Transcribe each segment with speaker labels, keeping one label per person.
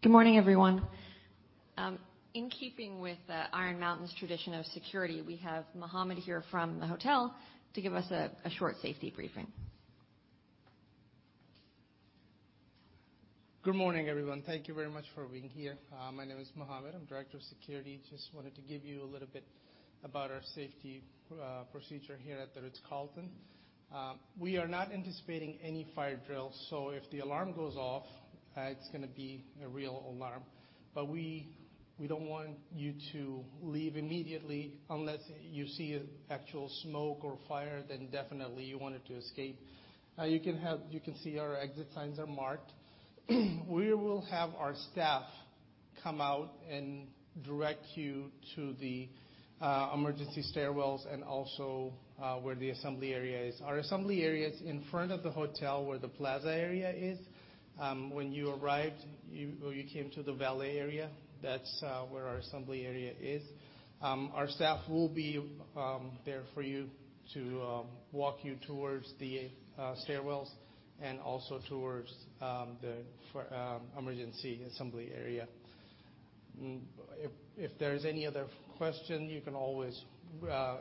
Speaker 1: Good morning, everyone. In keeping with Iron Mountain's tradition of security, we have Mohammed here from the hotel to give us a short safety briefing. Good morning, everyone. Thank you very much for being here. My name is Mohammed. I'm Director of Security. Just wanted to give you a little bit about our safety procedure here at the Ritz-Carlton. We are not anticipating any fire drill, so if the alarm goes off, it's gonna be a real alarm. We don't want you to leave immediately unless you see actual smoke or fire, then definitely you wanted to escape. You can see our exit signs are marked. We will have our staff come out and direct you to the emergency stairwells and also where the assembly area is. Our assembly area is in front of the hotel where the plaza area is. When you arrived, you came to the valet area, that's where our assembly area is. Our staff will be there for you to walk you towards the stairwells and also towards the emergency assembly area. If there's any other question, you can always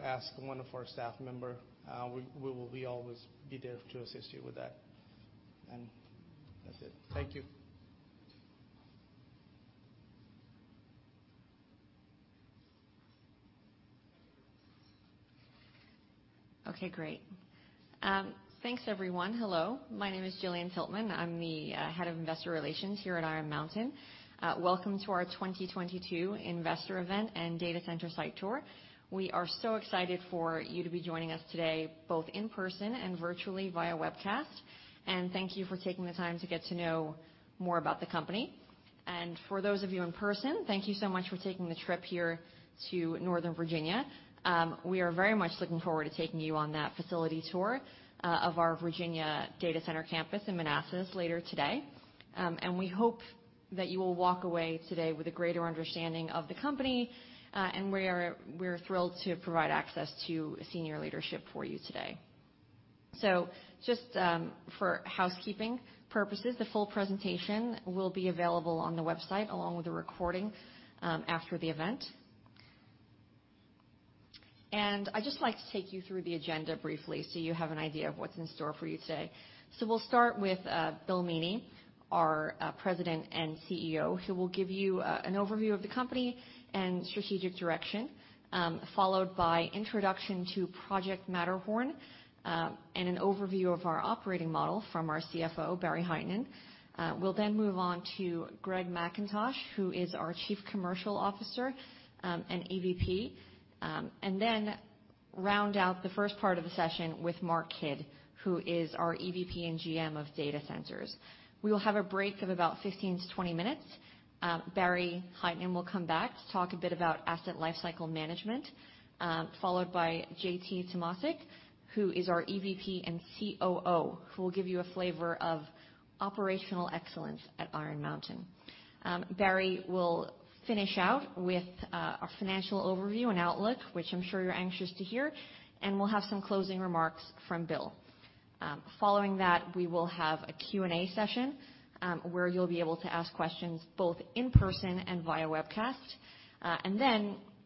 Speaker 1: ask one of our staff member. We will always be there to assist you with that. That's it. Thank you. Okay, great. Thanks, everyone. Hello. My name is Gillian Tiltman. I'm the Head of Investor Relations here at Iron Mountain. Welcome to our 2022 investor event and data center site tour. We are so excited for you to be joining us today, both in person and virtually via webcast. Thank you for taking the time to get to know more about the company. For those of you in person, thank you so much for taking the trip here to Northern Virginia. We are very much looking forward to taking you on that facility tour of our Virginia data center campus in Manassas later today. We hope that you will walk away today with a greater understanding of the company, and we're thrilled to provide access to senior leadership for you today. Just for housekeeping purposes, the full presentation will be available on the website along with the recording, after the event. I'd just like to take you through the agenda briefly so you have an idea of what's in store for you today. We'll start with Bill Meaney, our President and CEO, who will give you an overview of the company and strategic direction, followed by introduction to Project Matterhorn, and an overview of our operating model from our CFO, Barry Hytinen. We'll then move on to Greg McIntosh, who is our Chief Commercial Officer and EVP, and then round out the first part of the session with Mark Kidd, who is our EVP and GM of Data Centers. We will have a break of about 15-20 minutes. Barry Hytinen will come back to talk a bit about asset lifecycle management, followed by JT Tomovcsik, who is our EVP and COO, who will give you a flavor of operational excellence at Iron Mountain. Barry will finish out with our financial overview and outlook, which I'm sure you're anxious to hear, and we'll have some closing remarks from Bill. Following that, we will have a Q&A session, where you'll be able to ask questions both in person and via webcast.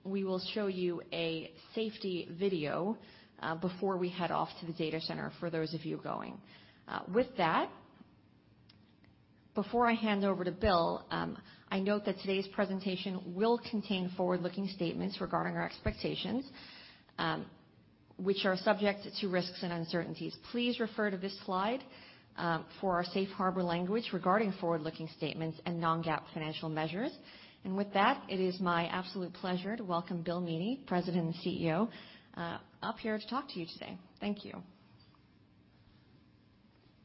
Speaker 1: We will show you a safety video before we head off to the data center for those of you going. With that, before I hand over to Bill, I note that today's presentation will contain forward-looking statements regarding our expectations, which are subject to risks and uncertainties. Please refer to this slide for our safe harbor language regarding forward-looking statements and non-GAAP financial measures. With that, it is my absolute pleasure to welcome Bill Meaney, President and CEO, up here to talk to you today. Thank you.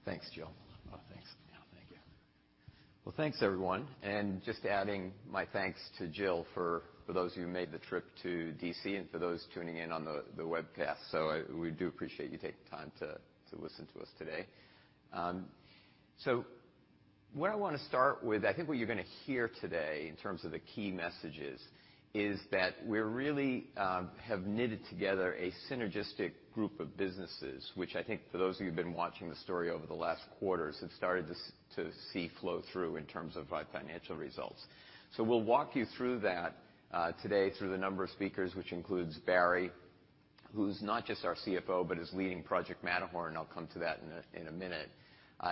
Speaker 2: Thanks, Jill. Thank you. Well, thanks, everyone. Just adding my thanks to Jill for those who made the trip to D.C. and for those tuning in on the webcast. We do appreciate you taking the time to listen to us today. What I wanna start with, I think what you're gonna hear today in terms of the key messages is that we really have knitted together a synergistic group of businesses, which I think for those of you who've been watching the story over the last quarters have started to see flow through in terms of our financial results. We'll walk you through that today through the number of speakers, which includes Barry, who's not just our CFO, but is leading Project Matterhorn. I'll come to that in a minute,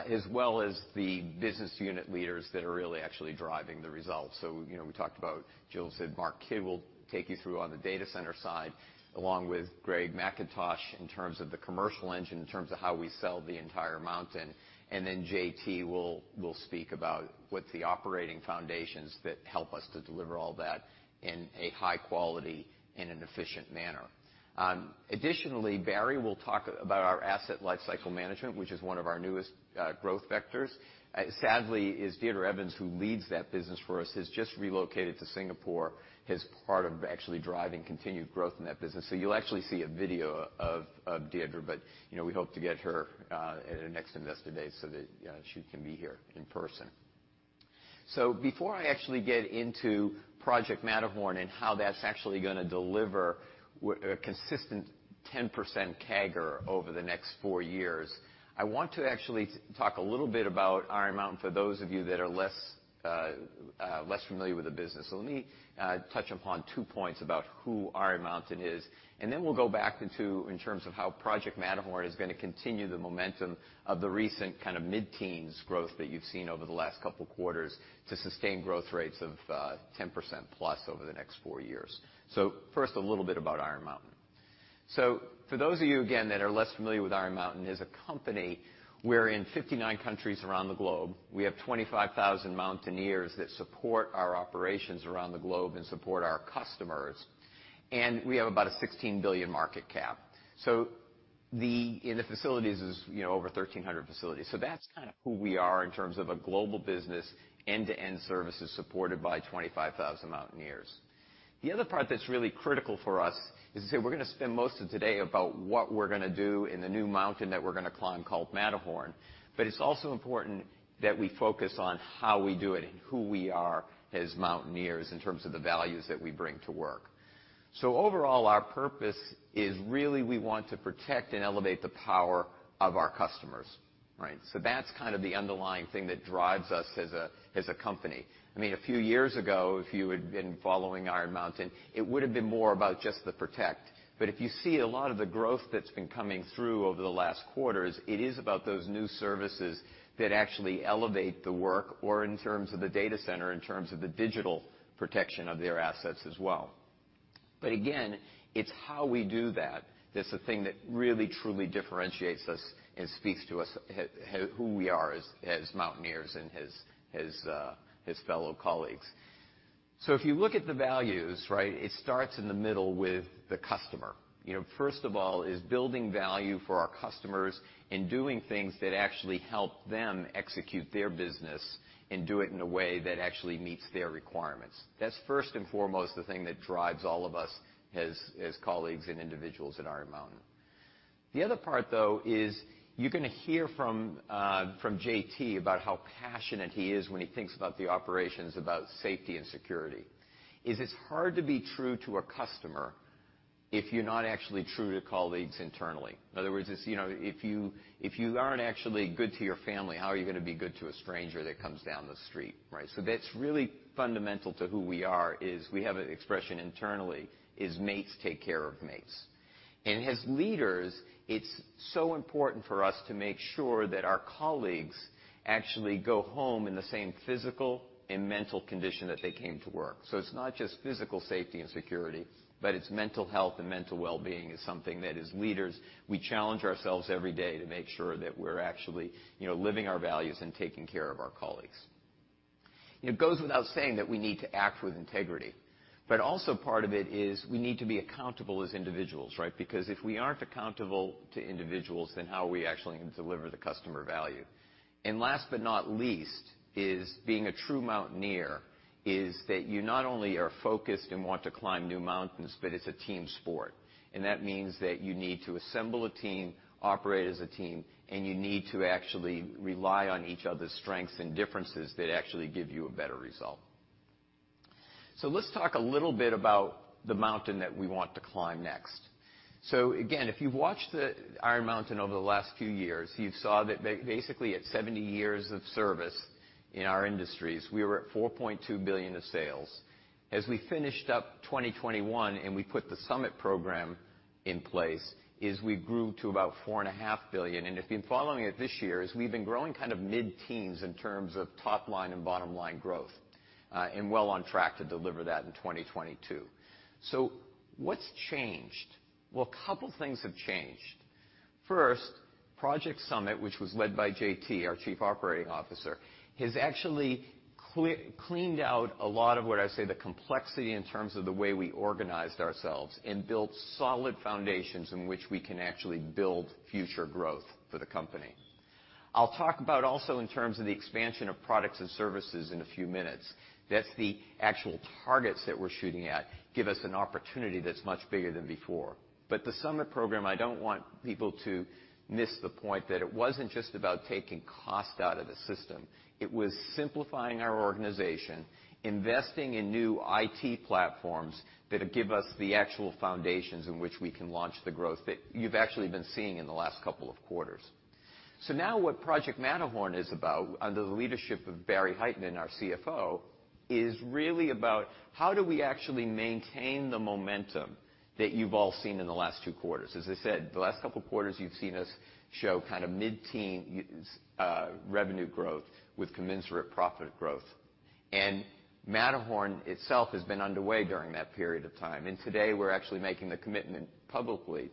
Speaker 2: as well as the business unit leaders that are really actually driving the results. You know, we talked about Jill said Mark Kidd will take you through on the data center side, along with Greg McIntosh in terms of the commercial engine, in terms of how we sell the entire Mountain. Then JT will speak about what the operating foundations that help us to deliver all that in a high quality, in an efficient manner. Additionally, Barry will talk about our asset lifecycle management, which is one of our newest growth vectors. Sadly, Deirdre Evens, who leads that business for us, has just relocated to Singapore as part of actually driving continued growth in that business. You'll actually see a video of Deirdre, but you know, we hope to get her at our next Investor Day so that she can be here in person. Before I actually get into Project Matterhorn and how that's actually gonna deliver a consistent 10% CAGR over the next four years, I want to actually talk a little bit about Iron Mountain for those of you that are less familiar with the business. Let me touch upon two points about who Iron Mountain is, and then we'll go back into in terms of how Project Matterhorn is gonna continue the momentum of the recent kind of mid-teens growth that you've seen over the last couple quarters to sustain growth rates of 10% plus over the next four years. First, a little bit about Iron Mountain. For those of you, again, that are less familiar with Iron Mountain, as a company, we're in 59 countries around the globe. We have 25,000 Mountaineers that support our operations around the globe and support our customers, and we have about a $16 billion market cap. In the facilities is, you know, over 1,300 facilities. That's kind of who we are in terms of a global business, end-to-end services supported by 25,000 Mountaineers. The other part that's really critical for us is to say we're gonna spend most of today about what we're gonna do in the new mountain that we're gonna climb called Matterhorn, but it's also important that we focus on how we do it and who we are as Mountaineers in terms of the values that we bring to work. Overall, our purpose is really we want to protect and elevate the power of our customers, right? That's kind of the underlying thing that drives us as a company. I mean, a few years ago, if you had been following Iron Mountain, it would've been more about just the protect. If you see a lot of the growth that's been coming through over the last quarters, it is about those new services that actually elevate the work or in terms of the data center, in terms of the digital protection of their assets as well. Again, it's how we do that that's the thing that really truly differentiates us and speaks to us who we are as Mountaineers and as fellow colleagues. If you look at the values, right? It starts in the middle with the customer. You know, first of all is building value for our customers and doing things that actually help them execute their business and do it in a way that actually meets their requirements. That's first and foremost the thing that drives all of us as colleagues and individuals at Iron Mountain. The other part though is you're gonna hear from JT about how passionate he is when he thinks about the operations, about safety and security. It's hard to be true to a customer if you're not actually true to colleagues internally. In other words, you know, if you aren't actually good to your family, how are you gonna be good to a stranger that comes down the street, right? That's really fundamental to who we are, we have an expression internally, "Mates take care of mates." As leaders, it's so important for us to make sure that our colleagues actually go home in the same physical and mental condition that they came to work. It's not just physical safety and security, but it's mental health and mental wellbeing is something that as leaders, we challenge ourselves every day to make sure that we're actually, you know, living our values and taking care of our colleagues. It goes without saying that we need to act with integrity, but also part of it is we need to be accountable as individuals, right? Because if we aren't accountable to individuals, then how are we actually gonna deliver the customer value? Last but not least, being a true Mountaineer is that you not only are focused and want to climb new mountains, but it's a team sport, and that means that you need to assemble a team, operate as a team, and you need to actually rely on each other's strengths and differences that actually give you a better result. Let's talk a little bit about the mountain that we want to climb next. Again, if you've watched the Iron Mountain over the last few years, you've saw that basically at 70 years of service in our industries, we were at $4.2 billion of sales. As we finished up 2021 and we put the Summit program in place, we grew to about $4.5 billion. If you've been following it this year, we've been growing kind of mid-teens in terms of top line and bottom line growth, and well on track to deliver that in 2022. What's changed? Well, a couple things have changed. First, Project Summit, which was led by JT, our Chief Operating Officer, has actually cleaned out a lot of what I call, the complexity in terms of the way we organized ourselves and built solid foundations in which we can actually build future growth for the company. I'll talk about also in terms of the expansion of products and services in a few minutes. That's the actual targets that we're shooting at, give us an opportunity that's much bigger than before. The Summit program, I don't want people to miss the point that it wasn't just about taking cost out of the system. It was simplifying our organization, investing in new IT platforms that give us the actual foundations in which we can launch the growth that you've actually been seeing in the last couple of quarters. Now what Project Matterhorn is about, under the leadership of Barry Hytinen, our CFO, is really about how do we actually maintain the momentum that you've all seen in the last two quarters. As I said, the last couple quarters you've seen us show kind of mid-teen revenue growth with commensurate profit growth. Matterhorn itself has been underway during that period of time, and today we're actually making the commitment publicly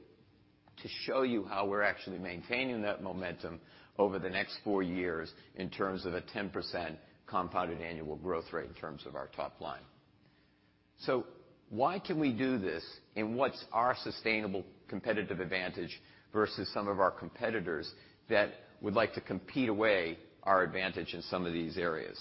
Speaker 2: to show you how we're actually maintaining that momentum over the next four years in terms of a 10% compounded annual growth rate in terms of our top line. Why can we do this, and what's our sustainable competitive advantage versus some of our competitors that would like to compete away our advantage in some of these areas?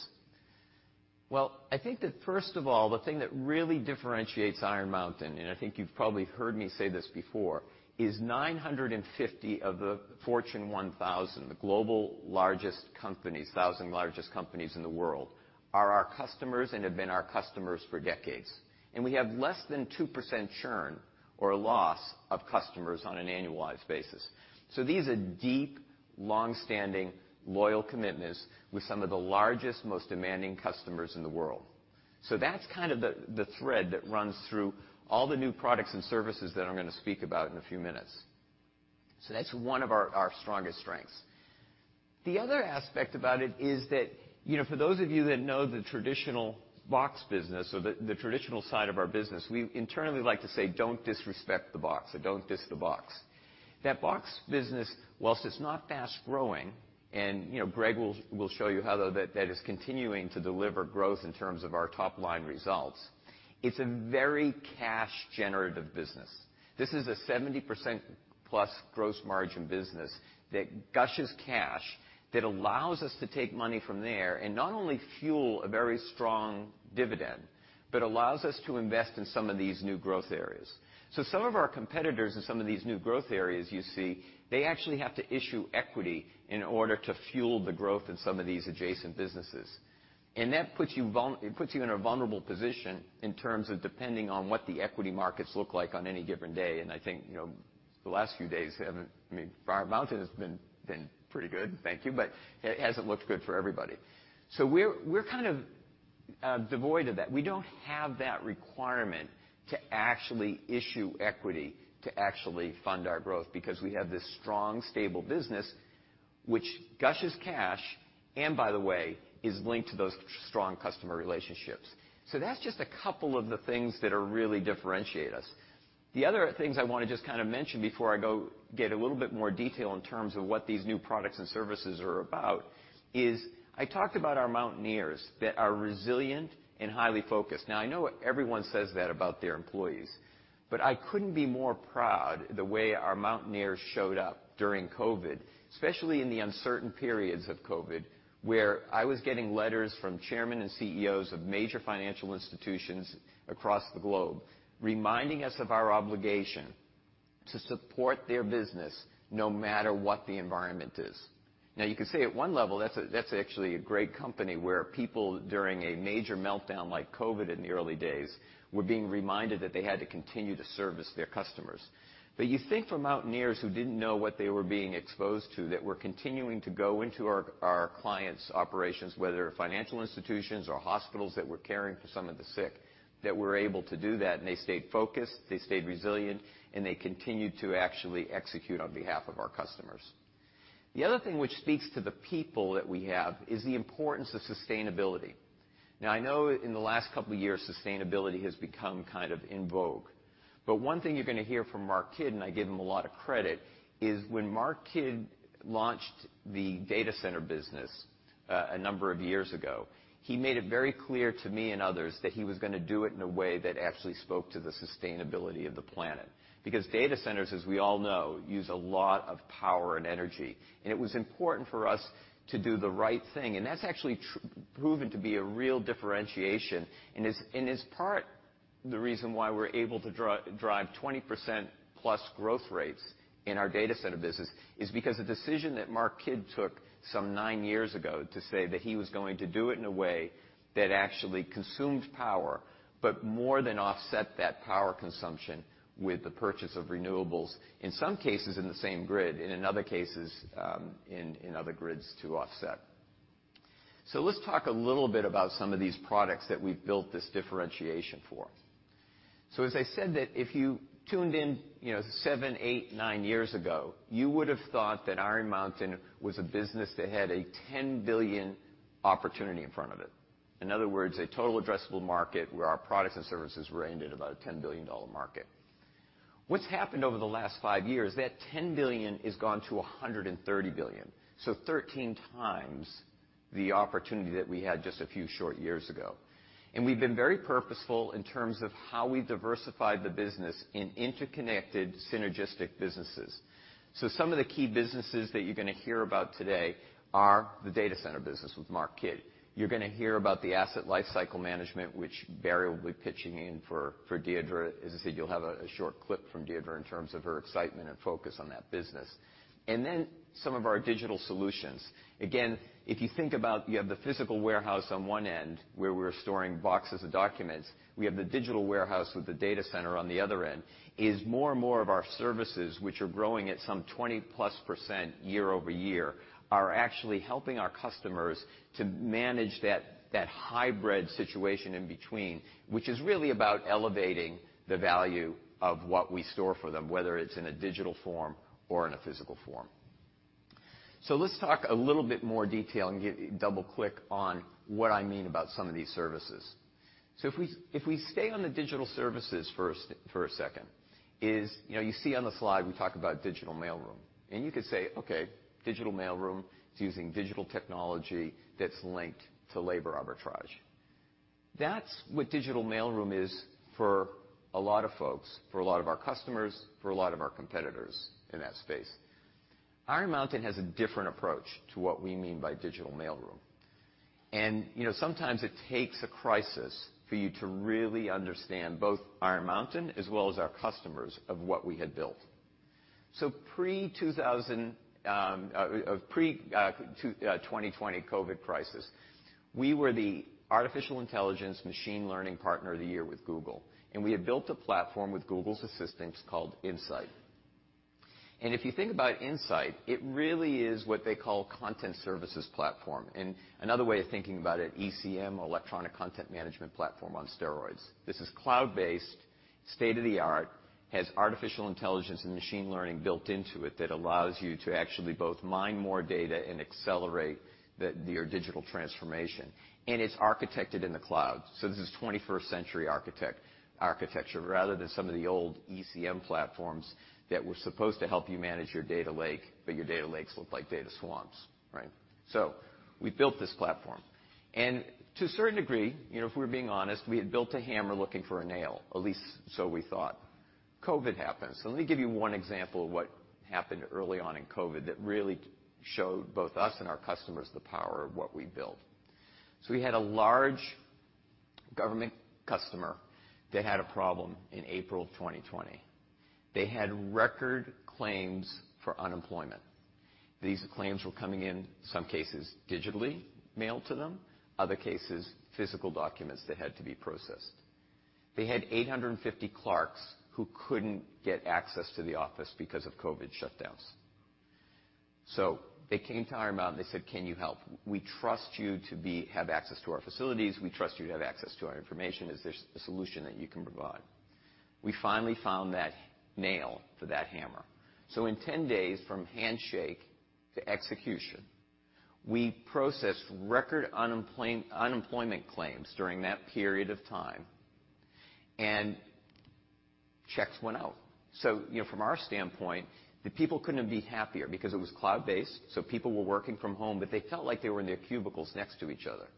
Speaker 2: Well, I think that first of all, the thing that really differentiates Iron Mountain, and I think you've probably heard me say this before, is 950 of the Fortune 1000, the global largest companies, thousand largest companies in the world, are our customers and have been our customers for decades. We have less than 2% churn or loss of customers on an annualized basis. These are deep, long-standing, loyal commitments with some of the largest, most demanding customers in the world. That's kind of the thread that runs through all the new products and services that I'm gonna speak about in a few minutes. That's one of our strongest strengths. The other aspect about it is that, you know, for those of you that know the traditional box business or the traditional side of our business, we internally like to say, "Don't disrespect the box," or, "Don't diss the box." That box business, while it's not fast-growing, and, you know, Greg will show you how that is continuing to deliver growth in terms of our top-line results, it's a very cash-generative business. This is a 70%+ gross margin business that gushes cash, that allows us to take money from there, and not only fuel a very strong dividend, but allows us to invest in some of these new growth areas. Some of our competitors in some of these new growth areas you see, they actually have to issue equity in order to fuel the growth in some of these adjacent businesses. That puts you in a vulnerable position in terms of depending on what the equity markets look like on any different day. I think, you know, the last few days haven't I mean, Iron Mountain has been pretty good, thank you, but it hasn't looked good for everybody. We're kind of devoid of that. We don't have that requirement to actually issue equity to actually fund our growth, because we have this strong, stable business which gushes cash, and by the way, is linked to those strong customer relationships. That's just a couple of the things that really differentiate us. The other things I wanna just kind of mention before I go get a little bit more detail in terms of what these new products and services are about, is I talked about our Mountaineers that are resilient and highly focused. Now, I know everyone says that about their employees, but I couldn't be more proud the way our Mountaineers showed up during COVID, especially in the uncertain periods of COVID, where I was getting letters from chairmen and CEOs of major financial institutions across the globe, reminding us of our obligation to support their business no matter what the environment is. Now, you could say at one level, that's actually a great company where people during a major meltdown like COVID in the early days were being reminded that they had to continue to service their customers. You think for Mountaineers who didn't know what they were being exposed to, that were continuing to go into our clients' operations, whether financial institutions or hospitals that were caring for some of the sick, that were able to do that, and they stayed focused, they stayed resilient, and they continued to actually execute on behalf of our customers. The other thing which speaks to the people that we have is the importance of sustainability. Now, I know in the last couple of years, sustainability has become kind of in vogue. One thing you're gonna hear from Mark Kidd, and I give him a lot of credit, is when Mark Kidd launched the data center business a number of years ago, he made it very clear to me and others that he was gonna do it in a way that actually spoke to the sustainability of the planet. Because data centers, as we all know, use a lot of power and energy, and it was important for us to do the right thing. That's actually proven to be a real differentiation, and is part the reason why we're able to drive 20%+ growth rates in our data center business, is because a decision that Mark Kidd took some nine years ago to say that he was going to do it in a way that actually consumed power, but more than offset that power consumption with the purchase of renewables, in some cases in the same grid, and in other cases, in other grids to offset. Let's talk a little bit about some of these products that we've built this differentiation for. As I said that if you tuned in, you know, seven, eight, nine years ago, you would have thought that Iron Mountain was a business that had a $10 billion opportunity in front of it. In other words, a total addressable market where our products and services were aimed at about a $10 billion market. What's happened over the last five years, that $10 billion has gone to $130 billion, so 13 times the opportunity that we had just a few short years ago. We've been very purposeful in terms of how we diversified the business in interconnected, synergistic businesses. Some of the key businesses that you're gonna hear about today are the data center business with Mark Kidd. You're gonna hear about the asset lifecycle management, which Barry will be pitching in for Deidre. As I said, you'll have a short clip from Deidre in terms of her excitement and focus on that business. Then some of our digital solutions. Again, if you think about you have the physical warehouse on one end where we're storing boxes of documents, we have the digital warehouse with the data center on the other end. More and more of our services, which are growing at some 20%+ year-over-year, are actually helping our customers to manage that hybrid situation in between, which is really about elevating the value of what we store for them, whether it's in a digital form or in a physical form. Let's talk a little bit more detail and get double-click on what I mean about some of these services. If we stay on the digital services first for a second, as you know, you see on the slide we talk about digital mailroom. You could say, "Okay, digital mailroom is using digital technology that's linked to labor arbitrage." That's what digital mailroom is for a lot of folks, for a lot of our customers, for a lot of our competitors in that space. Iron Mountain has a different approach to what we mean by digital mailroom. You know, sometimes it takes a crisis for you to really understand both Iron Mountain as well as our customers of what we had built. Pre-2020 COVID crisis, we were the artificial intelligence machine learning partner of the year with Google, and we had built a platform with Google's assistance called InSight. If you think about InSight, it really is what they call content services platform. Another way of thinking about it, ECM or electronic content management platform on steroids. This is cloud-based, state-of-the-art, has artificial intelligence and machine learning built into it that allows you to actually both mine more data and accelerate your digital transformation. It's architected in the cloud. This is 21st century architecture rather than some of the old ECM platforms that were supposed to help you manage your data lake, but your data lakes look like data swamps, right? We built this platform. To a certain degree, you know, if we're being honest, we had built a hammer looking for a nail, at least so we thought. COVID happened. Let me give you one example of what happened early on in COVID that really showed both us and our customers the power of what we built. We had a large government customer that had a problem in April 2020. They had record claims for unemployment. These claims were coming in, some cases digitally mailed to them, other cases, physical documents that had to be processed. They had 850 clerks who couldn't get access to the office because of COVID shutdowns. They came to Iron Mountain, they said, "Can you help? We trust you to have access to our facilities. We trust you to have access to our information. Is there a solution that you can provide?" We finally found that nail for that hammer. In 10 days, from handshake to execution, we processed record unemployment claims during that period of time, and checks went out. You know, from our standpoint, the people couldn't have been happier because it was cloud-based, so people were working from home, but they felt like they were in their cubicles next to each other.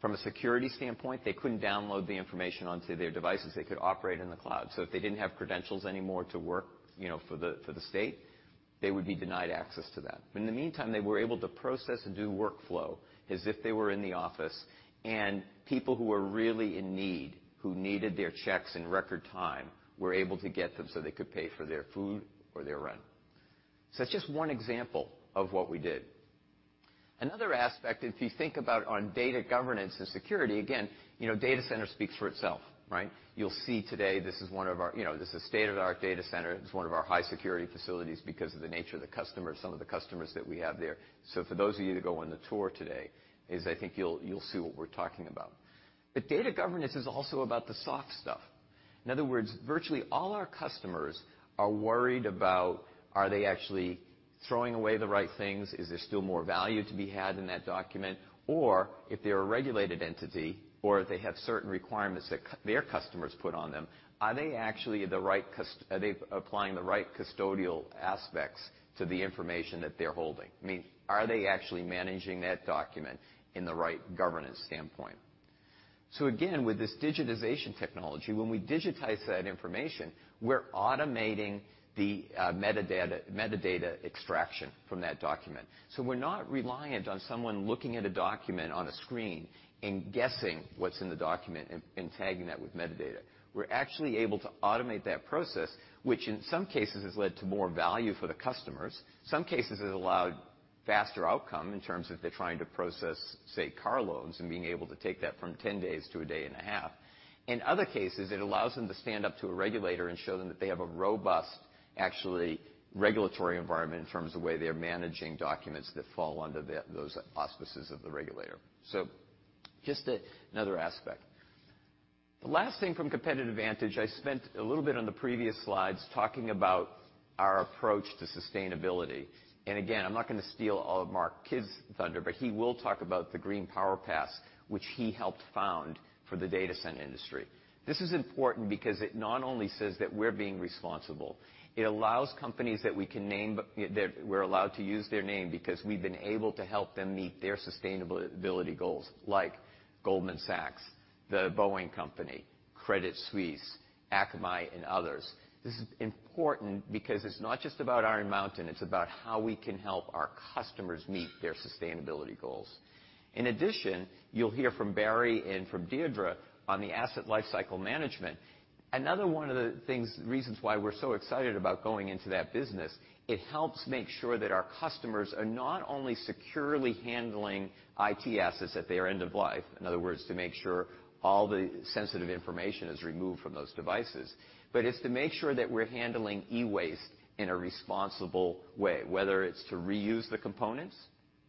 Speaker 2: From a security standpoint, they couldn't download the information onto their devices. They could operate in the cloud. If they didn't have credentials anymore to work, you know, for the state, they would be denied access to that. In the meantime, they were able to process and do workflow as if they were in the office, and people who were really in need, who needed their checks in record time, were able to get them so they could pay for their food or their rent. That's just one example of what we did. Another aspect, if you think about data governance and security, again, you know, data center speaks for itself, right? You'll see today, you know, this is state-of-the-art data center. It's one of our high security facilities because of the nature of the customers, some of the customers that we have there. For those of you to go on the tour today, I think you'll see what we're talking about. Data governance is also about the soft stuff. In other words, virtually all our customers are worried about, are they actually throwing away the right things? Is there still more value to be had in that document? Or if they're a regulated entity, or if they have certain requirements that their customers put on them, are they actually applying the right custodial aspects to the information that they're holding? I mean, are they actually managing that document in the right governance standpoint? Again, with this digitization technology, when we digitize that information, we're automating the metadata extraction from that document. We're not reliant on someone looking at a document on a screen and guessing what's in the document and tagging that with metadata. We're actually able to automate that process, which in some cases has led to more value for the customers. Some cases, it allowed faster outcome in terms of they're trying to process, say, car loans and being able to take that from 10 days to a day and a half. In other cases, it allows them to stand up to a regulator and show them that they have a robust, actually regulatory environment in terms of the way they're managing documents that fall under those auspices of the regulator. Just another aspect. The last thing from competitive advantage, I spent a little bit on the previous slides talking about our approach to sustainability. Again, I'm not gonna steal all of Mark Kidd's thunder, but he will talk about the Green Power Pass, which he helped found for the data center industry. This is important because it not only says that we're being responsible, it allows companies that we're allowed to use their name because we've been able to help them meet their sustainability goals like Goldman Sachs, The Boeing Company, Credit Suisse, Akamai, and others. This is important because it's not just about Iron Mountain, it's about how we can help our customers meet their sustainability goals. In addition, you'll hear from Barry and from Deirdre on the Asset Lifecycle Management. Another one of the things, reasons why we're so excited about going into that business, it helps make sure that our customers are not only securely handling IT assets at their end of life, in other words, to make sure all the sensitive information is removed from those devices. But it's to make sure that we're handling e-waste in a responsible way, whether it's to reuse the components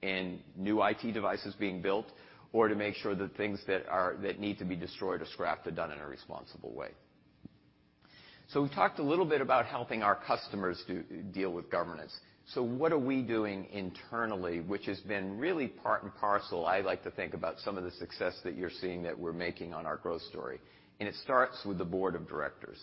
Speaker 2: in new IT devices being built or to make sure the things that need to be destroyed or scrapped are done in a responsible way. We've talked a little bit about helping our customers deal with governance. What are we doing internally, which has been really part and parcel, I like to think about some of the success that you're seeing that we're making on our growth story. It starts with the board of directors.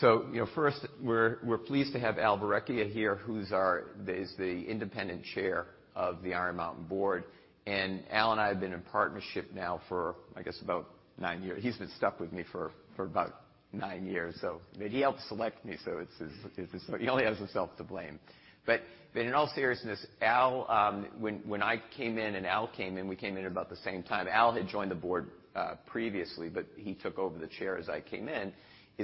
Speaker 2: You know, first, we're pleased to have Al Verrecchia here, who's the Independent Chair of the Iron Mountain board. Al and I have been in partnership now for, I guess, about nine years. He's been stuck with me for about nine years. He helped select me, so it's his. He only has himself to blame. In all seriousness, Al, when I came in and Al came in, we came in about the same time. Al had joined the board previously, but he took over the chair as I came in,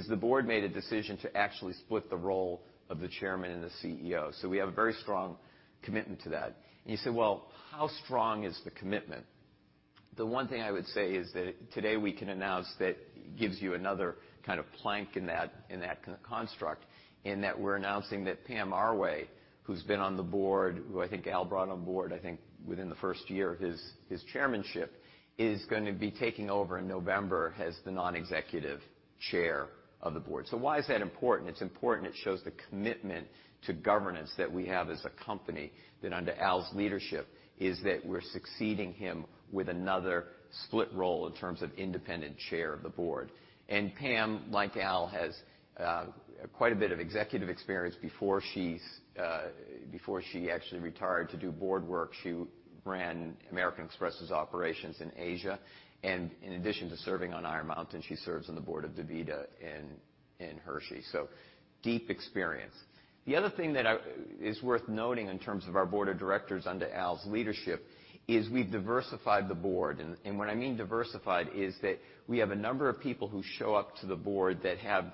Speaker 2: the board made a decision to actually split the role of the Chairman and the CEO. We have a very strong commitment to that. You say, "Well, how strong is the commitment?" The one thing I would say is that today we can announce that gives you another kind of plank in that, in that construct, in that we're announcing that Pam Arway, who's been on the board, who I think Al brought on board, I think within the first year of his chairmanship, is gonna be taking over in November as the non-executive chair of the board. Why is that important? It's important. It shows the commitment to governance that we have as a company that under Al's leadership is that we're succeeding him with another split role in terms of independent chair of the board. Pam, like Al, has quite a bit of executive experience before she actually retired to do board work. She ran American Express's operations in Asia. In addition to serving on Iron Mountain, she serves on the board of DaVita and Hershey. Deep experience. The other thing that is worth noting in terms of our board of directors under Al's leadership is we've diversified the board. What I mean diversified is that we have a number of people who show up to the board that have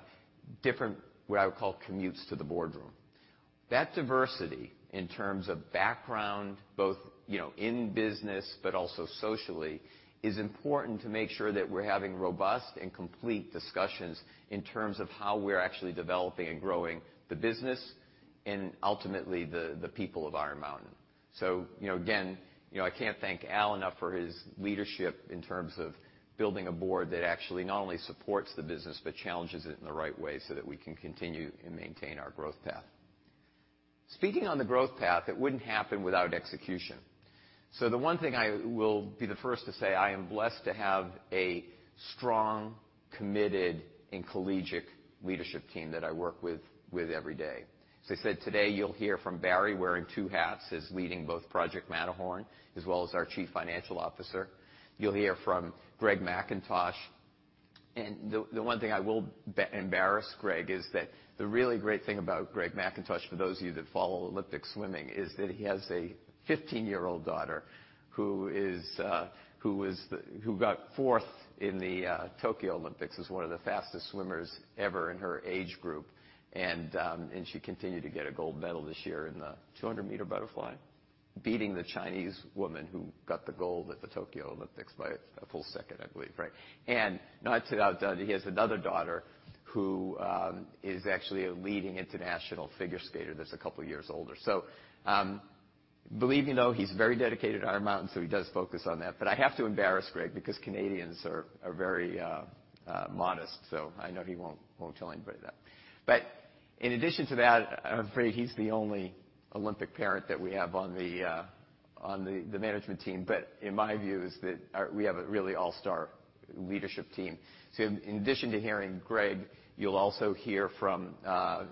Speaker 2: different, what I would call routes to the boardroom. That diversity in terms of background, both, you know, in business but also socially, is important to make sure that we're having robust and complete discussions in terms of how we're actually developing and growing the business and ultimately the people of Iron Mountain. You know, again, you know, I can't thank Al enough for his leadership in terms of building a board that actually not only supports the business but challenges it in the right way so that we can continue and maintain our growth path. Speaking on the growth path, it wouldn't happen without execution. The one thing I will be the first to say, I am blessed to have a strong, committed, and collegial leadership team that I work with every day. As I said, today, you'll hear from Barry wearing two hats as leading both Project Matterhorn, as well as our Chief Financial Officer. You'll hear from Greg McIntosh. The one thing I will embarrass Greg is that the really great thing about Greg McIntosh, for those of you that follow Olympic swimming, is that he has a 15-year-old daughter who got fourth in the Tokyo Olympics, is one of the fastest swimmers ever in her age group. She continued to get a gold medal this year in the 200-meter butterfly, beating the Chinese woman who got the gold at the Tokyo Olympics by a full second, I believe, right? Not to be outdone, he has another daughter who is actually a leading international figure skater that's a couple years older. You know, he's very dedicated to Iron Mountain, so he does focus on that. I have to embarrass Greg because Canadians are very modest, so I know he won't tell anybody that. In addition to that, I'm afraid he's the only Olympic parent that we have on the management team. In my view, we have a really all-star leadership team. In addition to hearing Greg, you'll also hear from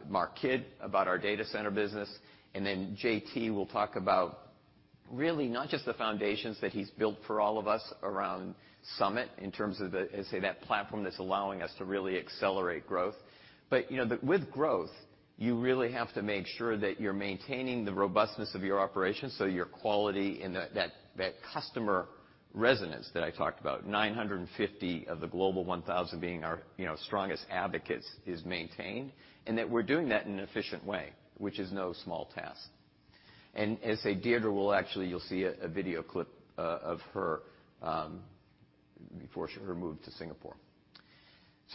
Speaker 2: Mark Kidd about our data center business. Then JT will talk about really not just the foundations that he's built for all of us around Summit in terms of the, as I say, that platform that's allowing us to really accelerate growth. You know, with growth, you really have to make sure that you're maintaining the robustness of your operations, so your quality and that customer resonance that I talked about, 950 of the Fortune 1000 being our, you know, strongest advocates is maintained, and that we're doing that in an efficient way, which is no small task. I say, Deirdre will actually you'll see a video clip of her before her move to Singapore.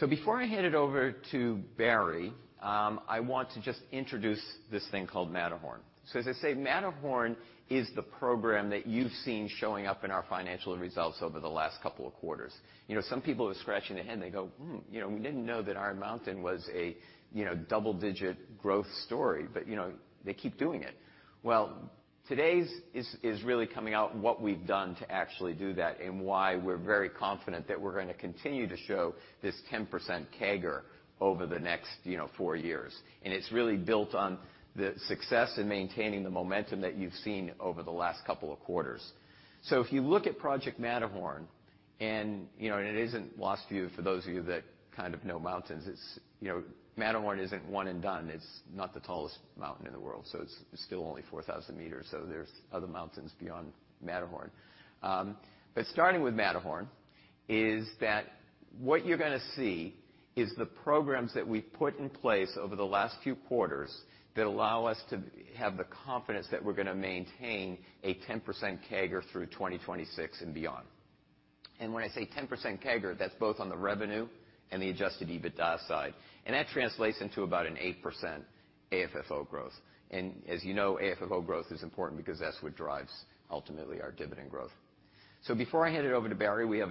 Speaker 2: Before I hand it over to Barry, I want to just introduce this thing called Matterhorn. As I say, Matterhorn is the program that you've seen showing up in our financial results over the last couple of quarters. You know, some people are scratching their head and they go, "Hmm, you know, we didn't know that Iron Mountain was a, you know, double-digit growth story," but, you know, they keep doing it. Well, today's is really coming out what we've done to actually do that and why we're very confident that we're gonna continue to show this 10% CAGR over the next, you know, four years. It's really built on the success in maintaining the momentum that you've seen over the last couple of quarters. If you look at Project Matterhorn, and, you know, and it isn't lost on you for those of you that kind of know mountains. It's, you know, Matterhorn isn't one and done. It's not the tallest mountain in the world, so it's still only 4,000 meters, so there's other mountains beyond Matterhorn. Starting with Matterhorn, that's what you're gonna see is the programs that we've put in place over the last few quarters that allow us to have the confidence that we're gonna maintain a 10% CAGR through 2026 and beyond. When I say 10% CAGR, that's both on the revenue and the adjusted EBITDA side. That translates into about an 8% AFFO growth. As you know, AFFO growth is important because that's what drives ultimately our dividend growth. Before I hand it over to Barry, we have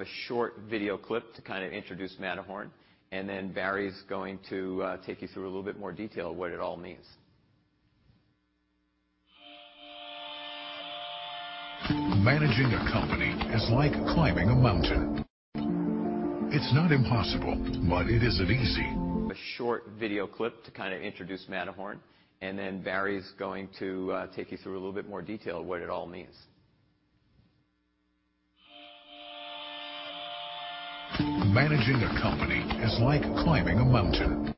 Speaker 2: a short video clip to kind of introduce Matterhorn, and then Barry's going to take you through a little bit more detail of what it all means.
Speaker 3: Managing a company is like climbing a mountain.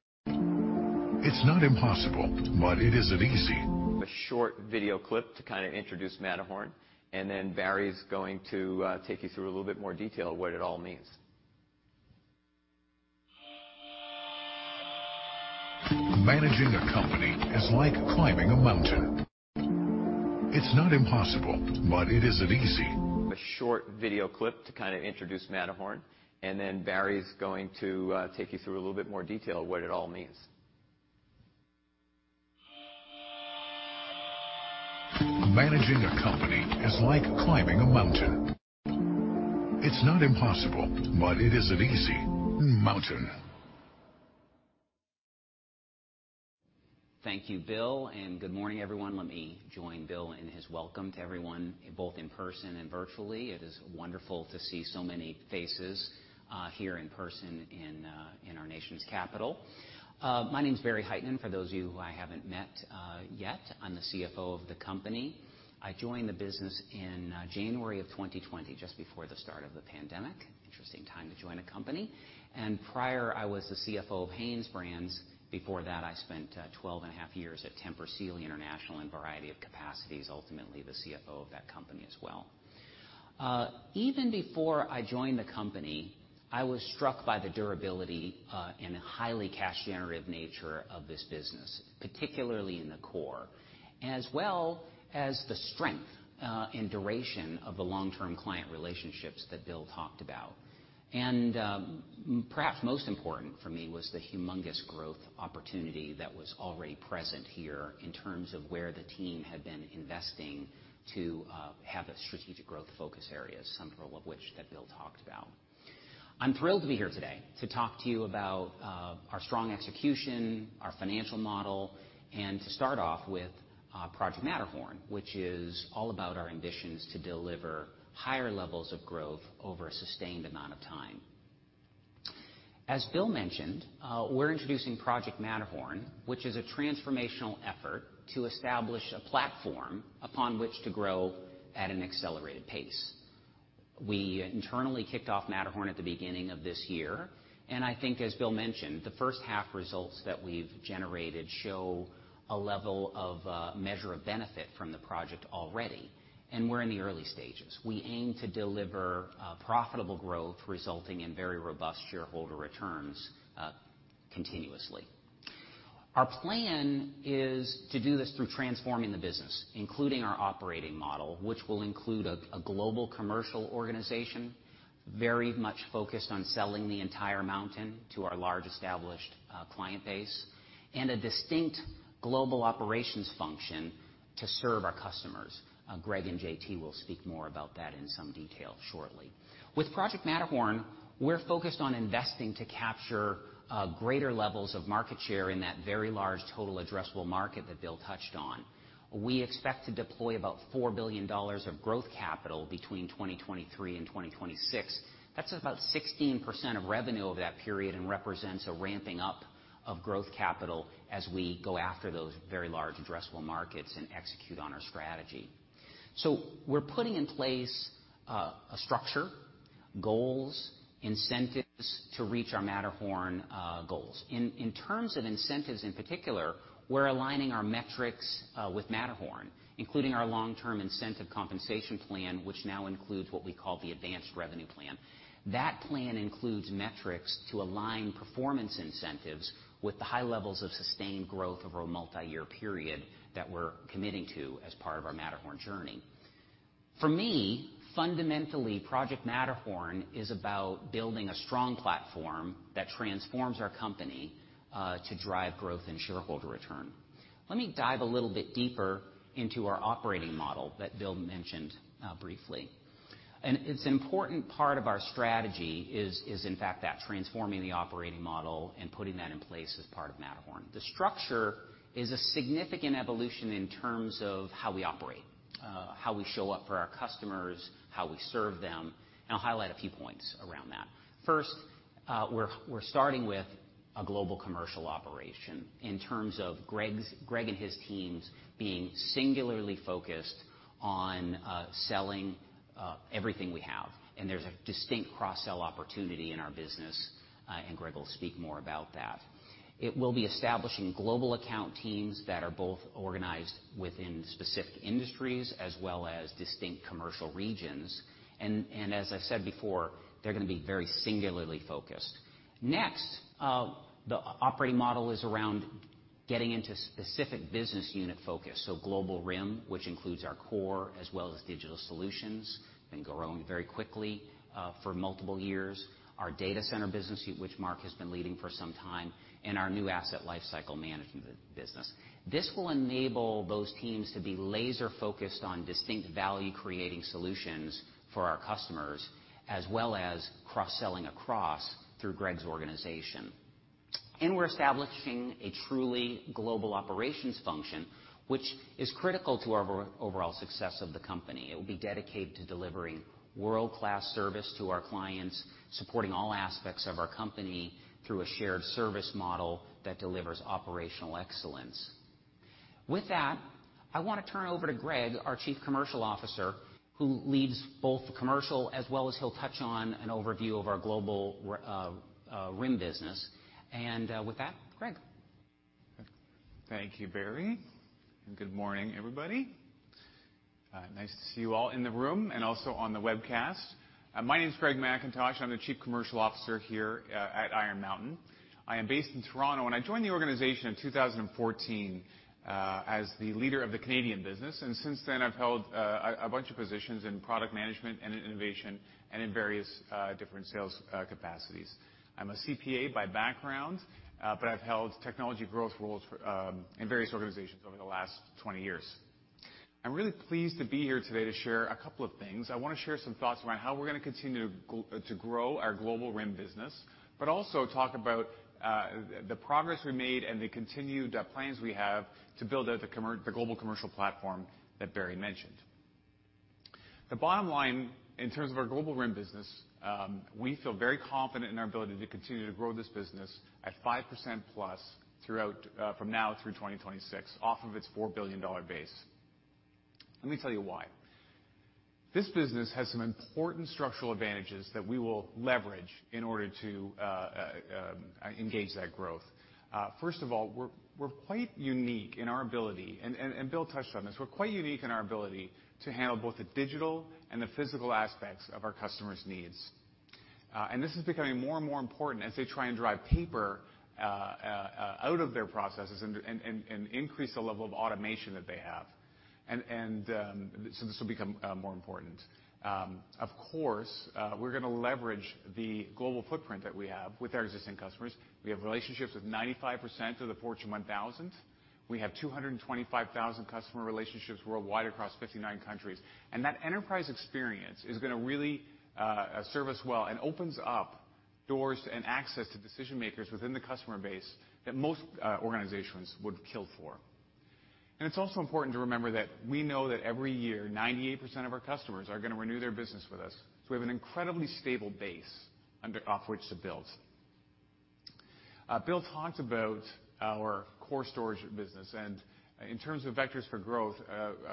Speaker 3: It's not impossible, but it isn't easy.
Speaker 2: A short video clip to kind of introduce Matterhorn, and then Barry's going to take you through a little bit more detail of what it all means.
Speaker 3: Managing a company is like climbing a mountain. It's not impossible, but it isn't easy.
Speaker 2: A short video clip to kind of introduce Matterhorn, and then Barry's going to take you through a little bit more detail of what it all means.
Speaker 3: Managing a company is like climbing a mountain. It's not impossible, but it isn't easy. Mountain.
Speaker 4: Thank you, Bill, and good morning, everyone. Let me join Bill in his welcome to everyone, both in person and virtually. It is wonderful to see so many faces here in person in our nation's capital. My name's Barry Hytinen, for those of you who I haven't met yet. I'm the CFO of the company. I joined the business in January of 2020, just before the start of the pandemic. Interesting time to join a company. Prior, I was the CFO of Hanesbrands. Before that, I spent twelve and a half years at Tempur Sealy International in a variety of capacities, ultimately, the CFO of that company as well. Even before I joined the company, I was struck by the durability, and highly cash generative nature of this business, particularly in the core, as well as the strength, and duration of the long-term client relationships that Bill talked about. Perhaps most important for me was the humongous growth opportunity that was already present here in terms of where the team had been investing to have the strategic growth focus areas, several of which that Bill talked about. I'm thrilled to be here today to talk to you about our strong execution, our financial model, and to start off with Project Matterhorn, which is all about our ambitions to deliver higher levels of growth over a sustained amount of time. As Bill mentioned, we're introducing Project Matterhorn, which is a transformational effort to establish a platform upon which to grow at an accelerated pace. We internally kicked off Matterhorn at the beginning of this year, and I think, as Bill mentioned, the first half results that we've generated show a level of measure of benefit from the project already, and we're in the early stages. We aim to deliver profitable growth resulting in very robust shareholder returns continuously. Our plan is to do this through transforming the business, including our operating model, which will include a global commercial organization very much focused on selling the entire mountain to our large established client base, and a distinct global operations function to serve our customers. Greg and JT will speak more about that in some detail shortly. With Project Matterhorn, we're focused on investing to capture greater levels of market share in that very large total addressable market that Bill touched on. We expect to deploy about $4 billion of growth capital between 2023 and 2026. That's about 16% of revenue over that period and represents a ramping up of growth capital as we go after those very large addressable markets and execute on our strategy. We're putting in place a structure, goals, incentives to reach our Matterhorn goals. In terms of incentives in particular, we're aligning our metrics with Matterhorn, including our long-term incentive compensation plan, which now includes what we call the advanced revenue plan. That plan includes metrics to align performance incentives with the high levels of sustained growth over a multi-year period that we're committing to as part of our Matterhorn journey. For me, fundamentally, Project Matterhorn is about building a strong platform that transforms our company to drive growth and shareholder return. Let me dive a little bit deeper into our operating model that Bill mentioned briefly. An important part of our strategy is in fact that transforming the operating model and putting that in place as part of Matterhorn. The structure is a significant evolution in terms of how we operate, how we show up for our customers, how we serve them, and I'll highlight a few points around that. First, we're starting with a global commercial operation in terms of Greg and his teams being singularly focused on selling everything we have, and there's a distinct cross-sell opportunity in our business, and Greg will speak more about that. It will be establishing global account teams that are both organized within specific industries as well as distinct commercial regions and as I said before, they're gonna be very singularly focused. Next, the operating model is around getting into specific business unit focus. So Global RIM, which includes our core as well as digital solutions, been growing very quickly for multiple years. Our data center business, which Mark has been leading for some time, and our new asset lifecycle management business. This will enable those teams to be laser-focused on distinct value-creating solutions for our customers, as well as cross-selling across through Greg's organization. We're establishing a truly global operations function, which is critical to our overall success of the company. It will be dedicated to delivering world-class service to our clients, supporting all aspects of our company through a shared service model that delivers operational excellence. With that, I wanna turn it over to Greg, our Chief Commercial Officer, who leads both the commercial as well as he'll touch on an overview of our global RIM business. With that, Greg.
Speaker 5: Thank you, Barry. Good morning, everybody. Nice to see you all in the room and also on the webcast. My name is Greg McIntosh. I'm the Chief Commercial Officer here at Iron Mountain. I am based in Toronto, and I joined the organization in 2014 as the leader of the Canadian business, and since then I've held a bunch of positions in product management and innovation and in various different sales capacities. I'm a CPA by background, but I've held technology growth roles in various organizations over the last 20 years. I'm really pleased to be here today to share a couple of things. I wanna share some thoughts around how we're gonna continue to grow our global RIM business, but also talk about the progress we made and the continued plans we have to build out the global commercial platform that Barry mentioned. The bottom line, in terms of our global RIM business, we feel very confident in our ability to continue to grow this business at 5%+ throughout from now through 2026 off of its $4 billion base. Let me tell you why. This business has some important structural advantages that we will leverage in order to engage that growth. First of all, we're quite unique in our ability, and Bill touched on this. We're quite unique in our ability to handle both the digital and the physical aspects of our customers' needs. This is becoming more and more important as they try and drive paper out of their processes and increase the level of automation that they have. This will become more important. Of course, we're gonna leverage the global footprint that we have with our existing customers. We have relationships with 95% of the Fortune 1000. We have 225,000 customer relationships worldwide across 59 countries. That enterprise experience is gonna really serve us well and opens up doors and access to decision-makers within the customer base that most organizations would kill for. It's also important to remember that we know that every year, 98% of our customers are gonna renew their business with us. We have an incredibly stable base upon which to build. Bill talked about our core storage business, and in terms of vectors for growth,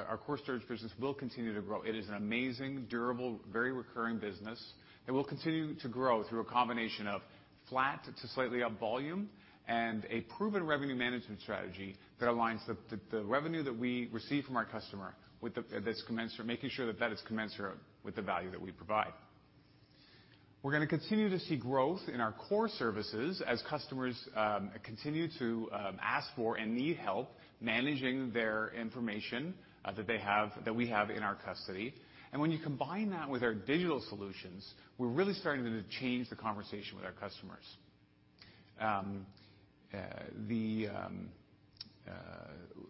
Speaker 5: our core storage business will continue to grow. It is an amazing, durable, very recurring business. It will continue to grow through a combination of flat to slightly up volume and a proven revenue management strategy that aligns the revenue that we receive from our customer, that's commensurate, making sure that that is commensurate with the value that we provide. We're gonna continue to see growth in our core services as customers continue to ask for and need help managing their information that we have in our custody. When you combine that with our digital solutions, we're really starting to change the conversation with our customers. in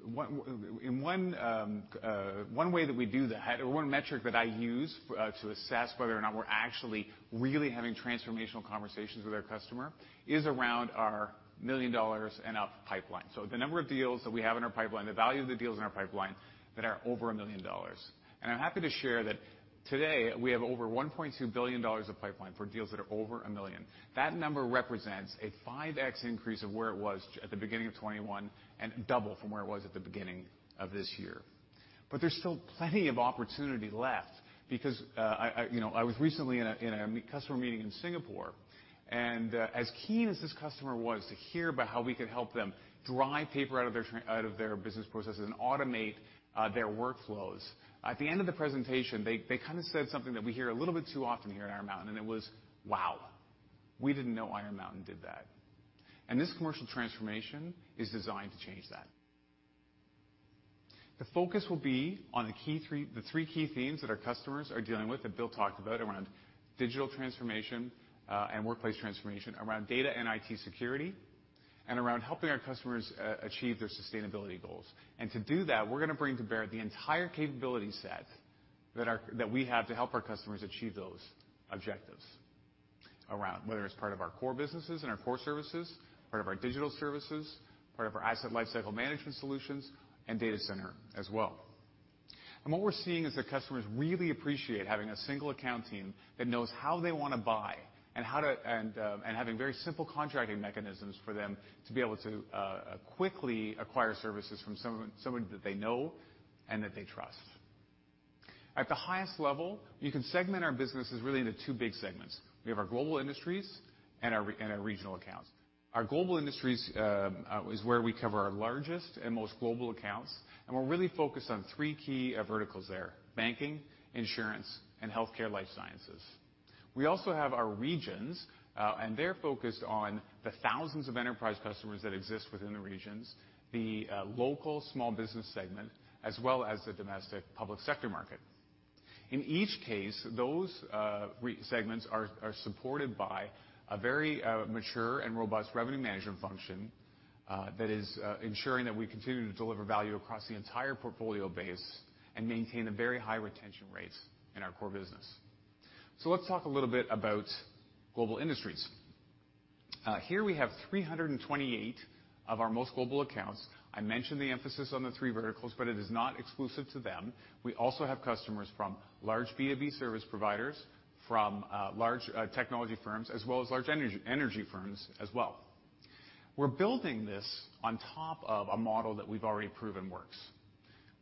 Speaker 5: one way that we do that, or one metric that I use to assess whether or not we're actually really having transformational conversations with our customer, is around our $1 million and up pipeline. So the number of deals that we have in our pipeline, the value of the deals in our pipeline that are over $1 million. I'm happy to share that today, we have over $1.2 billion of pipeline for deals that are over $1 million. That number represents a 5x increase of where it was at the beginning of 2021 and double from where it was at the beginning of this year. There's still plenty of opportunity left because, you know, I was recently in a customer meeting in Singapore, and, as keen as this customer was to hear about how we could help them drive paper out of their business processes and automate their workflows, at the end of the presentation, they kinda said something that we hear a little bit too often here at Iron Mountain, and it was, "Wow, we didn't know Iron Mountain did that." This commercial transformation is designed to change that. The focus will be on the three key themes that our customers are dealing with, that Bill talked about, around digital transformation, and workplace transformation, around data and IT security, and around helping our customers achieve their sustainability goals. To do that, we're gonna bring to bear the entire capability set that we have to help our customers achieve those objectives around whether it's part of our core businesses and our core services, part of our digital services, part of our asset lifecycle management solutions, and data center as well. What we're seeing is that customers really appreciate having a single account team that knows how they wanna buy and having very simple contracting mechanisms for them to be able to quickly acquire services from someone that they know and that they trust. At the highest level, you can segment our businesses really into two big segments. We have our global industries and our regional accounts. Our global industries is where we cover our largest and most global accounts, and we're really focused on three key verticals there, banking, insurance, and healthcare life sciences. We also have our regions, and they're focused on the thousands of enterprise customers that exist within the regions, the local small business segment, as well as the domestic public sector market. In each case, those segments are supported by a very mature and robust revenue management function that is ensuring that we continue to deliver value across the entire portfolio base and maintain a very high retention rates in our core business. Let's talk a little bit about global industries. Here we have 328 of our most global accounts. I mentioned the emphasis on the three verticals, but it is not exclusive to them. We also have customers from large B2B service providers, from large technology firms, as well as large energy firms as well. We're building this on top of a model that we've already proven works.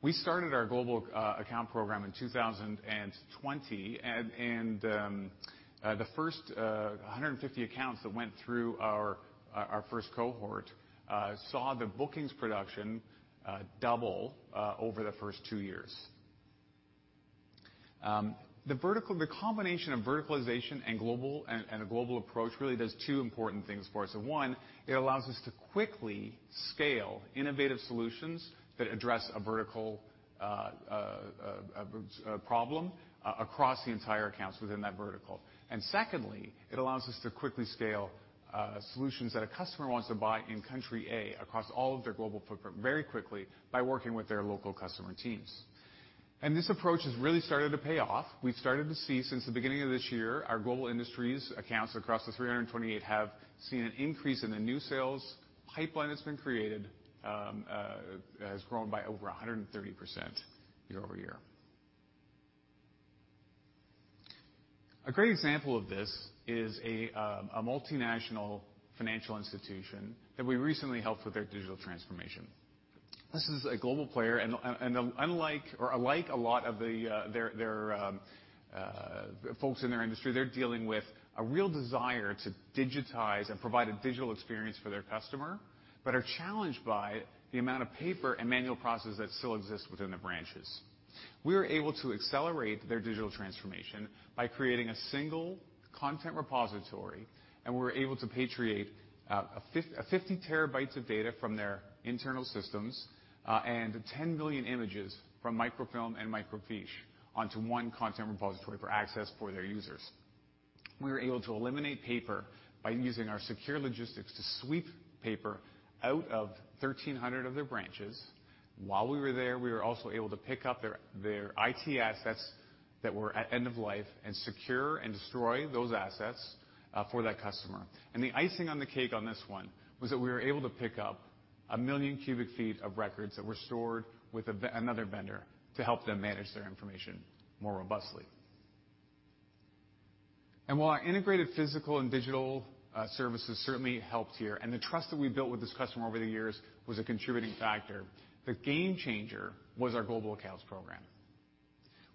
Speaker 5: We started our global account program in 2020, and the first 150 accounts that went through our first cohort saw the bookings production double over the first two years. The combination of verticalization and global and a global approach really does two important things for us. One, it allows us to quickly scale innovative solutions that address a vertical problem across the entire accounts within that vertical. Secondly, it allows us to quickly scale solutions that a customer wants to buy in country A across all of their global footprint very quickly by working with their local customer teams. This approach has really started to pay off. We've started to see since the beginning of this year, our global industries accounts across the 328 have seen an increase in the new sales pipeline that's been created has grown by over 130% year-over-year. A great example of this is a multinational financial institution that we recently helped with their digital transformation. This is a global player unlike a lot of the their folks in their industry. They're dealing with a real desire to digitize and provide a digital experience for their customer, but are challenged by the amount of paper and manual processes that still exist within the branches. We were able to accelerate their digital transformation by creating a single content repository, and we were able to repatriate 50 TB of data from their internal systems, and 10 billion images from microfilm and microfiche onto one content repository for access for their users. We were able to eliminate paper by using our secure logistics to sweep paper out of 1,300 of their branches. While we were there, we were also able to pick up their IT assets that were at end of life and secure and destroy those assets for that customer. The icing on the cake on this one was that we were able to pick up one million cubic feet of records that were stored with another vendor to help them manage their information more robustly. While our integrated physical and digital services certainly helped here, and the trust that we built with this customer over the years was a contributing factor, the game changer was our global accounts program.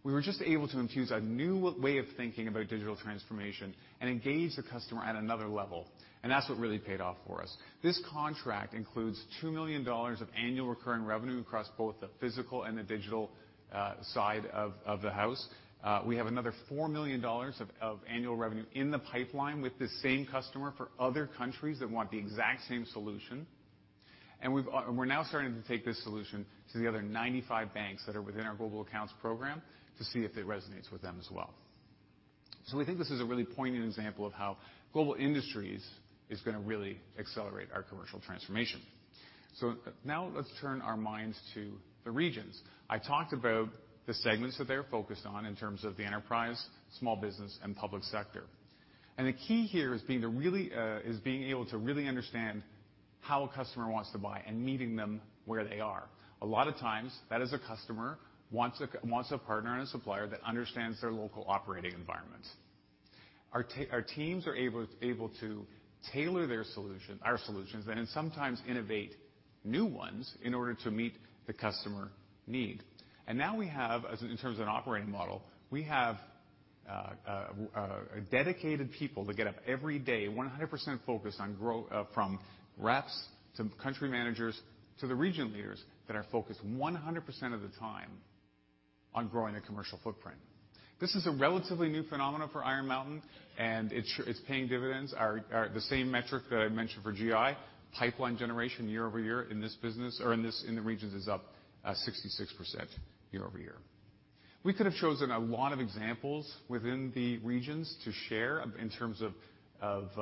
Speaker 5: We were just able to infuse a new way of thinking about digital transformation and engage the customer at another level, and that's what really paid off for us. This contract includes $2 million of annual recurring revenue across both the physical and the digital side of the house. We have another $4 million of annual revenue in the pipeline with the same customer for other countries that want the exact same solution. We're now starting to take this solution to the other 95 banks that are within our global accounts program to see if it resonates with them as well. We think this is a really poignant example of how global industries is gonna really accelerate our commercial transformation. Now let's turn our minds to the regions. I talked about the segments that they are focused on in terms of the enterprise, small business, and public sector. The key here is being able to really understand how a customer wants to buy and meeting them where they are. A lot of times, that is, a customer wants a partner and a supplier that understands their local operating environment. Our teams are able to tailor our solutions, and sometimes innovate new ones in order to meet the customer need. Now, in terms of an operating model, we have dedicated people that get up every day, 100% focused on growth, from reps to country managers to the region leaders that are focused 100% of the time on growing their commercial footprint. This is a relatively new phenomenon for Iron Mountain, and it's paying dividends. The same metric that I mentioned for GI, pipeline generation year-over-year in this business or in the regions is up 66% year-over-year. We could have chosen a lot of examples within the regions to share in terms of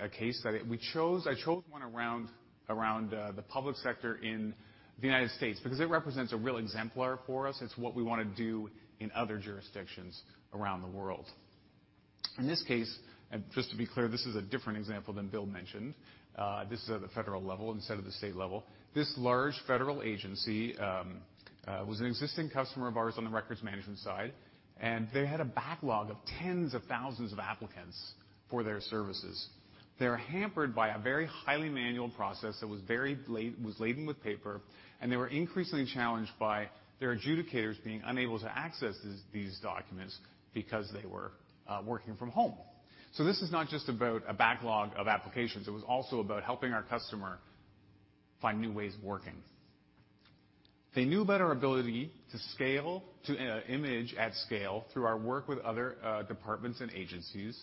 Speaker 5: a case study. I chose one around the public sector in the United States because it represents a real exemplar for us. It's what we wanna do in other jurisdictions around the world. In this case, just to be clear, this is a different example than Bill mentioned. This is at the federal level instead of the state level. This large federal agency was an existing customer of ours on the records management side, and they had a backlog of tens of thousands of applicants for their services. They were hampered by a very highly manual process that was laden with paper, and they were increasingly challenged by their adjudicators being unable to access these documents because they were working from home. This is not just about a backlog of applications, it was also about helping our customer find new ways of working. They knew about our ability to scale, to image at scale through our work with other departments and agencies.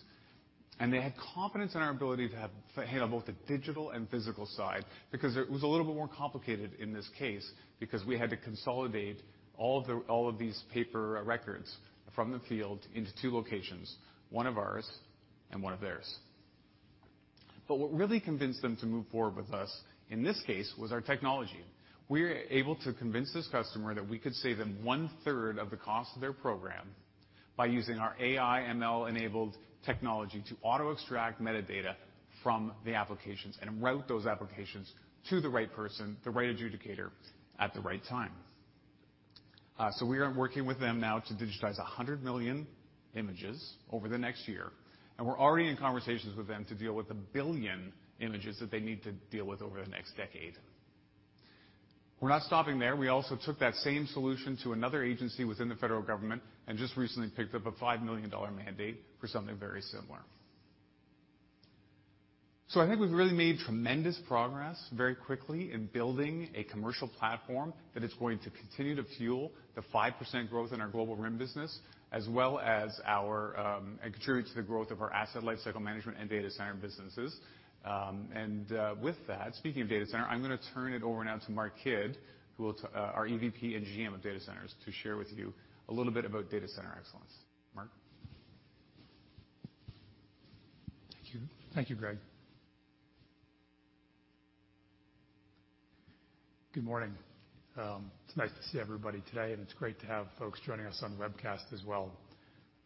Speaker 5: They had confidence in our ability to handle both the digital and physical side because it was a little bit more complicated in this case because we had to consolidate all of these paper records from the field into two locations, one of ours and one of theirs. What really convinced them to move forward with us, in this case, was our technology. We were able to convince this customer that we could save them one-third of the cost of their program by using our AI ML-enabled technology to auto-extract metadata from the applications and route those applications to the right person, the right adjudicator at the right time. We are working with them now to digitize 100 million images over the next year, and we're already in conversations with them to deal with 1 billion images that they need to deal with over the next decade. We're not stopping there. We also took that same solution to another agency within the federal government and just recently picked up a $5 million mandate for something very similar. I think we've really made tremendous progress very quickly in building a commercial platform that is going to continue to fuel the 5% growth in our Global RIM business as well as our and contribute to the growth of our Asset Lifecycle Management and Data Center businesses. With that, speaking of data center, I'm gonna turn it over now to Mark Kidd, our EVP and GM of Data Centers, to share with you a little bit about data center excellence. Mark.
Speaker 6: Thank you. Thank you, Greg. Good morning. It's nice to see everybody today, and it's great to have folks joining us on the webcast as well.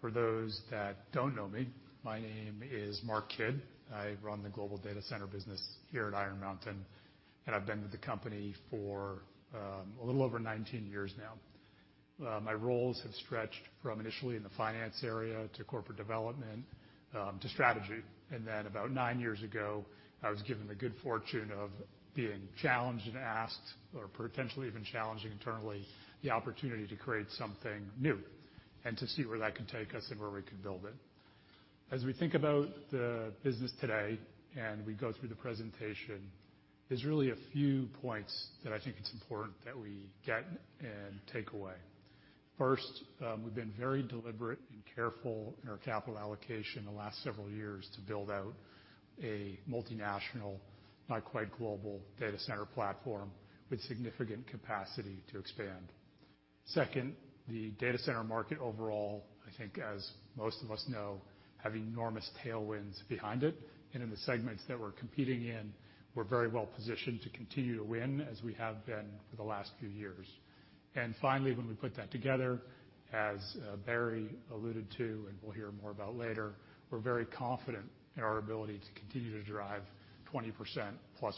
Speaker 6: For those that don't know me, my name is Mark Kidd. I run the global data center business here at Iron Mountain, and I've been with the company for a little over 19 years now. My roles have stretched from initially in the finance area to corporate development, to strategy. Then about 9 years ago, I was given the good fortune of being challenged and asked or potentially even challenged internally, the opportunity to create something new and to see where that could take us and where we could build it. As we think about the business today and we go through the presentation, there's really a few points that I think it's important that we get and take away. First, we've been very deliberate and careful in our capital allocation in the last several years to build out a multinational, not quite global, data center platform with significant capacity to expand. Second, the data center market overall, I think, as most of us know, have enormous tailwinds behind it, and in the segments that we're competing in, we're very well positioned to continue to win as we have been for the last few years. Finally, when we put that together, as Barry alluded to and we'll hear more about later, we're very confident in our ability to continue to drive 20%+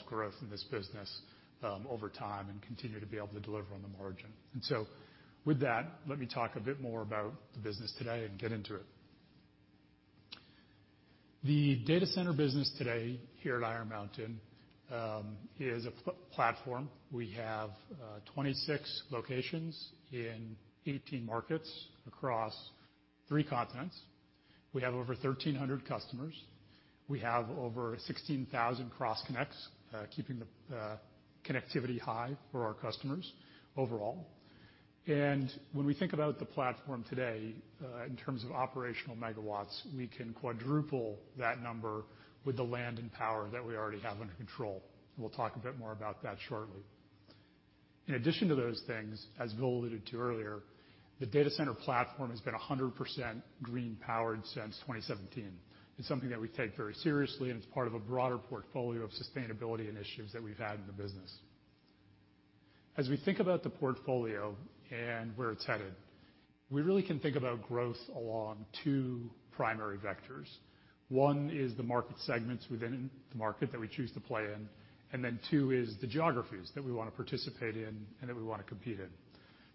Speaker 6: growth in this business over time and continue to be able to deliver on the margin. With that, let me talk a bit more about the business today and get into it. The data center business today here at Iron Mountain is a platform. We have 26 locations in 18 markets across three continents. We have over 1,300 customers. We have over 16,000 cross connects keeping the connectivity high for our customers overall. When we think about the platform today, in terms of operational megawatts, we can quadruple that number with the land and power that we already have under control, and we'll talk a bit more about that shortly. In addition to those things, as Bill alluded to earlier, the data center platform has been 100% green powered since 2017. It's something that we take very seriously, and it's part of a broader portfolio of sustainability initiatives that we've had in the business. As we think about the portfolio and where it's headed, we really can think about growth along two primary vectors. One is the market segments within the market that we choose to play in, and then two is the geographies that we wanna participate in and that we wanna compete in.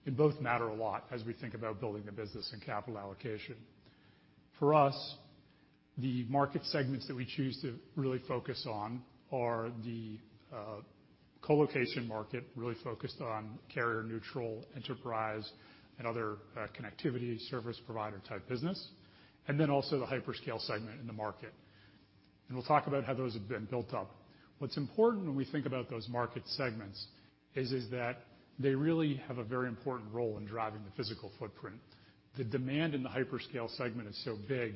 Speaker 6: They both matter a lot as we think about building the business and capital allocation. For us, the market segments that we choose to really focus on are the colocation market, really focused on carrier neutral enterprise and other connectivity service provider type business, and then also the hyperscale segment in the market. We'll talk about how those have been built up. What's important when we think about those market segments is that they really have a very important role in driving the physical footprint. The demand in the hyperscale segment is so big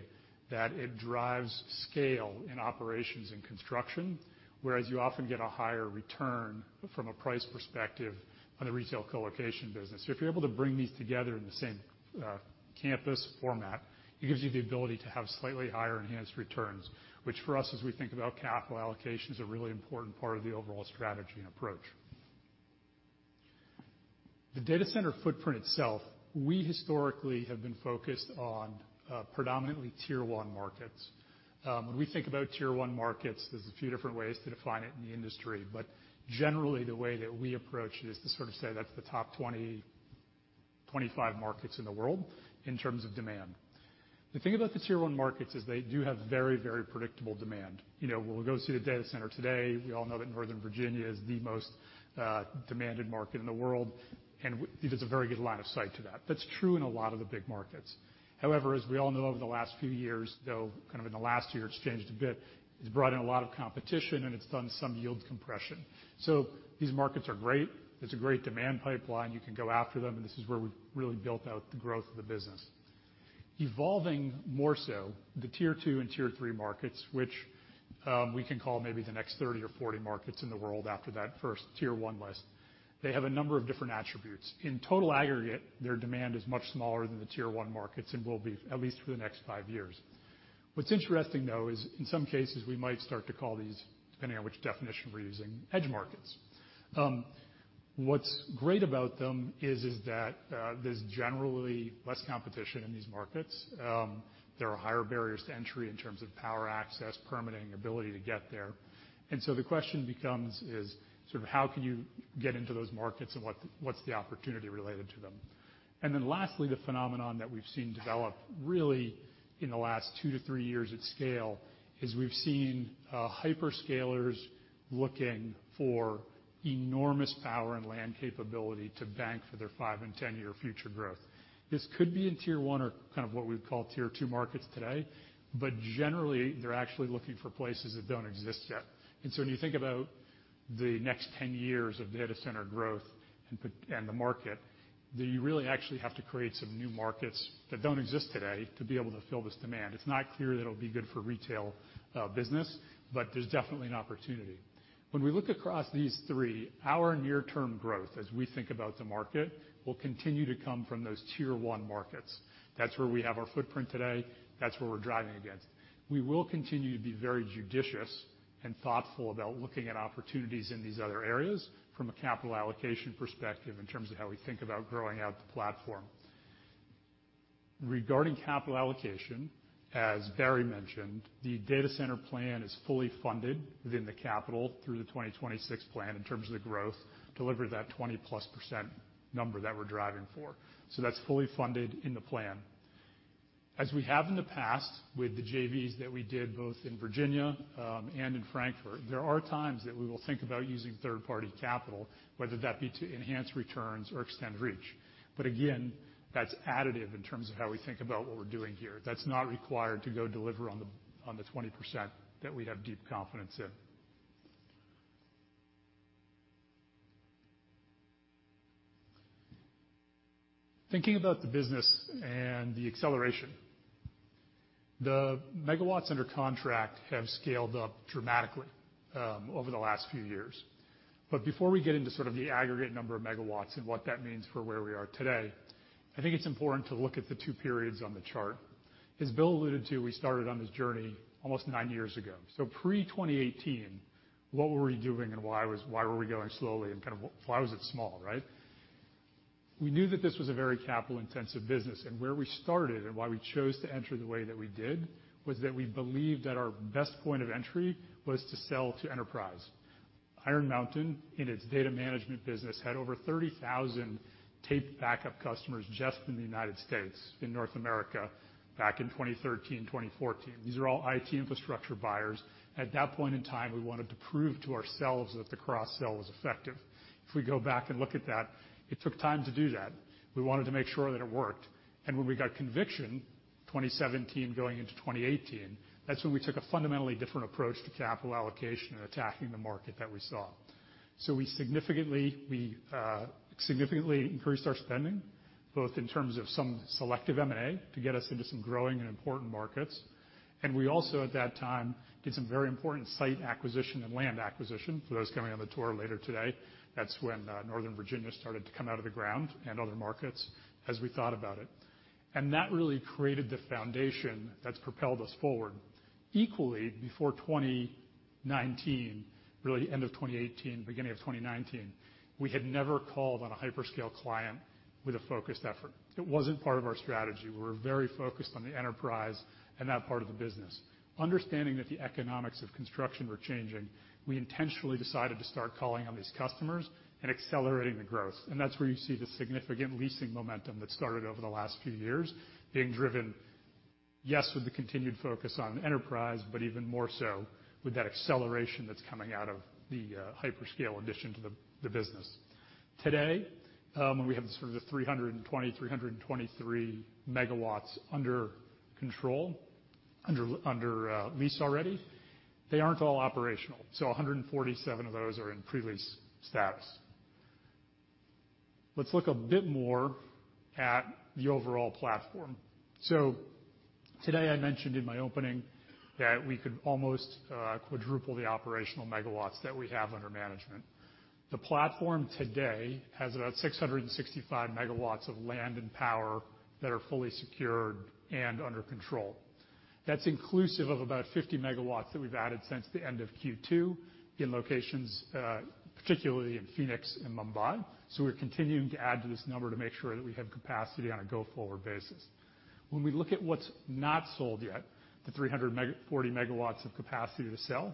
Speaker 6: that it drives scale in operations and construction, whereas you often get a higher return from a price perspective on the retail colocation business. If you're able to bring these together in the same, campus format, it gives you the ability to have slightly higher enhanced returns, which for us, as we think about capital allocation, is a really important part of the overall strategy and approach. The data center footprint itself, we historically have been focused on, predominantly tier one markets. When we think about tier one markets, there's a few different ways to define it in the industry, but generally the way that we approach it is to sort of say that's the top 20, 25 markets in the world in terms of demand. The thing about the tier one markets is they do have very, very predictable demand. You know, when we go see the data center today, we all know that Northern Virginia is the most demanded market in the world, and it has a very good line of sight to that. That's true in a lot of the big markets. However, as we all know over the last few years, though, kind of in the last year it's changed a bit, it's brought in a lot of competition, and it's done some yield compression. So these markets are great. There's a great demand pipeline. You can go after them, and this is where we've really built out the growth of the business. Evolving more so the tier two and tier three markets, which we can call maybe the next 30 or 40 markets in the world after that first tier one list, they have a number of different attributes. In total aggregate, their demand is much smaller than the tier one markets and will be at least for the next 5 years. What's interesting though is in some cases, we might start to call these, depending on which definition we're using, edge markets. What's great about them is that there's generally less competition in these markets. There are higher barriers to entry in terms of power access, permitting, ability to get there. The question becomes is sort of how can you get into those markets and what's the opportunity related to them? Lastly, the phenomenon that we've seen develop really in the last 2-3 years at scale is we've seen hyperscalers looking for enormous power and land capability to bank for their five and 10-year future growth. This could be in tier one or kind of what we'd call tier two markets today, but generally, they're actually looking for places that don't exist yet. When you think about the next 10 years of data center growth and the market, then you really actually have to create some new markets that don't exist today to be able to fill this demand. It's not clear that it'll be good for retail, business, but there's definitely an opportunity. When we look across these three, our near-term growth as we think about the market will continue to come from those tier one markets. That's where we have our footprint today. That's where we're driving against. We will continue to be very judicious and thoughtful about looking at opportunities in these other areas from a capital allocation perspective in terms of how we think about growing out the platform. Regarding capital allocation, as Barry mentioned, the data center plan is fully funded within the capital through the 2026 plan in terms of the growth, deliver that 20%+ number that we're driving for. That's fully funded in the plan. As we have in the past with the JVs that we did both in Virginia and in Frankfurt, there are times that we will think about using third-party capital, whether that be to enhance returns or extend reach. Again, that's additive in terms of how we think about what we're doing here. That's not required to go deliver on the 20% that we have deep confidence in. Thinking about the business and the acceleration. The megawatts under contract have scaled up dramatically over the last few years. Before we get into sort of the aggregate number of megawatts and what that means for where we are today, I think it's important to look at the two periods on the chart. As Bill alluded to, we started on this journey almost nine years ago. Pre-2018, what were we doing and why were we going slowly and kind of why was it small, right? We knew that this was a very capital-intensive business, and where we started and why we chose to enter the way that we did was that we believed that our best point of entry was to sell to enterprise. Iron Mountain, in its data management business, had over 30,000 tape backup customers just in the United States, in North America, back in 2013, 2014. These are all IT infrastructure buyers. At that point in time, we wanted to prove to ourselves that the cross-sell was effective. If we go back and look at that, it took time to do that. We wanted to make sure that it worked. When we got conviction, 2017 going into 2018, that's when we took a fundamentally different approach to capital allocation and attacking the market that we saw. We significantly increased our spending, both in terms of some selective M&A to get us into some growing and important markets. We also, at that time, did some very important site acquisition and land acquisition. For those coming on the tour later today, that's when Northern Virginia started to come out of the ground and other markets as we thought about it. That really created the foundation that's propelled us forward. Equally, before 2019, really end of 2018, beginning of 2019, we had never called on a hyperscale client with a focused effort. It wasn't part of our strategy. We were very focused on the enterprise and that part of the business. Understanding that the economics of construction were changing, we intentionally decided to start calling on these customers and accelerating the growth. That's where you see the significant leasing momentum that started over the last few years being driven, yes, with the continued focus on enterprise, but even more so with that acceleration that's coming out of the hyperscale addition to the business. Today, when we have sort of the 323 MW under control under lease already, they aren't all operational. 147 of those are in pre-lease status. Let's look a bit more at the overall platform. Today I mentioned in my opening that we could almost quadruple the operational megawatts that we have under management. The platform today has about 665 MW of land and power that are fully secured and under control. That's inclusive of about 50 MW that we've added since the end of Q2 in locations, particularly in Phoenix and Mumbai. We're continuing to add to this number to make sure that we have capacity on a go-forward basis. When we look at what's not sold yet, the 340 MW of capacity to sell,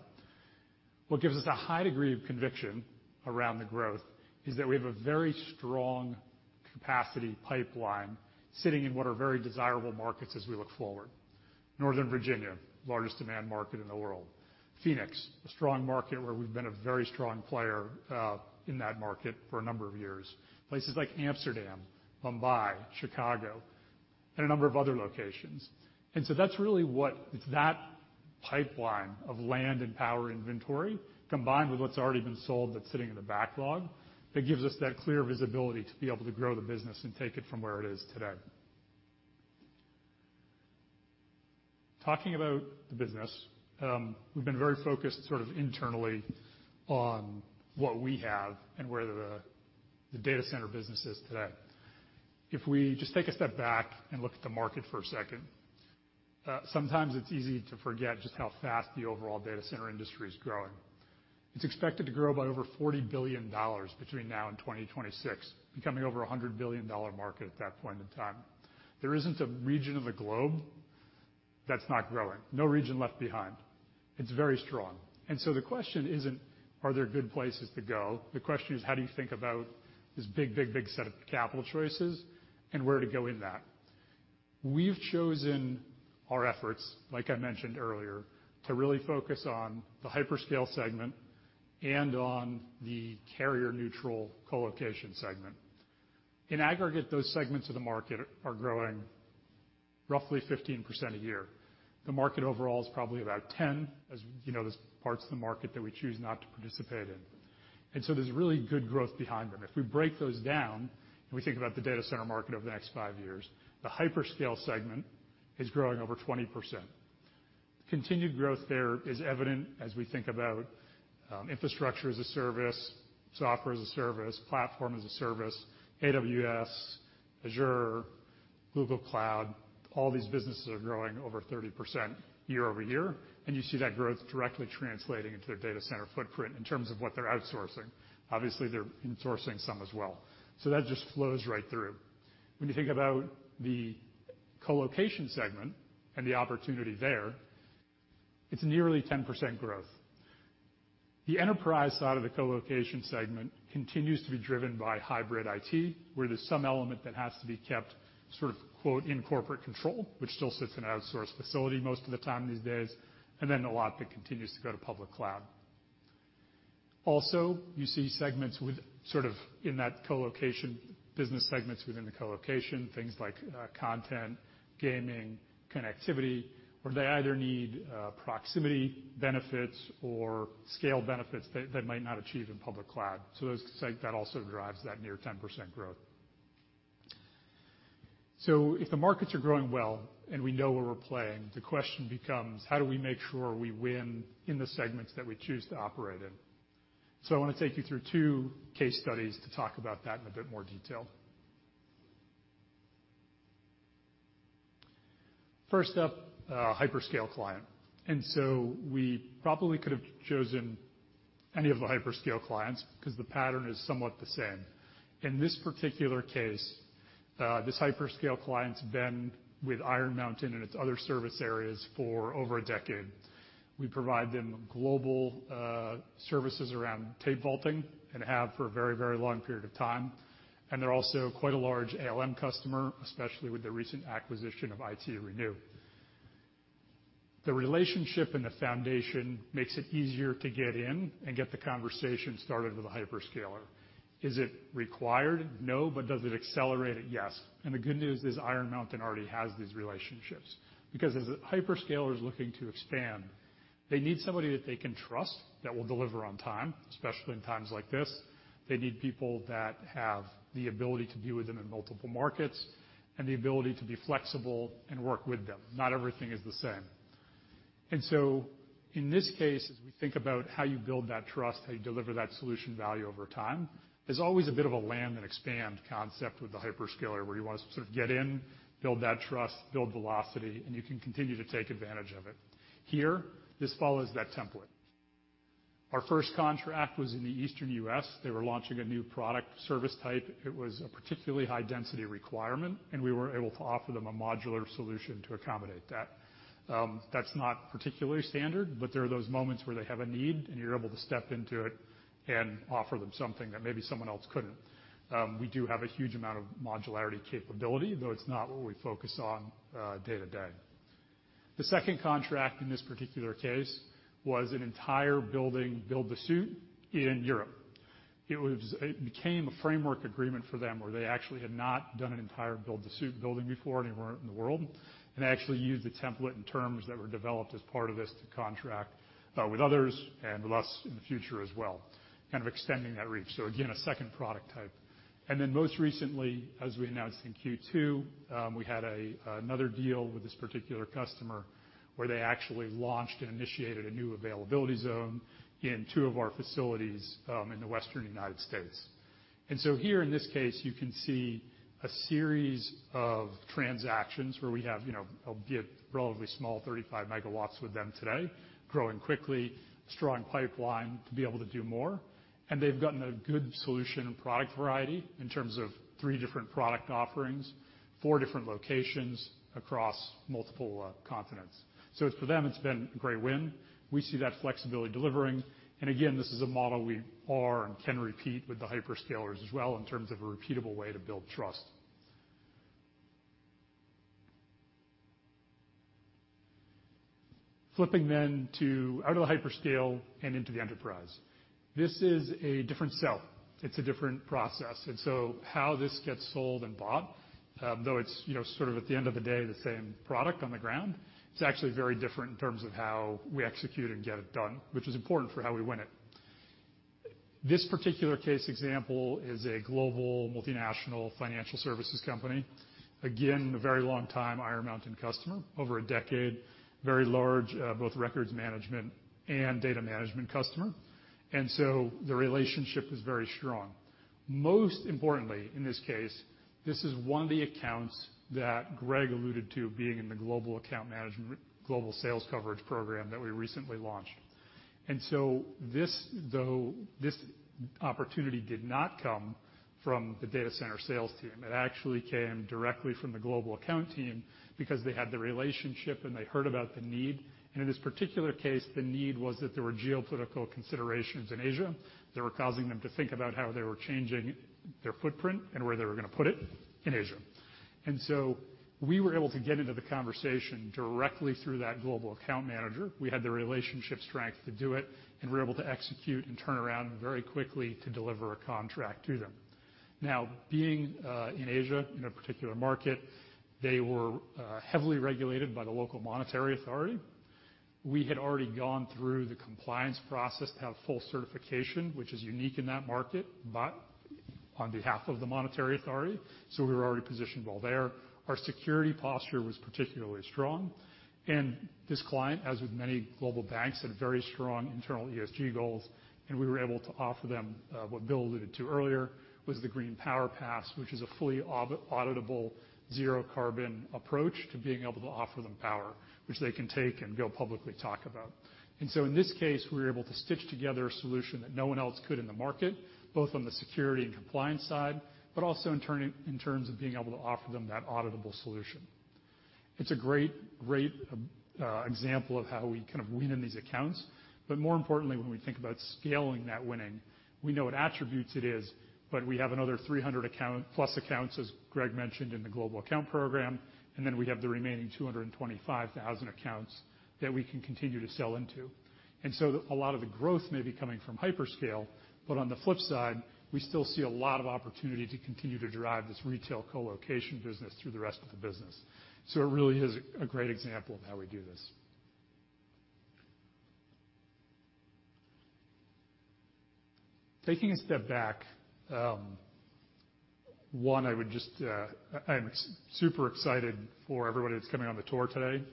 Speaker 6: what gives us a high degree of conviction around the growth is that we have a very strong capacity pipeline sitting in what are very desirable markets as we look forward. Northern Virginia, largest demand market in the world. Phoenix, a strong market where we've been a very strong player in that market for a number of years. Places like Amsterdam, Mumbai, Chicago, and a number of other locations. That's really what. It's that pipeline of land and power inventory combined with what's already been sold that's sitting in the backlog that gives us that clear visibility to be able to grow the business and take it from where it is today. Talking about the business, we've been very focused sort of internally on what we have and where the data center business is today. If we just take a step back and look at the market for a second, sometimes it's easy to forget just how fast the overall data center industry is growing. It's expected to grow by over $40 billion between now and 2026, becoming over a $100 billion market at that point in time. There isn't a region of the globe that's not growing. No region left behind. It's very strong. The question isn't, are there good places to go? The question is, how do you think about this big, big, big set of capital choices and where to go in that? We've chosen our efforts, like I mentioned earlier, to really focus on the hyperscale segment and on the carrier-neutral colocation segment. In aggregate, those segments of the market are growing roughly 15% a year. The market overall is probably about 10%, as you know, there's parts of the market that we choose not to participate in. There's really good growth behind them. If we break those down and we think about the data center market over the next 5 years, the hyperscale segment is growing over 20%. Continued growth there is evident as we think about infrastructure as a service, software as a service, platform as a service, AWS, Azure, Google Cloud, all these businesses are growing over 30% year-over-year. You see that growth directly translating into their data center footprint in terms of what they're outsourcing. Obviously, they're insourcing some as well. That just flows right through. When you think about the colocation segment and the opportunity there, it's nearly 10% growth. The enterprise side of the colocation segment continues to be driven by hybrid IT, where there's some element that has to be kept sort of quote, "in corporate control," which still sits in an outsourced facility most of the time these days, and then a lot that continues to go to public cloud. Also, you see segments with sort of in that colocation business segments within the colocation, things like, content, gaming, connectivity, where they either need, proximity benefits or scale benefits they might not achieve in public cloud. That also drives that near 10% growth. If the markets are growing well and we know where we're playing, the question becomes: how do we make sure we win in the segments that we choose to operate in? I want to take you through two case studies to talk about that in a bit more detail. First up, hyperscale client. We probably could have chosen any of the hyperscale clients because the pattern is somewhat the same. In this particular case, this hyperscale client's been with Iron Mountain and its other service areas for over a decade. We provide them global, services around tape vaulting and have for a very, very long period of time. They're also quite a large ALM customer, especially with the recent acquisition of ITRenew. The relationship and the foundation makes it easier to get in and get the conversation started with a hyperscaler. Is it required? No. Does it accelerate it? Yes. The good news is Iron Mountain already has these relationships because as a hyperscaler is looking to expand, they need somebody that they can trust that will deliver on time, especially in times like this. They need people that have the ability to be with them in multiple markets and the ability to be flexible and work with them. Not everything is the same. In this case, as we think about how you build that trust, how you deliver that solution value over time, there's always a bit of a land and expand concept with the hyperscaler, where you want to sort of get in, build that trust, build velocity, and you can continue to take advantage of it. Here, this follows that template. Our first contract was in the Eastern U.S. They were launching a new product service type. It was a particularly high density requirement, and we were able to offer them a modular solution to accommodate that. That's not particularly standard, but there are those moments where they have a need and you're able to step into it and offer them something that maybe someone else couldn't. We do have a huge amount of modularity capability, though it's not what we focus on day to day. The second contract in this particular case was an entire building, build to suit in Europe. It became a framework agreement for them, where they actually had not done an entire build-to-suit building before anywhere in the world, and actually used the template and terms that were developed as part of this to contract with others and with us in the future as well, kind of extending that reach. Again, a second product type. Then most recently, as we announced in Q2, we had another deal with this particular customer where they actually launched and initiated a new availability zone in two of our facilities in the Western United States. Here in this case, you can see a series of transactions where we have, you know, a relatively small 35 MW with them today, growing quickly, strong pipeline to be able to do more. They've gotten a good solution and product variety in terms of three different product offerings, four different locations across multiple continents. For them, it's been a great win. We see that flexibility delivering. Again, this is a model we are and can repeat with the hyperscalers as well in terms of a repeatable way to build trust. Flipping then to out of the hyperscale and into the enterprise. This is a different sell. It's a different process. How this gets sold and bought, though it's, you know, sort of at the end of the day, the same product on the ground, it's actually very different in terms of how we execute and get it done, which is important for how we win it. This particular case example is a global multinational financial services company. Again, a very long time Iron Mountain customer, over a decade, very large, both records management and data management customer. The relationship is very strong. Most importantly, in this case, this is one of the accounts that Greg alluded to being in the global account management, global sales coverage program that we recently launched. This, though, opportunity did not come from the data center sales team. It actually came directly from the global account team because they had the relationship and they heard about the need. In this particular case, the need was that there were geopolitical considerations in Asia that were causing them to think about how they were changing their footprint and where they were gonna put it in Asia. We were able to get into the conversation directly through that global account manager. We had the relationship strength to do it, and we were able to execute and turn around very quickly to deliver a contract to them. Now, being in Asia, in a particular market, they were heavily regulated by the local monetary authority. We had already gone through the compliance process to have full certification, which is unique in that market, but on behalf of the monetary authority, so we were already positioned well there. Our security posture was particularly strong. This client, as with many global banks, had very strong internal ESG goals, and we were able to offer them what Bill alluded to earlier, the Green Power Pass, which is a fully auditable zero carbon approach to being able to offer them power, which they can take and go publicly talk about. In this case, we were able to stitch together a solution that no one else could in the market, both on the security and compliance side, but also in terms of being able to offer them that auditable solution. It's a great example of how we kind of win in these accounts. More importantly, when we think about scaling that winning, we know what attributes it is, but we have another 300-plus accounts, as Greg mentioned, in the global account program, and then we have the remaining 225,000 accounts that we can continue to sell into. A lot of the growth may be coming from hyperscale, but on the flip side, we still see a lot of opportunity to continue to drive this retail colocation business through the rest of the business. It really is a great example of how we do this. Taking a step back, one, I would just, I'm super excited for everybody that's coming on the tour today.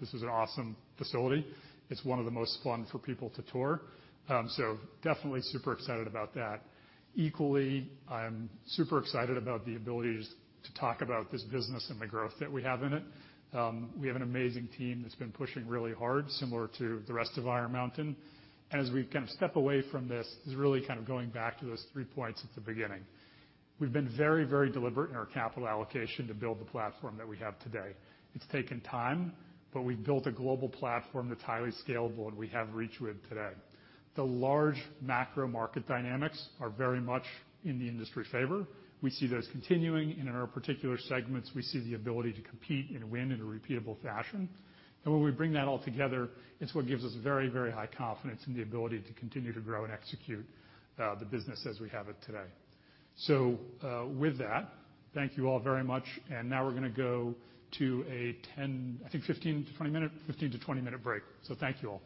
Speaker 6: This is an awesome facility. It's one of the most fun for people to tour. Definitely super excited about that. Equally, I'm super excited about the abilities to talk about this business and the growth that we have in it. We have an amazing team that's been pushing really hard, similar to the rest of Iron Mountain. As we kind of step away from this, is really kind of going back to those three points at the beginning. We've been very, very deliberate in our capital allocation to build the platform that we have today. It's taken time, but we've built a global platform that's highly scalable, and we have reach with today. The large macro market dynamics are very much in the industry favor. We see those continuing, and in our particular segments, we see the ability to compete and win in a repeatable fashion. When we bring that all together, it's what gives us very, very high confidence in the ability to continue to grow and execute the business as we have it today. With that, thank you all very much. Now we're gonna go to a 15-20 minute break. Thank you all.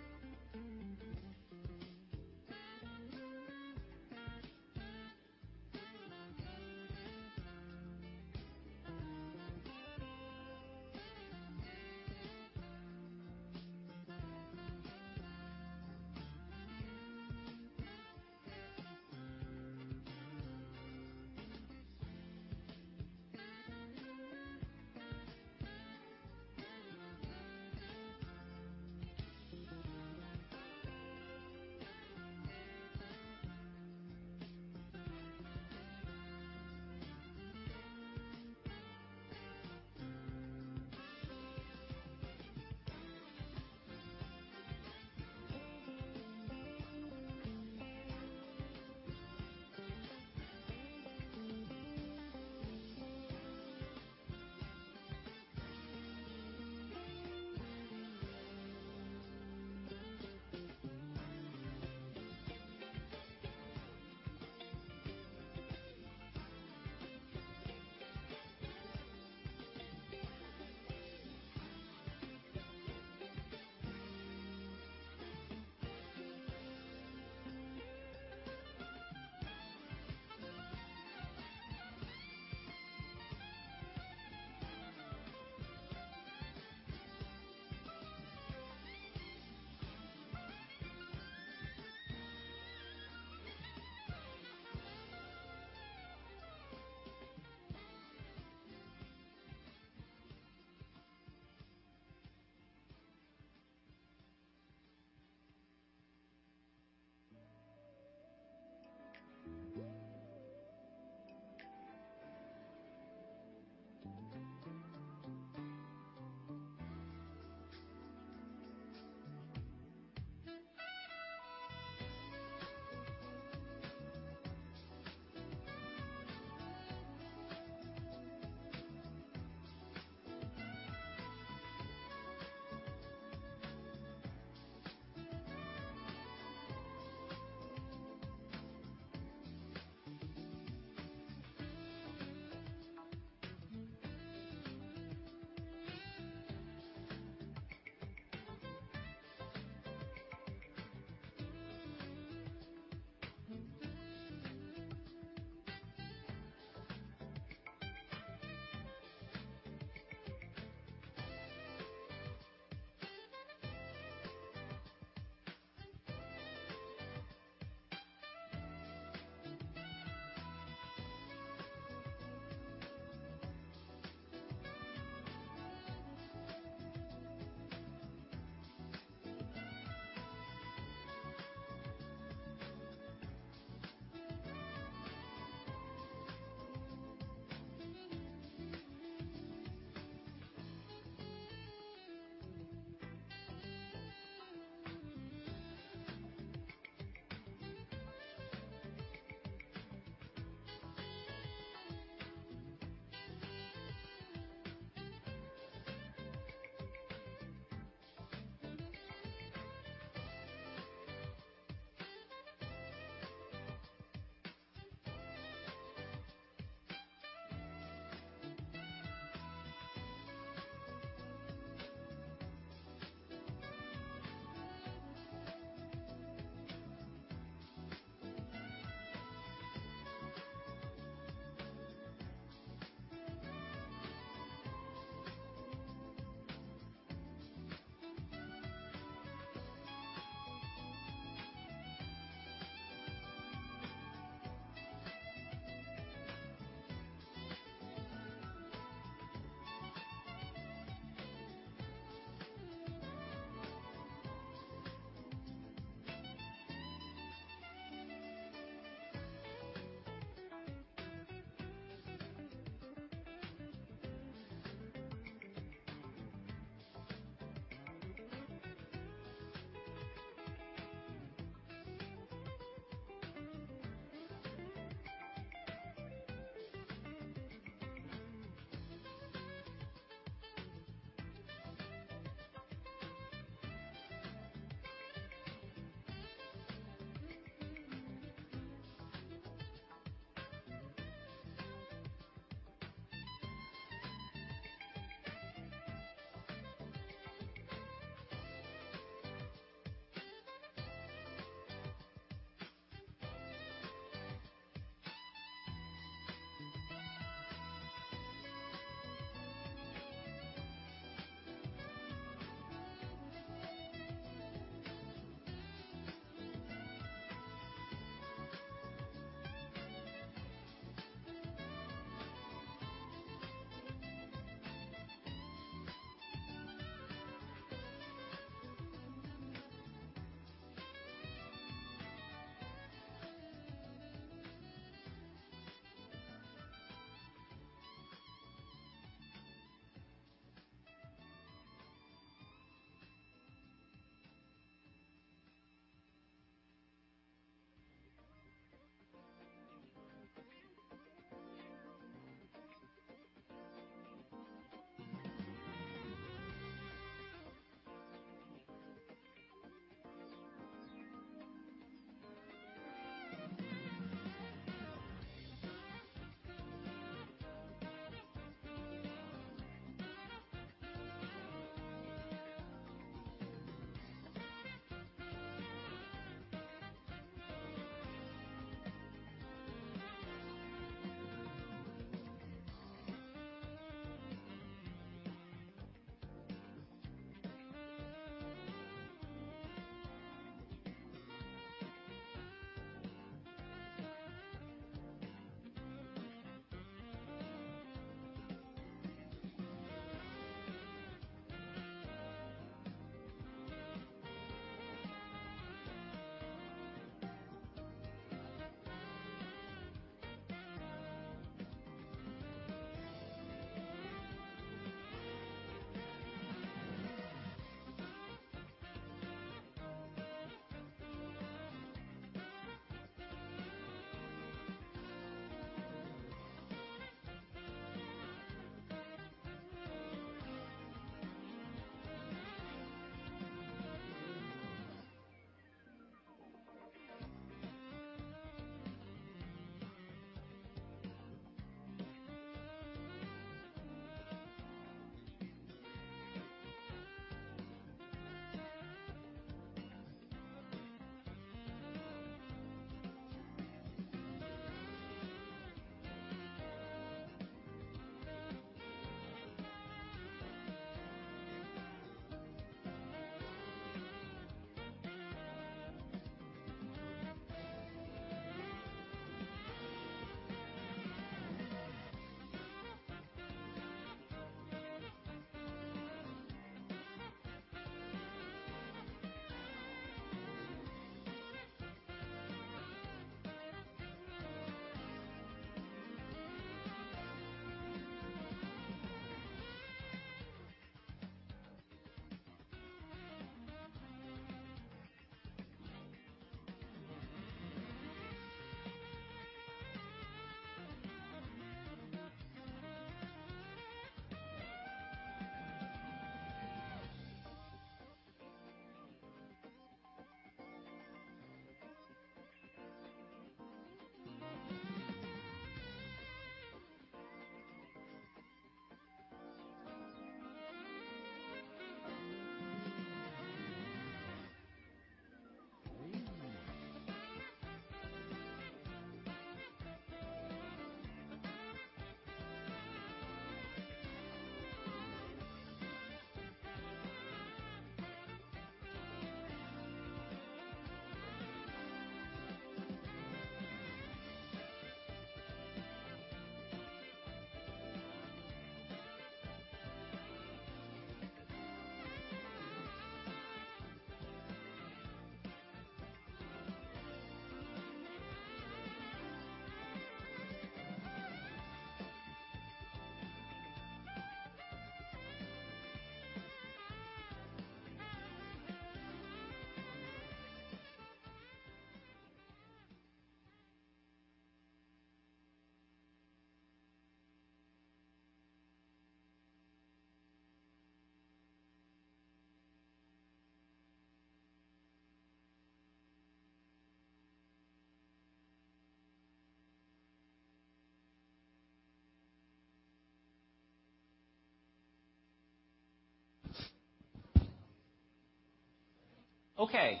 Speaker 1: Okay,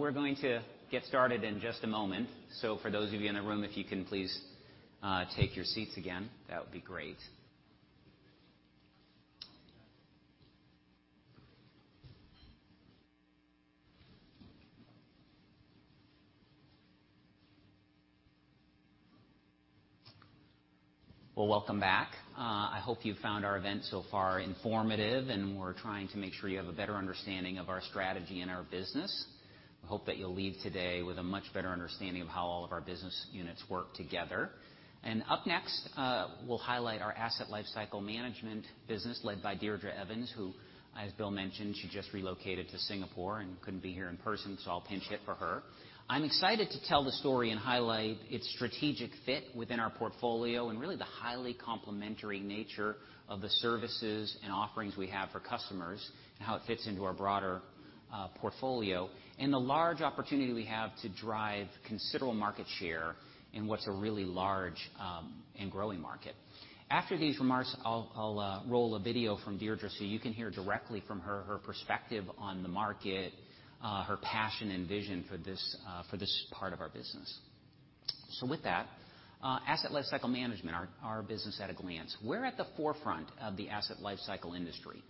Speaker 1: we're going to get started in just a moment. For those of you in the room, if you can please take your seats again, that would be great.
Speaker 4: Well, welcome back. I hope you found our event so far informative, and we're trying to make sure you have a better understanding of our strategy and our business. I hope that you'll leave today with a much better understanding of how all of our business units work together. Up next, we'll highlight our Asset Lifecycle Management business led by Deirdre Evens, who, as Bill mentioned, she just relocated to Singapore and couldn't be here in person, so I'll pinch hit for her. I'm excited to tell the story and highlight its strategic fit within our portfolio and really the highly complementary nature of the services and offerings we have for customers and how it fits into our broader portfolio, and the large opportunity we have to drive considerable market share in what's a really large and growing market. After these remarks, I'll roll a video from Deirdre so you can hear directly from her perspective on the market, her passion and vision for this, for this part of our business. With that, asset lifecycle management, our business at a glance. We're at the forefront of the asset lifecycle industry.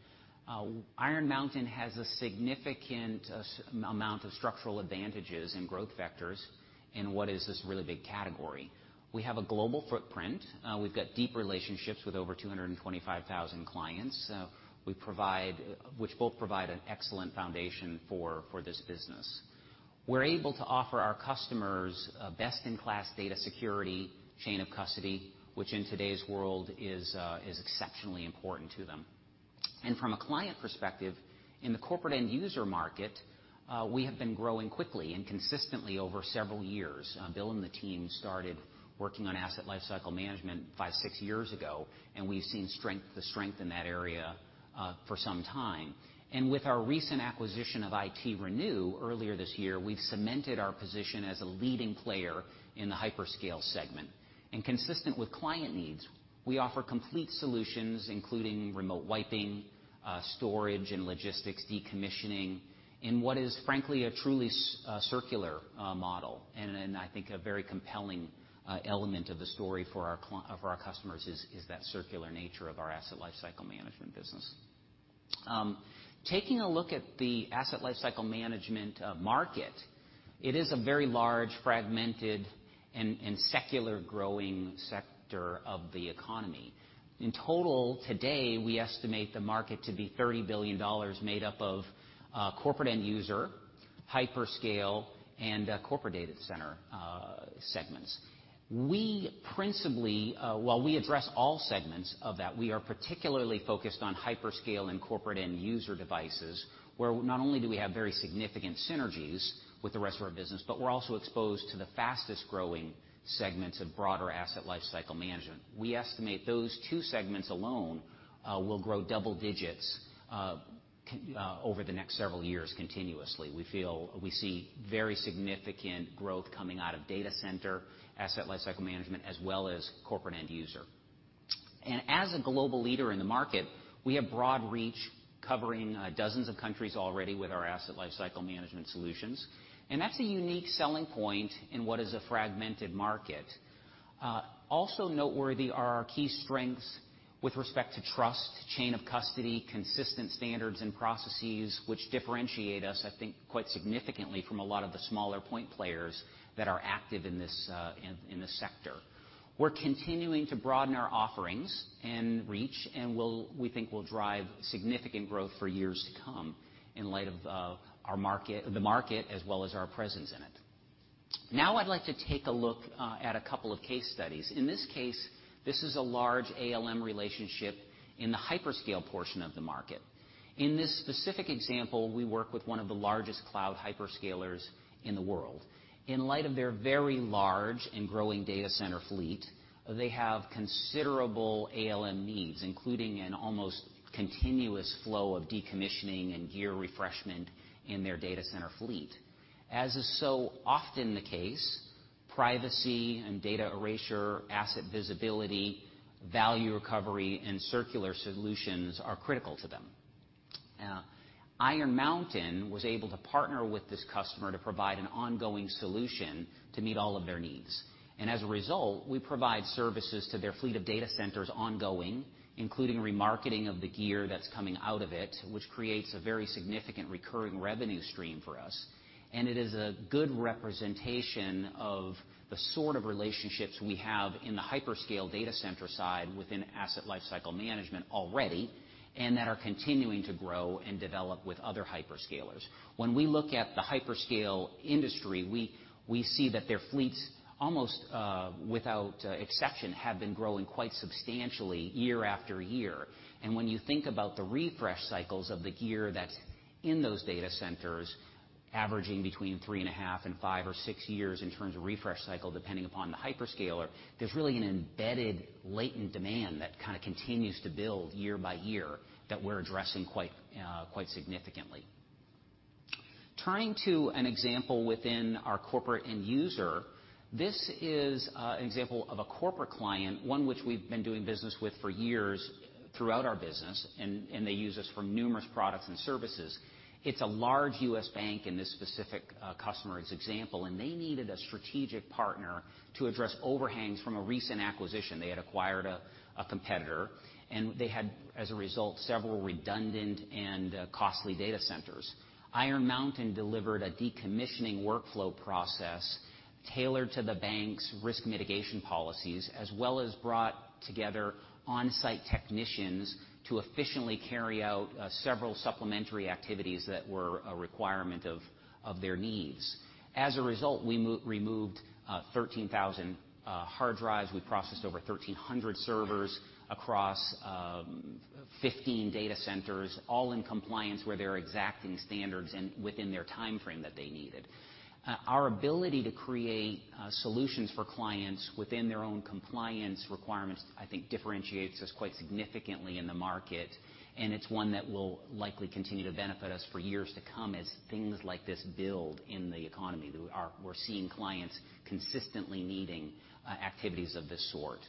Speaker 4: Iron Mountain has a significant amount of structural advantages and growth vectors in what is this really big category. We have a global footprint. We've got deep relationships with over 225,000 clients, which both provide an excellent foundation for this business. We're able to offer our customers a best-in-class data security chain of custody, which in today's world is exceptionally important to them. From a client perspective, in the corporate end user market, we have been growing quickly and consistently over several years. Bill and the team started working on asset lifecycle management five, six years ago, and we've seen strength to strength in that area for some time. With our recent acquisition of ITRenew earlier this year, we've cemented our position as a leading player in the hyperscale segment. Consistent with client needs, we offer complete solutions, including remote wiping, storage and logistics, decommissioning in what is frankly a truly circular model. Then I think a very compelling element of the story for our customers is that circular nature of our asset lifecycle management business. Taking a look at the Asset Lifecycle Management market, it is a very large, fragmented and secular growing sector of the economy. In total today, we estimate the market to be $30 billion made up of corporate end user, hyperscale, and corporate data center segments. We principally, while we address all segments of that, we are particularly focused on hyperscale and corporate end user devices, where not only do we have very significant synergies with the rest of our business, but we're also exposed to the fastest-growing segments of broader Asset Lifecycle Management. We estimate those two segments alone will grow double digits over the next several years continuously. We see very significant growth coming out of data center Asset Lifecycle Management, as well as corporate end user. As a global leader in the market, we have broad reach covering dozens of countries already with our Asset Lifecycle Management solutions, and that's a unique selling point in what is a fragmented market. Also noteworthy are our key strengths with respect to trust, chain of custody, consistent standards and processes which differentiate us, I think, quite significantly from a lot of the smaller point players that are active in this sector. We're continuing to broaden our offerings and reach, and we think will drive significant growth for years to come in light of the market as well as our presence in it. Now I'd like to take a look at a couple of case studies. In this case, this is a large ALM relationship in the hyperscale portion of the market. In this specific example, we work with one of the largest cloud hyperscalers in the world. In light of their very large and growing data center fleet, they have considerable ALM needs, including an almost continuous flow of decommissioning and gear refreshment in their data center fleet. As is so often the case, privacy and data erasure, asset visibility, value recovery, and circular solutions are critical to them. Iron Mountain was able to partner with this customer to provide an ongoing solution to meet all of their needs. As a result, we provide services to their fleet of data centers ongoing, including remarketing of the gear that's coming out of it, which creates a very significant recurring revenue stream for us. It is a good representation of the sort of relationships we have in the hyperscale data center side within asset lifecycle management already, and that are continuing to grow and develop with other hyperscalers. When we look at the hyperscale industry, we see that their fleets, almost without exception, have been growing quite substantially year after year. When you think about the refresh cycles of the gear that's in those data centers, averaging between 3.5 and five or six years in terms of refresh cycle, depending upon the hyperscaler, there's really an embedded latent demand that kinda continues to build year by year that we're addressing quite significantly. Turning to an example within our corporate end user, this is an example of a corporate client, one which we've been doing business with for years throughout our business, and they use us for numerous products and services. It's a large US bank in this specific customer as example, and they needed a strategic partner to address overhangs from a recent acquisition. They had acquired a competitor, and they had, as a result, several redundant and costly data centers. Iron Mountain delivered a decommissioning workflow process tailored to the bank's risk mitigation policies, as well as brought together on-site technicians to efficiently carry out several supplementary activities that were a requirement of their needs. As a result, we removed 13,000 hard drives. We processed over 1,300 servers across 15 data centers, all in compliance with their exacting standards and within their timeframe that they needed. Our ability to create solutions for clients within their own compliance requirements, I think differentiates us quite significantly in the market, and it's one that will likely continue to benefit us for years to come as things like this build in the economy. We're seeing clients consistently needing activities of this sort.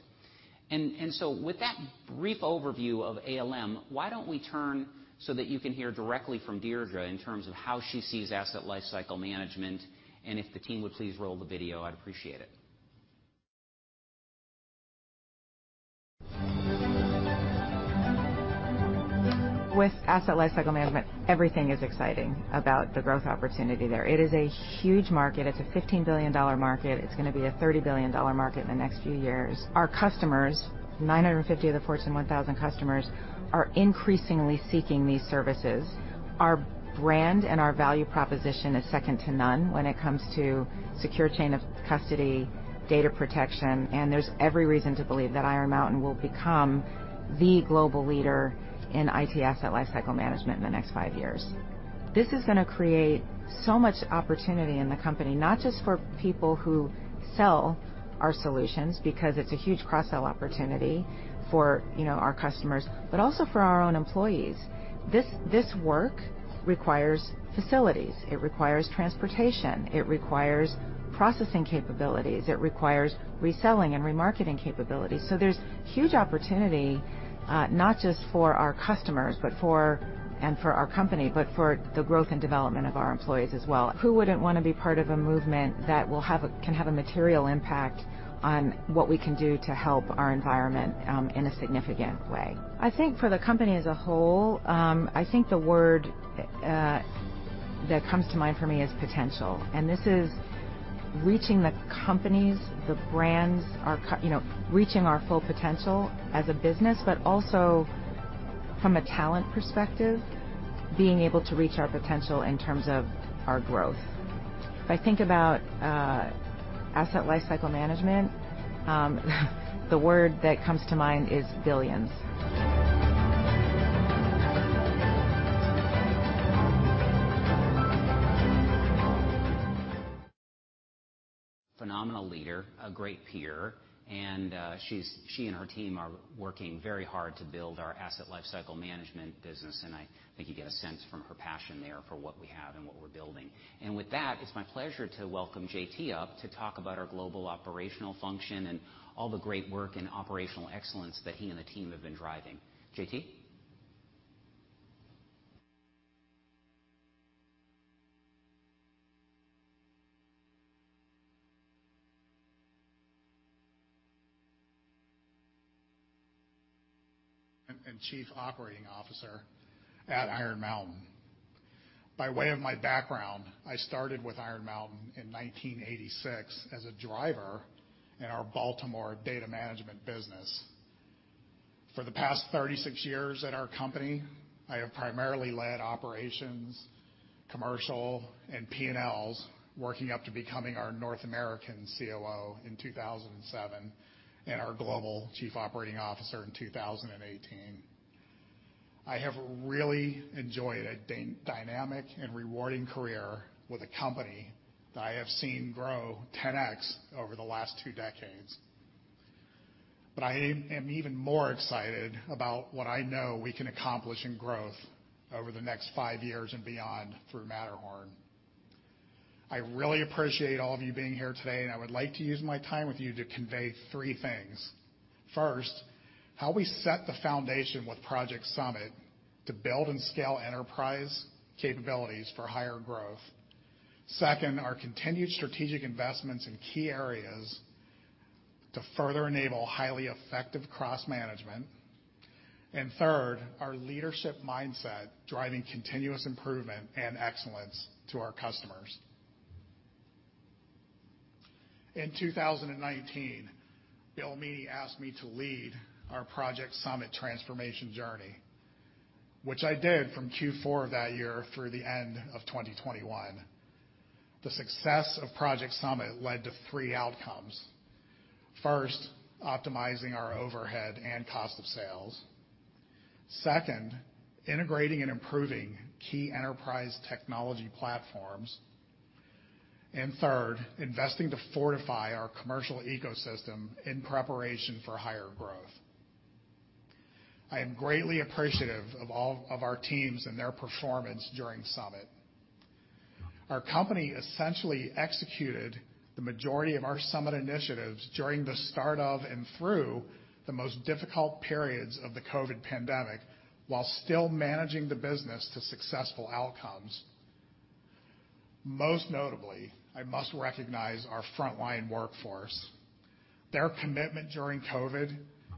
Speaker 4: With that brief overview of ALM, why don't we turn so that you can hear directly from Deirdre in terms of how she sees asset lifecycle management, and if the team would please roll the video, I'd appreciate it.
Speaker 7: With asset lifecycle management, everything is exciting about the growth opportunity there. It is a huge market. It's a $15 billion market. It's gonna be a $30 billion market in the next few years. Our customers, 950 of the Fortune 1000 customers, are increasingly seeking these services. Our brand and our value proposition is second to none when it comes to secure chain of custody, data protection, and there's every reason to believe that Iron Mountain will become the global leader in IT asset lifecycle management in the next five years. This is gonna create so much opportunity in the company, not just for people who sell our solutions, because it's a huge cross-sell opportunity for, you know, our customers, but also for our own employees. This work requires facilities, it requires transportation, it requires processing capabilities, it requires reselling and remarketing capabilities. There's huge opportunity, not just for our customers, but for our company, but for the growth and development of our employees as well. Who wouldn't wanna be part of a movement that can have a material impact on what we can do to help our environment in a significant way? I think for the company as a whole, I think the word that comes to mind for me is potential. This is reaching the companies, the brands, you know, reaching our full potential as a business, but also from a talent perspective, being able to reach our potential in terms of our growth. If I think about asset lifecycle management, the word that comes to mind is billions.
Speaker 4: Phenomenal leader, a great peer, and she and her team are working very hard to build our Asset Lifecycle Management business, and I think you get a sense from her passion there for what we have and what we're building. With that, it's my pleasure to welcome JT up to talk about our global operational function and all the great work and operational excellence that he and the team have been driving. JT?
Speaker 8: Chief Operating Officer at Iron Mountain. By way of my background, I started with Iron Mountain in 1986 as a driver in our Baltimore data management business. For the past 36 years at our company, I have primarily led operations, commercial, and P&Ls, working up to becoming our North American COO in 2007 and our Global Chief Operating Officer in 2018. I have really enjoyed a dynamic and rewarding career with a company that I have seen grow 10x over the last twodecades. I am even more excited about what I know we can accomplish in growth over the next fiveyears and beyond through Matterhorn. I really appreciate all of you being here today, and I would like to use my time with you to convey three things. First, how we set the foundation with Project Summit to build and scale enterprise capabilities for higher growth. Second, our continued strategic investments in key areas to further enable highly effective cross-management. Third, our leadership mindset driving continuous improvement and excellence to our customers. In 2019, Bill Meaney asked me to lead our Project Summit transformation journey, which I did from Q4 that year through the end of 2021. The success of Project Summit led to three outcomes. First, optimizing our overhead and cost of sales. Second, integrating and improving key enterprise technology platforms. Third, investing to fortify our commercial ecosystem in preparation for higher growth. I am greatly appreciative of all of our teams and their performance during Summit. Our company essentially executed the majority of our Summit initiatives during the start of and through the most difficult periods of the COVID pandemic, while still managing the business to successful outcomes. Most notably, I must recognize our frontline workforce. Their commitment during COVID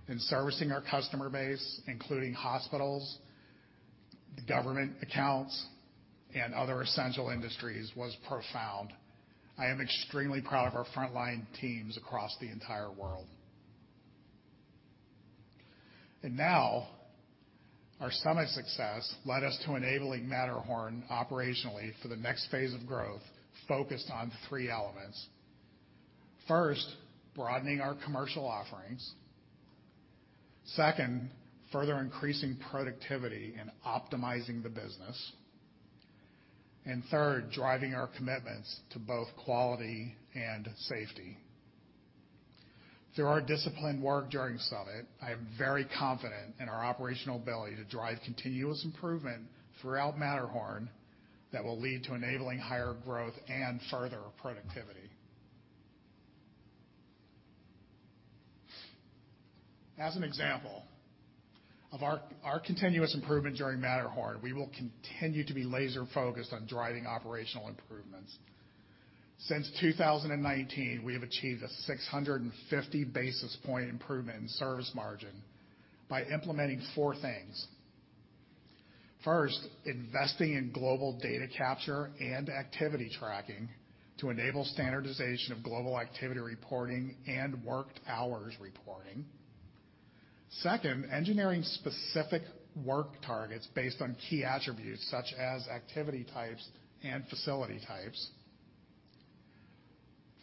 Speaker 8: in servicing our customer base, including hospitals, government accounts, and other essential industries, was profound. I am extremely proud of our frontline teams across the entire world. Now our Summit success led us to enabling Matterhorn operationally for the next phase of growth, focused on three elements. First, broadening our commercial offerings. Second, further increasing productivity and optimizing the business. Third, driving our commitments to both quality and safety. Through our disciplined work during Summit, I am very confident in our operational ability to drive continuous improvement throughout Matterhorn that will lead to enabling higher growth and further productivity. As an example of our continuous improvement during Matterhorn, we will continue to be laser-focused on driving operational improvements. Since 2019, we have achieved a 650 basis point improvement in service margin by implementing four things. First, investing in global data capture and activity tracking to enable standardization of global activity reporting and worked hours reporting. Second, engineering specific work targets based on key attributes such as activity types and facility types.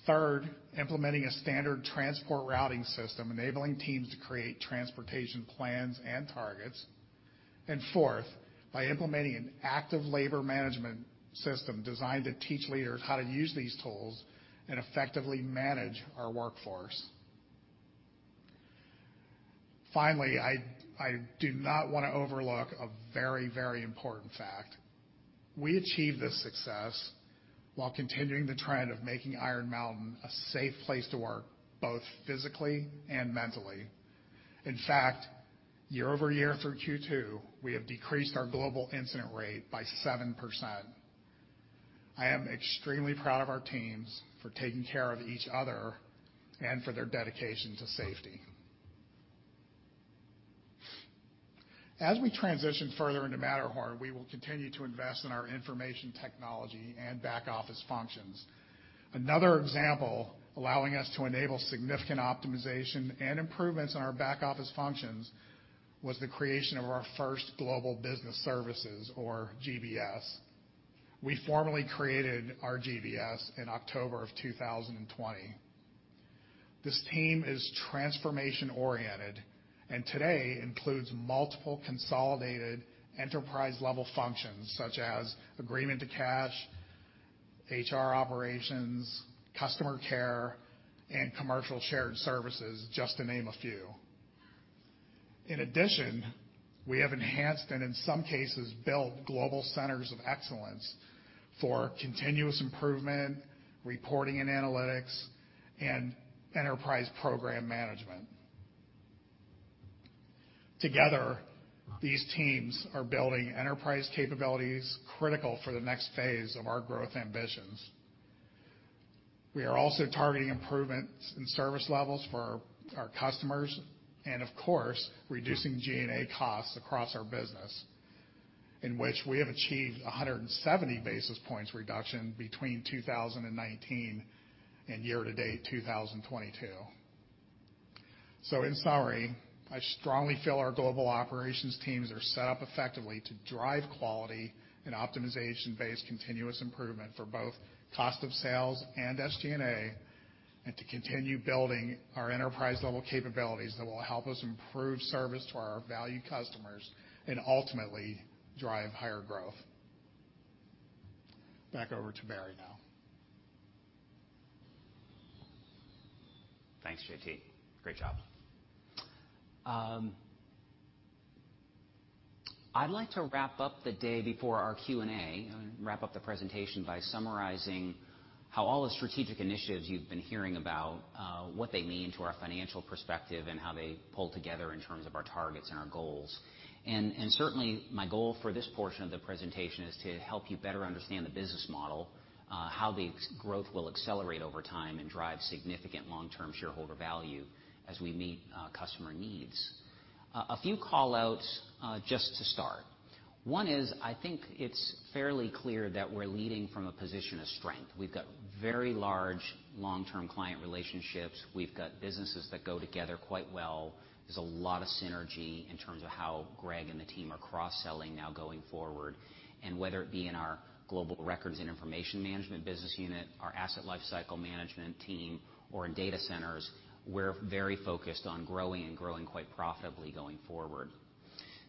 Speaker 8: Third, implementing a standard transport routing system, enabling teams to create transportation plans and targets. Fourth, by implementing an active labor management system designed to teach leaders how to use these tools and effectively manage our workforce. Finally, I do not wanna overlook a very, very important fact. We achieved this success while continuing the trend of making Iron Mountain a safe place to work, both physically and mentally. In fact, year-over-year through Q2, we have decreased our global incident rate by 7%. I am extremely proud of our teams for taking care of each other and for their dedication to safety. As we transition further into Matterhorn, we will continue to invest in our information technology and back office functions. Another example, allowing us to enable significant optimization and improvements in our back office functions, was the creation of our first global business services or GBS. We formally created our GBS in October of 2020. This team is transformation-oriented, and today includes multiple consolidated enterprise-level functions such as agreement to cash, HR operations, customer care, and commercial shared services, just to name a few. In addition, we have enhanced and in some cases built global centers of excellence for continuous improvement, reporting and analytics, and enterprise program management. Together, these teams are building enterprise capabilities critical for the next phase of our growth ambitions. We are also targeting improvements in service levels for our customers and, of course, reducing G&A costs across our business, in which we have achieved 170 basis points reduction between 2019 and year to date 2022. In summary, I strongly feel our global operations teams are set up effectively to drive quality and optimization-based continuous improvement for both cost of sales and SG&A, and to continue building our enterprise level capabilities that will help us improve service to our valued customers and ultimately drive higher growth. Back over to Barry now.
Speaker 4: Thanks, JT. Great job. I'd like to wrap up the day before our Q&A and wrap up the presentation by summarizing how all the strategic initiatives you've been hearing about, what they mean to our financial perspective and how they pull together in terms of our targets and our goals. Certainly, my goal for this portion of the presentation is to help you better understand the business model, how the next growth will accelerate over time and drive significant long-term shareholder value as we meet customer needs. A few call-outs, just to start. One is, I think it's fairly clear that we're leading from a position of strength. We've got very large long-term client relationships. We've got businesses that go together quite well. There's a lot of synergy in terms of how Greg and the team are cross-selling now going forward. Whether it be in our Global Records and Information Management business unit, our Asset Lifecycle Management team, or in data centers, we're very focused on growing and growing quite profitably going forward.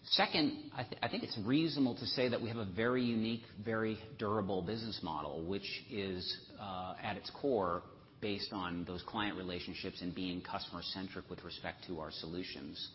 Speaker 4: Second, I think it's reasonable to say that we have a very unique, very durable business model, which is, at its core, based on those client relationships and being customer-centric with respect to our solutions.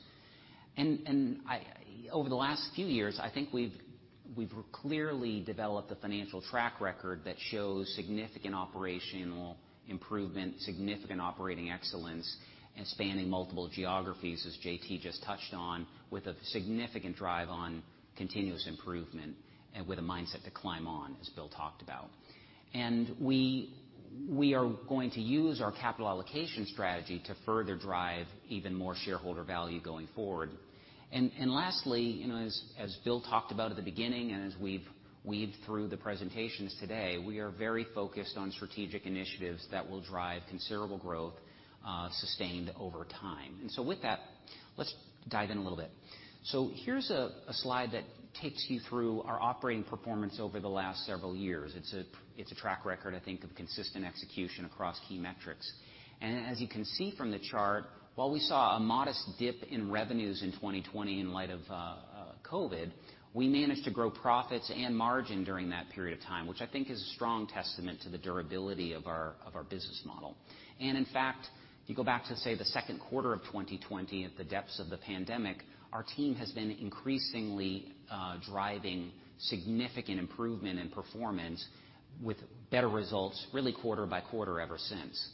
Speaker 4: Over the last few years, I think we've clearly developed a financial track record that shows significant operational improvement, significant operating excellence, and spanning multiple geographies, as JT just touched on, with a significant drive on continuous improvement and with a mindset to climb on, as Bill talked about. We are going to use our capital allocation strategy to further drive even more shareholder value going forward. Lastly, as Bill talked about at the beginning, as we've weaved through the presentations today, we are very focused on strategic initiatives that will drive considerable growth, sustained over time. With that, let's dive in a little bit. Here's a slide that takes you through our operating performance over the last several years. It's a track record, I think, of consistent execution across key metrics. As you can see from the chart, while we saw a modest dip in revenues in 2020 in light of COVID, we managed to grow profits and margin during that period of time, which I think is a strong testament to the durability of our business model. In fact, if you go back to, say, the second quarter of 2020 at the depths of the pandemic, our team has been increasingly driving significant improvement in performance with better results really quarter by quarter ever since.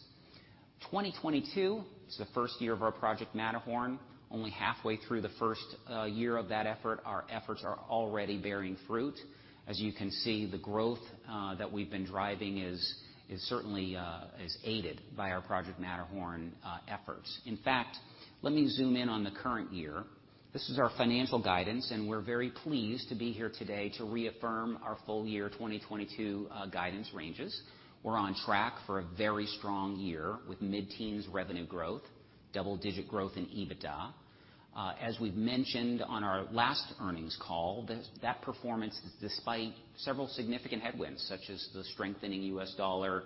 Speaker 4: 2022 is the first year of our Project Matterhorn. Only halfway through the first year of that effort, our efforts are already bearing fruit. As you can see, the growth that we've been driving is certainly aided by our Project Matterhorn efforts. In fact, let me zoom in on the current year. This is our financial guidance, and we're very pleased to be here today to reaffirm our full year 2022 guidance ranges. We're on track for a very strong year with mid-teens revenue growth, double-digit growth in EBITDA. As we've mentioned on our last earnings call, that performance is despite several significant headwinds, such as the strengthening U.S. dollar,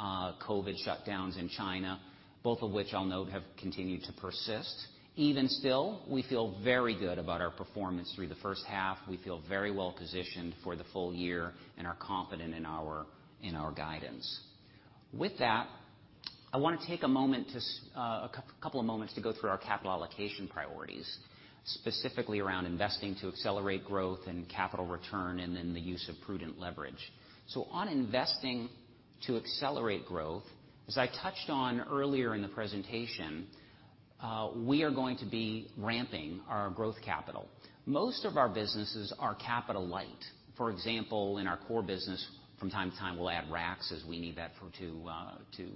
Speaker 4: COVID shutdowns in China, both of which I'll note have continued to persist. Even still, we feel very good about our performance through the first half. We feel very well positioned for the full year and are confident in our guidance. With that, I wanna take a moment to a couple of moments to go through our capital allocation priorities, specifically around investing to accelerate growth and capital return, and then the use of prudent leverage. On investing to accelerate growth, as I touched on earlier in the presentation, we are going to be ramping our growth capital. Most of our businesses are capital light. For example, in our core business, from time to time, we'll add racks as we need that for to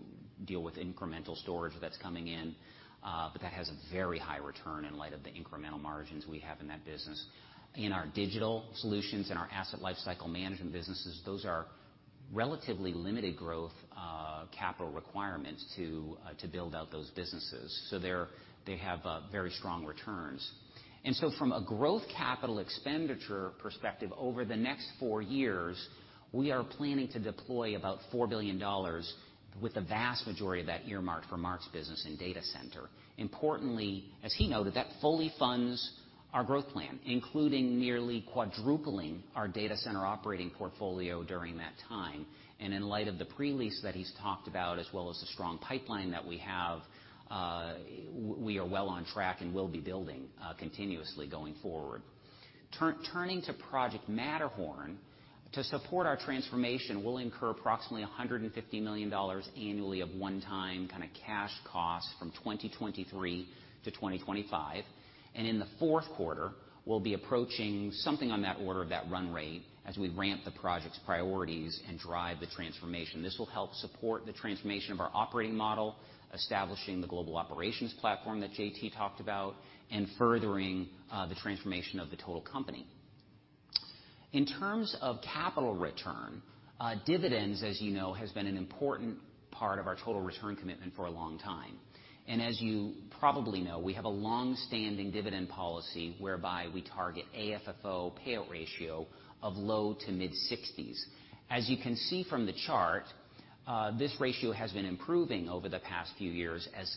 Speaker 4: deal with incremental storage that's coming in, but that has a very high return in light of the incremental margins we have in that business. In our Digital Solutions, in our Asset Lifecycle Management businesses, those are relatively limited growth capital requirements to build out those businesses, so they have very strong returns. From a growth capital expenditure perspective, over the next four years, we are planning to deploy about $4 billion with the vast majority of that earmarked for Mark's business in Data Centers. Importantly, as he noted, that fully funds our growth plan, including nearly quadrupling our Data Centers operating portfolio during that time. In light of the pre-lease that he's talked about, as well as the strong pipeline that we have, we are well on track and will be building continuously going forward. Turning to Project Matterhorn, to support our transformation, we'll incur approximately $150 million annually of one-time kinda cash costs from 2023 to 2025. In the fourth quarter, we'll be approaching something on that order of that run rate as we ramp the project's priorities and drive the transformation. This will help support the transformation of our operating model, establishing the global operations platform that JT talked about, and furthering the transformation of the total company. In terms of capital return, dividends, as you know, has been an important part of our total return commitment for a long time. As you probably know, we have a long-standing dividend policy whereby we target AFFO payout ratio of low- to mid-60s. As you can see from the chart, this ratio has been improving over the past few years as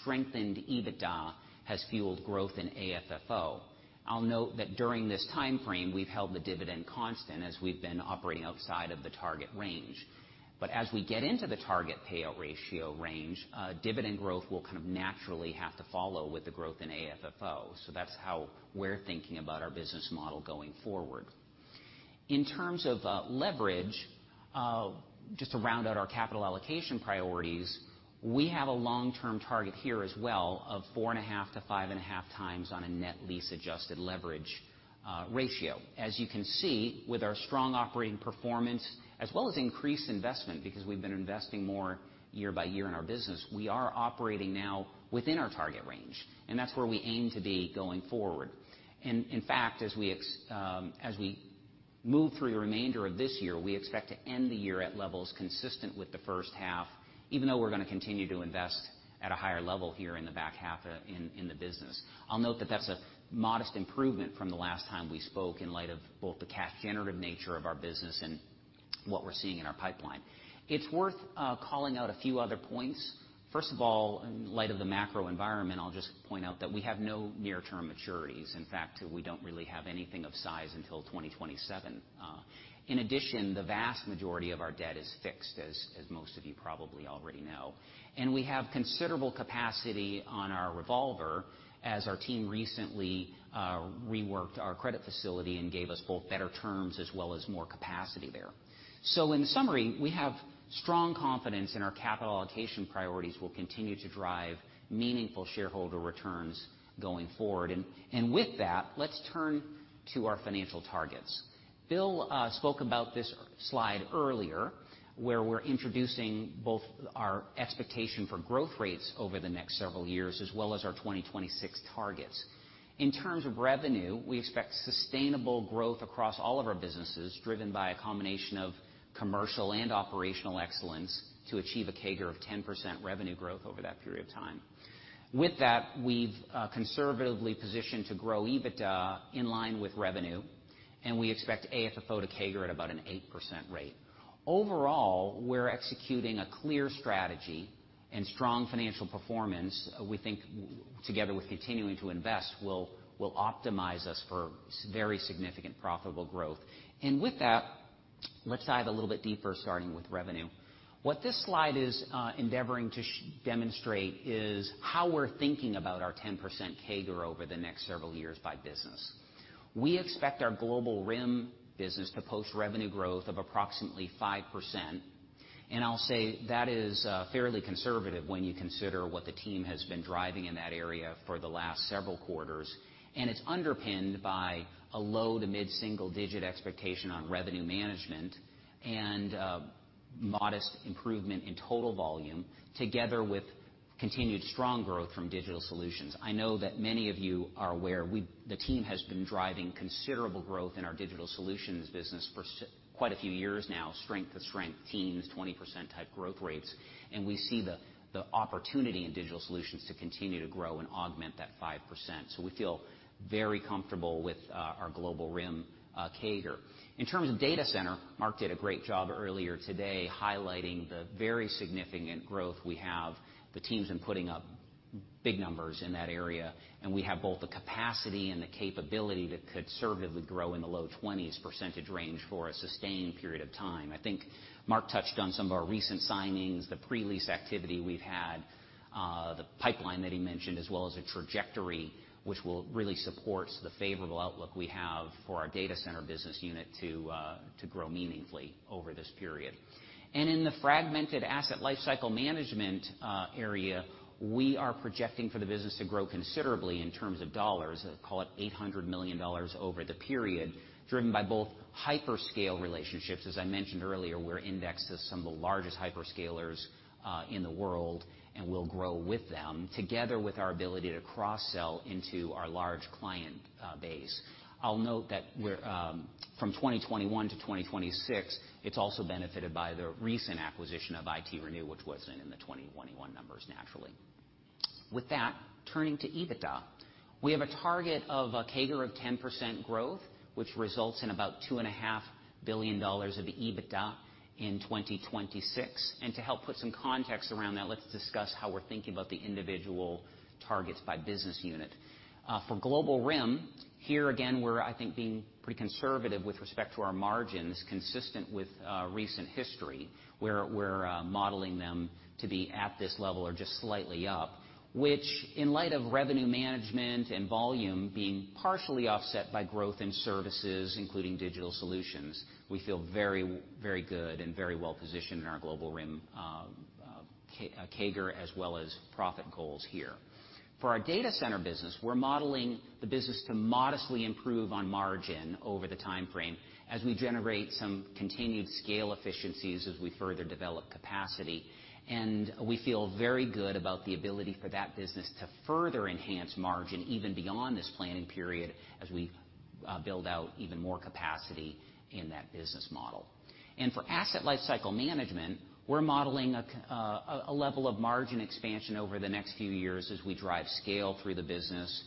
Speaker 4: strengthened EBITDA has fueled growth in AFFO. I'll note that during this timeframe, we've held the dividend constant as we've been operating outside of the target range. As we get into the target payout ratio range, dividend growth will kind of naturally have to follow with the growth in AFFO. That's how we're thinking about our business model going forward. In terms of leverage, just to round out our capital allocation priorities, we have a long-term target here as well of 4.5-5.5 times on a net lease-adjusted leverage ratio. As you can see, with our strong operating performance, as well as increased investment, because we've been investing more year by year in our business, we are operating now within our target range, and that's where we aim to be going forward. In fact, as we move through the remainder of this year, we expect to end the year at levels consistent with the first half, even though we're gonna continue to invest at a higher level here in the back half, in the business. I'll note that that's a modest improvement from the last time we spoke in light of both the cash generative nature of our business and what we're seeing in our pipeline. It's worth calling out a few other points. First of all, in light of the macro environment, I'll just point out that we have no near-term maturities. In fact, we don't really have anything of size until 2027. In addition, the vast majority of our debt is fixed, as most of you probably already know. We have considerable capacity on our revolver, as our team recently reworked our credit facility and gave us both better terms as well as more capacity there. In summary, we have strong confidence in our capital allocation priorities will continue to drive meaningful shareholder returns going forward. With that, let's turn to our financial targets. Bill spoke about this slide earlier, where we're introducing both our expectation for growth rates over the next several years as well as our 2026 targets. In terms of revenue, we expect sustainable growth across all of our businesses, driven by a combination of commercial and operational excellence to achieve a CAGR of 10% revenue growth over that period of time. With that, we've conservatively positioned to grow EBITDA in line with revenue, and we expect AFFO to CAGR at about an 8% rate. Overall, we're executing a clear strategy and strong financial performance we think together with continuing to invest will optimize us for very significant profitable growth. With that, let's dive a little bit deeper, starting with revenue. What this slide is endeavoring to demonstrate is how we're thinking about our 10% CAGR over the next several years by business. We expect our Global RIM business to post revenue growth of approximately 5%. I'll say that is fairly conservative when you consider what the team has been driving in that area for the last several quarters. It's underpinned by a low- to mid-single-digit expectation on revenue management and modest improvement in total volume together with continued strong growth from digital solutions. I know that many of you are aware, the team has been driving considerable growth in our digital solutions business for quite a few years now, strength to strength, teens, 20% type growth rates. We see the opportunity in digital solutions to continue to grow and augment that 5%. We feel very comfortable with our Global RIM CAGR. In terms of data center, Mark did a great job earlier today highlighting the very significant growth we have. The teams have been putting up big numbers in that area, and we have both the capacity and the capability to conservatively grow in the low 20s% range for a sustained period of time. I think Mark touched on some of our recent signings, the pre-lease activity we've had, the pipeline that he mentioned, as well as the trajectory which will really supports the favorable outlook we have for our data center business unit to grow meaningfully over this period. In the fragmented Asset Lifecycle Management area, we are projecting for the business to grow considerably in terms of dollars, call it $800 million over the period, driven by both hyperscale relationships. As I mentioned earlier, we're indexed to some of the largest hyperscalers in the world, and we'll grow with them together with our ability to cross-sell into our large client base. I'll note that we're from 2021 to 2026, it's also benefited by the recent acquisition of ITRenew, which wasn't in the 2021 numbers, naturally. With that, turning to EBITDA. We have a target of a CAGR of 10% growth, which results in about $2.5 billion of EBITDA in 2026. To help put some context around that, let's discuss how we're thinking about the individual targets by business unit. For Global RIM, here again, we're, I think, being pretty conservative with respect to our margins, consistent with recent history. We're modeling them to be at this level or just slightly up, which in light of revenue management and volume being partially offset by growth in services, including digital solutions, we feel very, very good and very well positioned in our Global RIM, CAGR as well as profit goals here. For our data center business, we're modeling the business to modestly improve on margin over the timeframe as we generate some continued scale efficiencies as we further develop capacity. We feel very good about the ability for that business to further enhance margin even beyond this planning period as we build out even more capacity in that business model. For Asset Lifecycle Management, we're modeling a level of margin expansion over the next few years as we drive scale through the business,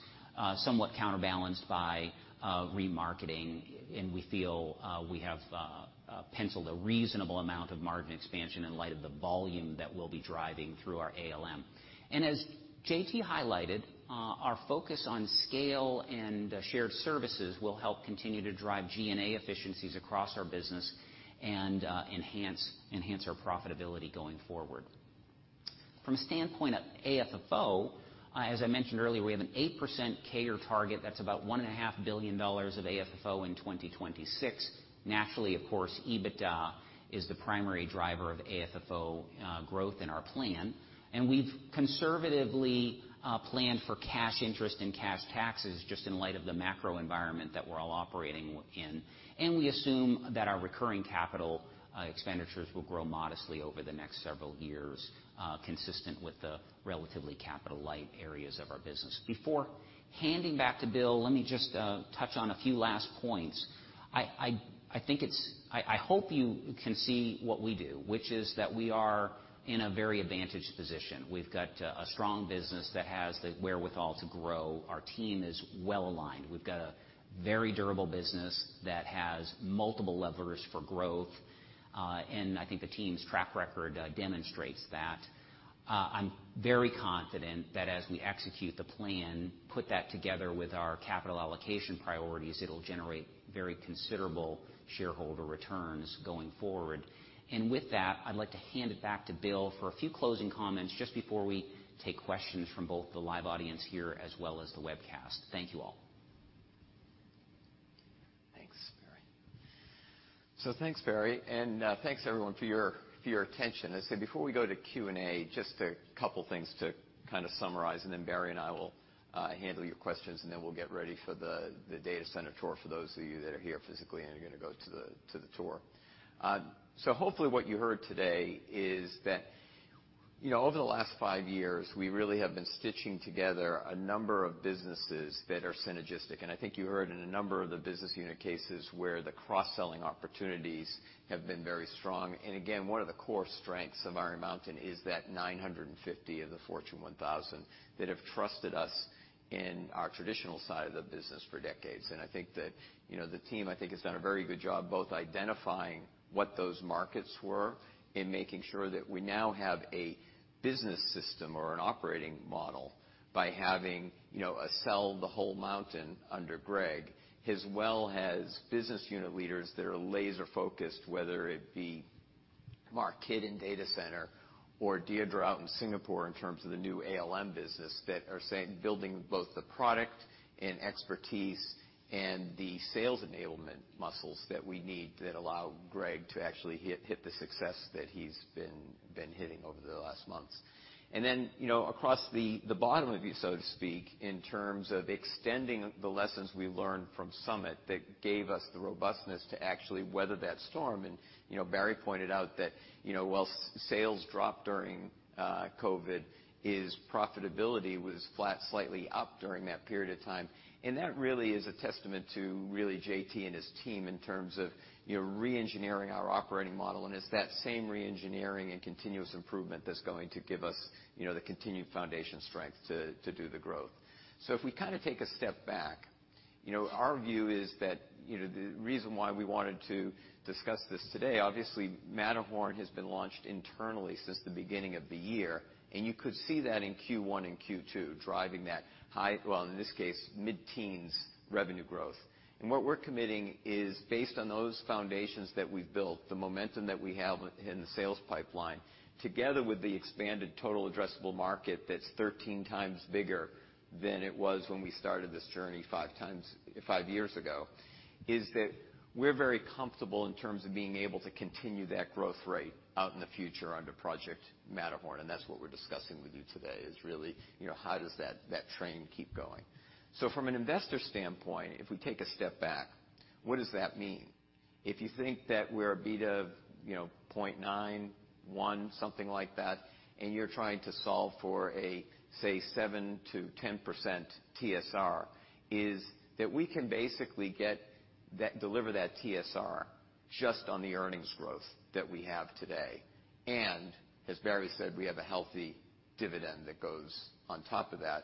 Speaker 4: somewhat counterbalanced by remarketing. We feel we have penciled a reasonable amount of margin expansion in light of the volume that we'll be driving through our ALM. As JT highlighted, our focus on scale and shared services will help continue to drive G&A efficiencies across our business and enhance our profitability going forward. From a standpoint of AFFO, as I mentioned earlier, we have an 8% CAGR target that's about $1.5 billion of AFFO in 2026. Naturally, of course, EBITDA is the primary driver of AFFO growth in our plan. We've conservatively planned for cash interest and cash taxes just in light of the macro environment that we're all operating in. We assume that our recurring capital expenditures will grow modestly over the next several years, consistent with the relatively capital light areas of our business. Before handing back to Bill, let me just touch on a few last points. I hope you can see what we do, which is that we are in a very advantaged position. We've got a strong business that has the wherewithal to grow. Our team is well aligned. We've got a very durable business that has multiple levers for growth. I think the team's track record demonstrates that. I'm very confident that as we execute the plan, put that together with our capital allocation priorities, it'll generate very considerable shareholder returns going forward. With that, I'd like to hand it back to Bill for a few closing comments just before we take questions from both the live audience here as well as the webcast. Thank you all.
Speaker 2: Thanks, Barry, and thanks everyone for your attention. As I said, before we go to Q&A, just a couple things to kind of summarize, and then Barry and I will handle your questions, and then we'll get ready for the data center tour for those of you that are here physically and are gonna go to the tour. Hopefully what you heard today is that, you know, over the last five years, we really have been stitching together a number of businesses that are synergistic. I think you heard in a number of the business unit cases where the cross-selling opportunities have been very strong. Again, one of the core strengths of Iron Mountain is that 950 of the Fortune 1000 that have trusted us in our traditional side of the business for decades. I think that, you know, the team, I think, has done a very good job both identifying what those markets were and making sure that we now have a business system or an operating model by having, you know, a sell the whole Mountain under Greg, as well as business unit leaders that are laser-focused, whether it be Mark Kidd in data centers or Deirdre out in Singapore in terms of the new ALM business that are saying, building both the product and expertise and the sales enablement muscles that we need that allow Greg to actually hit the success that he's been hitting over the last months. You know, across the bottom line, so to speak, in terms of extending the lessons we learned from Summit that gave us the robustness to actually weather that storm. You know, Barry pointed out that, you know, while sales dropped during COVID, his profitability was flat, slightly up during that period of time. That really is a testament to really JT and his team in terms of, you know, reengineering our operating model. It's that same reengineering and continuous improvement that's going to give us, you know, the continued foundation strength to do the growth. If we kinda take a step back, you know, our view is that, you know, the reason why we wanted to discuss this today, obviously Matterhorn has been launched internally since the beginning of the year, and you could see that in Q1 and Q2, driving that well, in this case, mid-teens% revenue growth. What we're committing is based on those foundations that we've built, the momentum that we have in the sales pipeline, together with the expanded total addressable market that's 13 times bigger than it was when we started this journey five years ago, is that we're very comfortable in terms of being able to continue that growth rate out in the future under Project Matterhorn, and that's what we're discussing with you today, is really, you know, how does that train keep going. From an investor standpoint, if we take a step back, what does that mean? If you think that we're a beta of, you know, 0.91, something like that, and you're trying to solve for a, say, 7%-10% TSR, that we can basically get that, deliver that TSR just on the earnings growth that we have today. As Barry said, we have a healthy dividend that goes on top of that,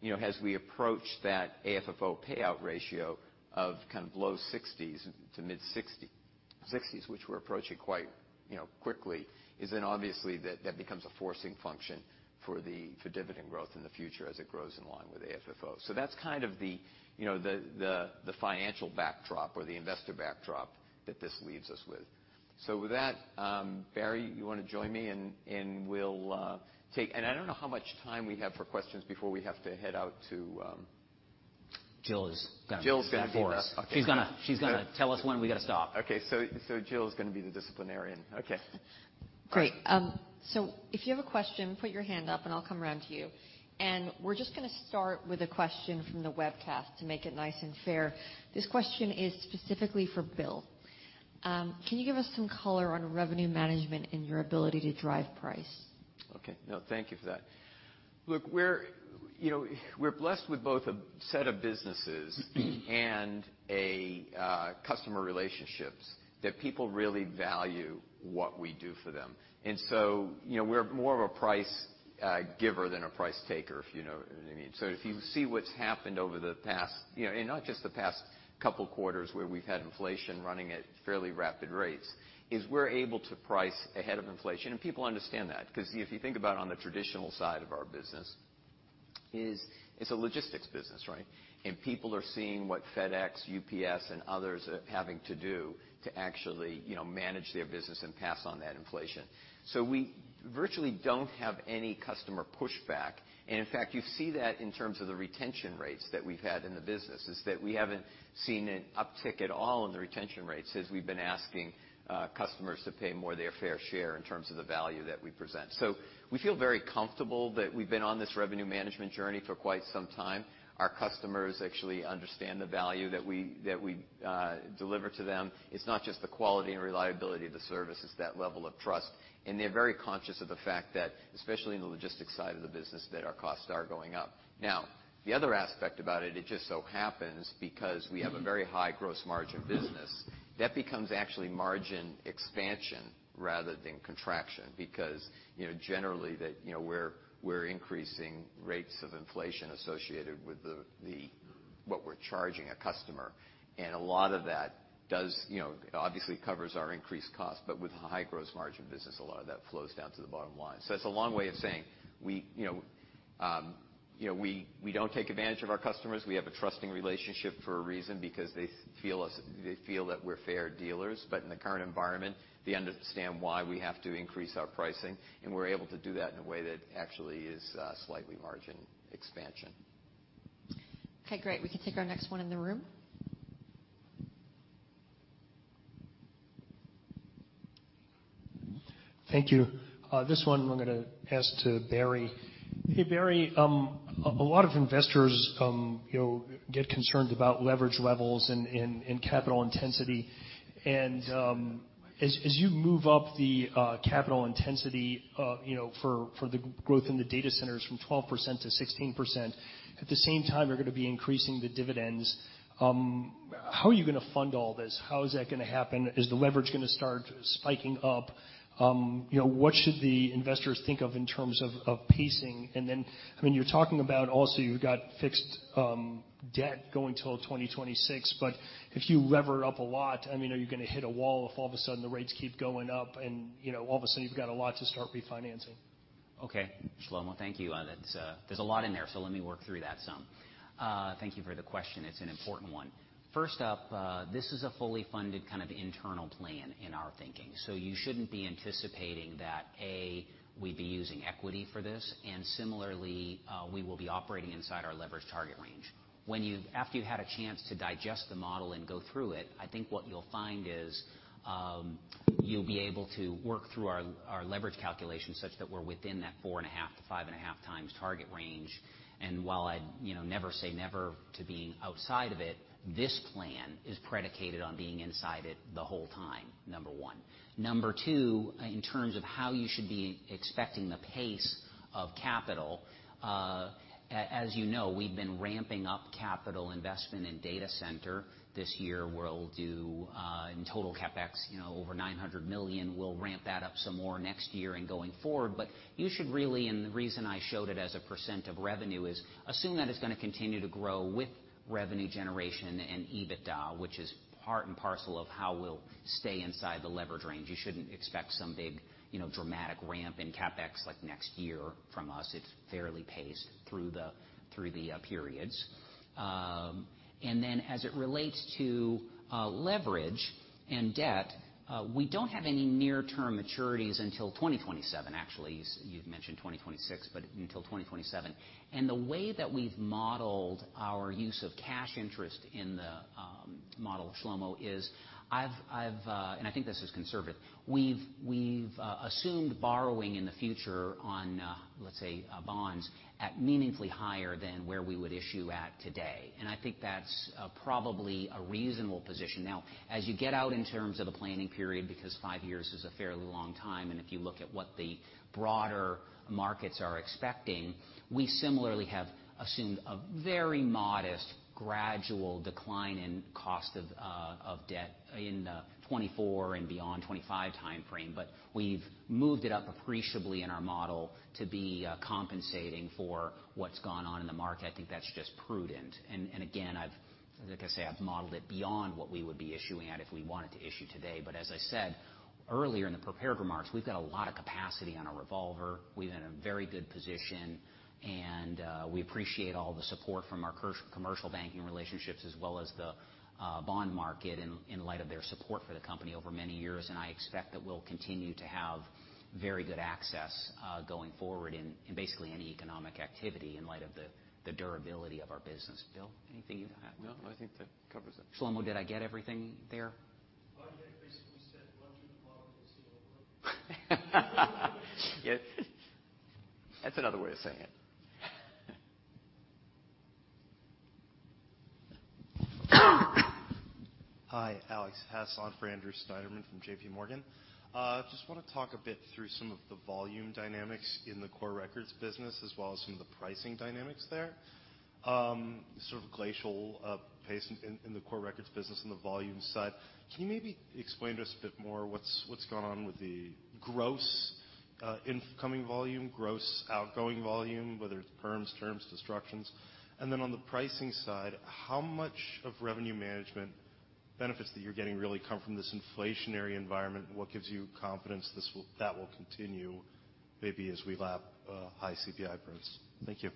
Speaker 2: you know, as we approach that AFFO payout ratio of kind of low 60s to mid-60s, which we're approaching quite, you know, quickly, that becomes a forcing function for the dividend growth in the future as it grows in line with AFFO. That's kind of the, you know, the financial backdrop or the investor backdrop that this leaves us with. With that, Barry, you wanna join me. I don't know how much time we have for questions before we have to head out to.
Speaker 4: Jill is gonna-
Speaker 2: Jill's gonna be the-
Speaker 4: She's gonna tell us when we gotta stop.
Speaker 2: Okay. Jill is gonna be the disciplinarian. Okay.
Speaker 1: Great. If you have a question, put your hand up, and I'll come around to you. We're just gonna start with a question from the webcast to make it nice and fair. This question is specifically for Bill. Can you give us some color on revenue management and your ability to drive price?
Speaker 2: Okay. No, thank you for that. Look, we're, you know, we're blessed with both a set of businesses and a customer relationships that people really value what we do for them. You know, we're more of a price giver than a price taker, if you know what I mean. If you see what's happened over the past, you know, and not just the past couple quarters where we've had inflation running at fairly rapid rates, we're able to price ahead of inflation, and people understand that. 'Cause if you think about on the traditional side of our business, it's a logistics business, right? People are seeing what FedEx, UPS, and others are having to do to actually, you know, manage their business and pass on that inflation. We virtually don't have any customer pushback. In fact, you see that in terms of the retention rates that we've had in the business, is that we haven't seen an uptick at all in the retention rates as we've been asking customers to pay more of their fair share in terms of the value that we present. We feel very comfortable that we've been on this revenue management journey for quite some time. Our customers actually understand the value that we deliver to them. It's not just the quality and reliability of the service, it's that level of trust. They're very conscious of the fact that, especially in the logistics side of the business, that our costs are going up. Now, the other aspect about it just so happens because we have a very high gross margin business, that becomes actually margin expansion rather than contraction because, you know, generally that, you know, we're increasing rates of inflation associated with the what we're charging a customer. A lot of that does, you know, obviously covers our increased cost, but with high gross margin business, a lot of that flows down to the bottom line. It's a long way of saying we, you know, you know, we don't take advantage of our customers. We have a trusting relationship for a reason because they feel that we're fair dealers. In the current environment, they understand why we have to increase our pricing, and we're able to do that in a way that actually is slightly margin expansion.
Speaker 1: Okay, great. We can take our next one in the room.
Speaker 9: Thank you. This one I'm gonna ask to Barry. Hey, Barry. A lot of investors, you know, get concerned about leverage levels and capital intensity. As you move up the capital intensity, you know, for the growth in the data centers from 12% to 16%, at the same time you're gonna be increasing the dividends. How are you gonna fund all this? How is that gonna happen? Is the leverage gonna start spiking up? You know, what should the investors think of in terms of pacing? I mean, you're talking about also you've got fixed debt going till 2026, but if you lever it up a lot, I mean, are you gonna hit a wall if all of a sudden the rates keep going up and, you know, all of a sudden you've got a lot to start refinancing?
Speaker 4: Okay. Shlomo, thank you. That's. There's a lot in there, so let me work through that some. Thank you for the question. It's an important one. First up, this is a fully funded kind of internal plan in our thinking. You shouldn't be anticipating that, A, we'd be using equity for this, and similarly, we will be operating inside our leverage target range. After you've had a chance to digest the model and go through it, I think what you'll find is, you'll be able to work through our leverage calculation such that we're within that 4.5-5.5 times target range. While I'd, you know, never say never to being outside of it, this plan is predicated on being inside it the whole time, number one. Number two, in terms of how you should be expecting the pace of capital, as you know, we've been ramping up capital investment in data center. This year, we'll do, in total CapEx, you know, over $900 million. We'll ramp that up some more next year and going forward. But you should really, and the reason I showed it as a % of revenue is, assume that it's gonna continue to grow with revenue generation and EBITDA, which is part and parcel of how we'll stay inside the leverage range. You shouldn't expect some big, you know, dramatic ramp in CapEx like next year from us. It's fairly paced through the periods. And then as it relates to leverage and debt, we don't have any near term maturities until 2027. Actually, you've mentioned 2026, but until 2027. The way that we've modeled our use of cash interest in the model, Shlomo, is I've. I think this is conservative. We've assumed borrowing in the future on, let's say, bonds at meaningfully higher than where we would issue at today. I think that's probably a reasonable position. Now, as you get out in terms of the planning period, because five years is a fairly long time, and if you look at what the broader markets are expecting, we similarly have assumed a very modest gradual decline in cost of debt in 2024 and beyond 2025 timeframe, but we've moved it up appreciably in our model to be compensating for what's gone on in the market. I think that's just prudent. Again, like I say, I've modeled it beyond what we would be issuing at if we wanted to issue today. As I said earlier in the prepared remarks, we've got a lot of capacity on our revolver. We're in a very good position, and we appreciate all the support from our commercial banking relationships as well as the bond market in light of their support for the company over many years. I expect that we'll continue to have very good access going forward in basically any economic activity in light of the durability of our business. Bill, anything you'd add? No, I think that covers it. Shlomo, did I get everything there?
Speaker 8: I think you basically said bunch of modeling.
Speaker 4: Yeah. That's another way of saying it.
Speaker 10: Hi, Alex Hess for Andrew Steinerman from J.P. Morgan. Just wanna talk a bit through some of the volume dynamics in the core records business as well as some of the pricing dynamics there. Sort of glacial pace in the core records business on the volume side. Can you maybe explain to us a bit more what's gone on with the gross incoming volume, gross outgoing volume, whether it's perms, terms, destructions? Then on the pricing side, how much of revenue management benefits that you're getting really come from this inflationary environment, and what gives you confidence that will continue maybe as we lap high CPI growth? Thank you.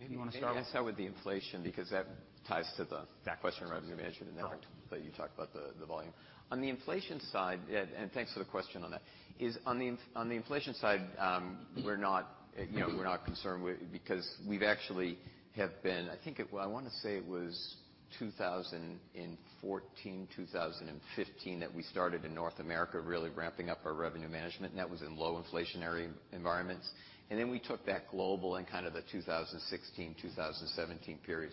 Speaker 10: Maybe you wanna start with.
Speaker 4: Maybe I'll start with the inflation because that ties to the. That question. Revenue management and now that you talked about the volume. On the inflation side, yeah, and thanks for the question on that. It's on the inflation side, we're not, you know, we're not concerned with it because we've actually have been. Well, I wanna say it was 2014, 2015 that we started in North America really ramping up our revenue management, and that was in low inflationary environments. Then we took that global in kind of the 2016, 2017 period.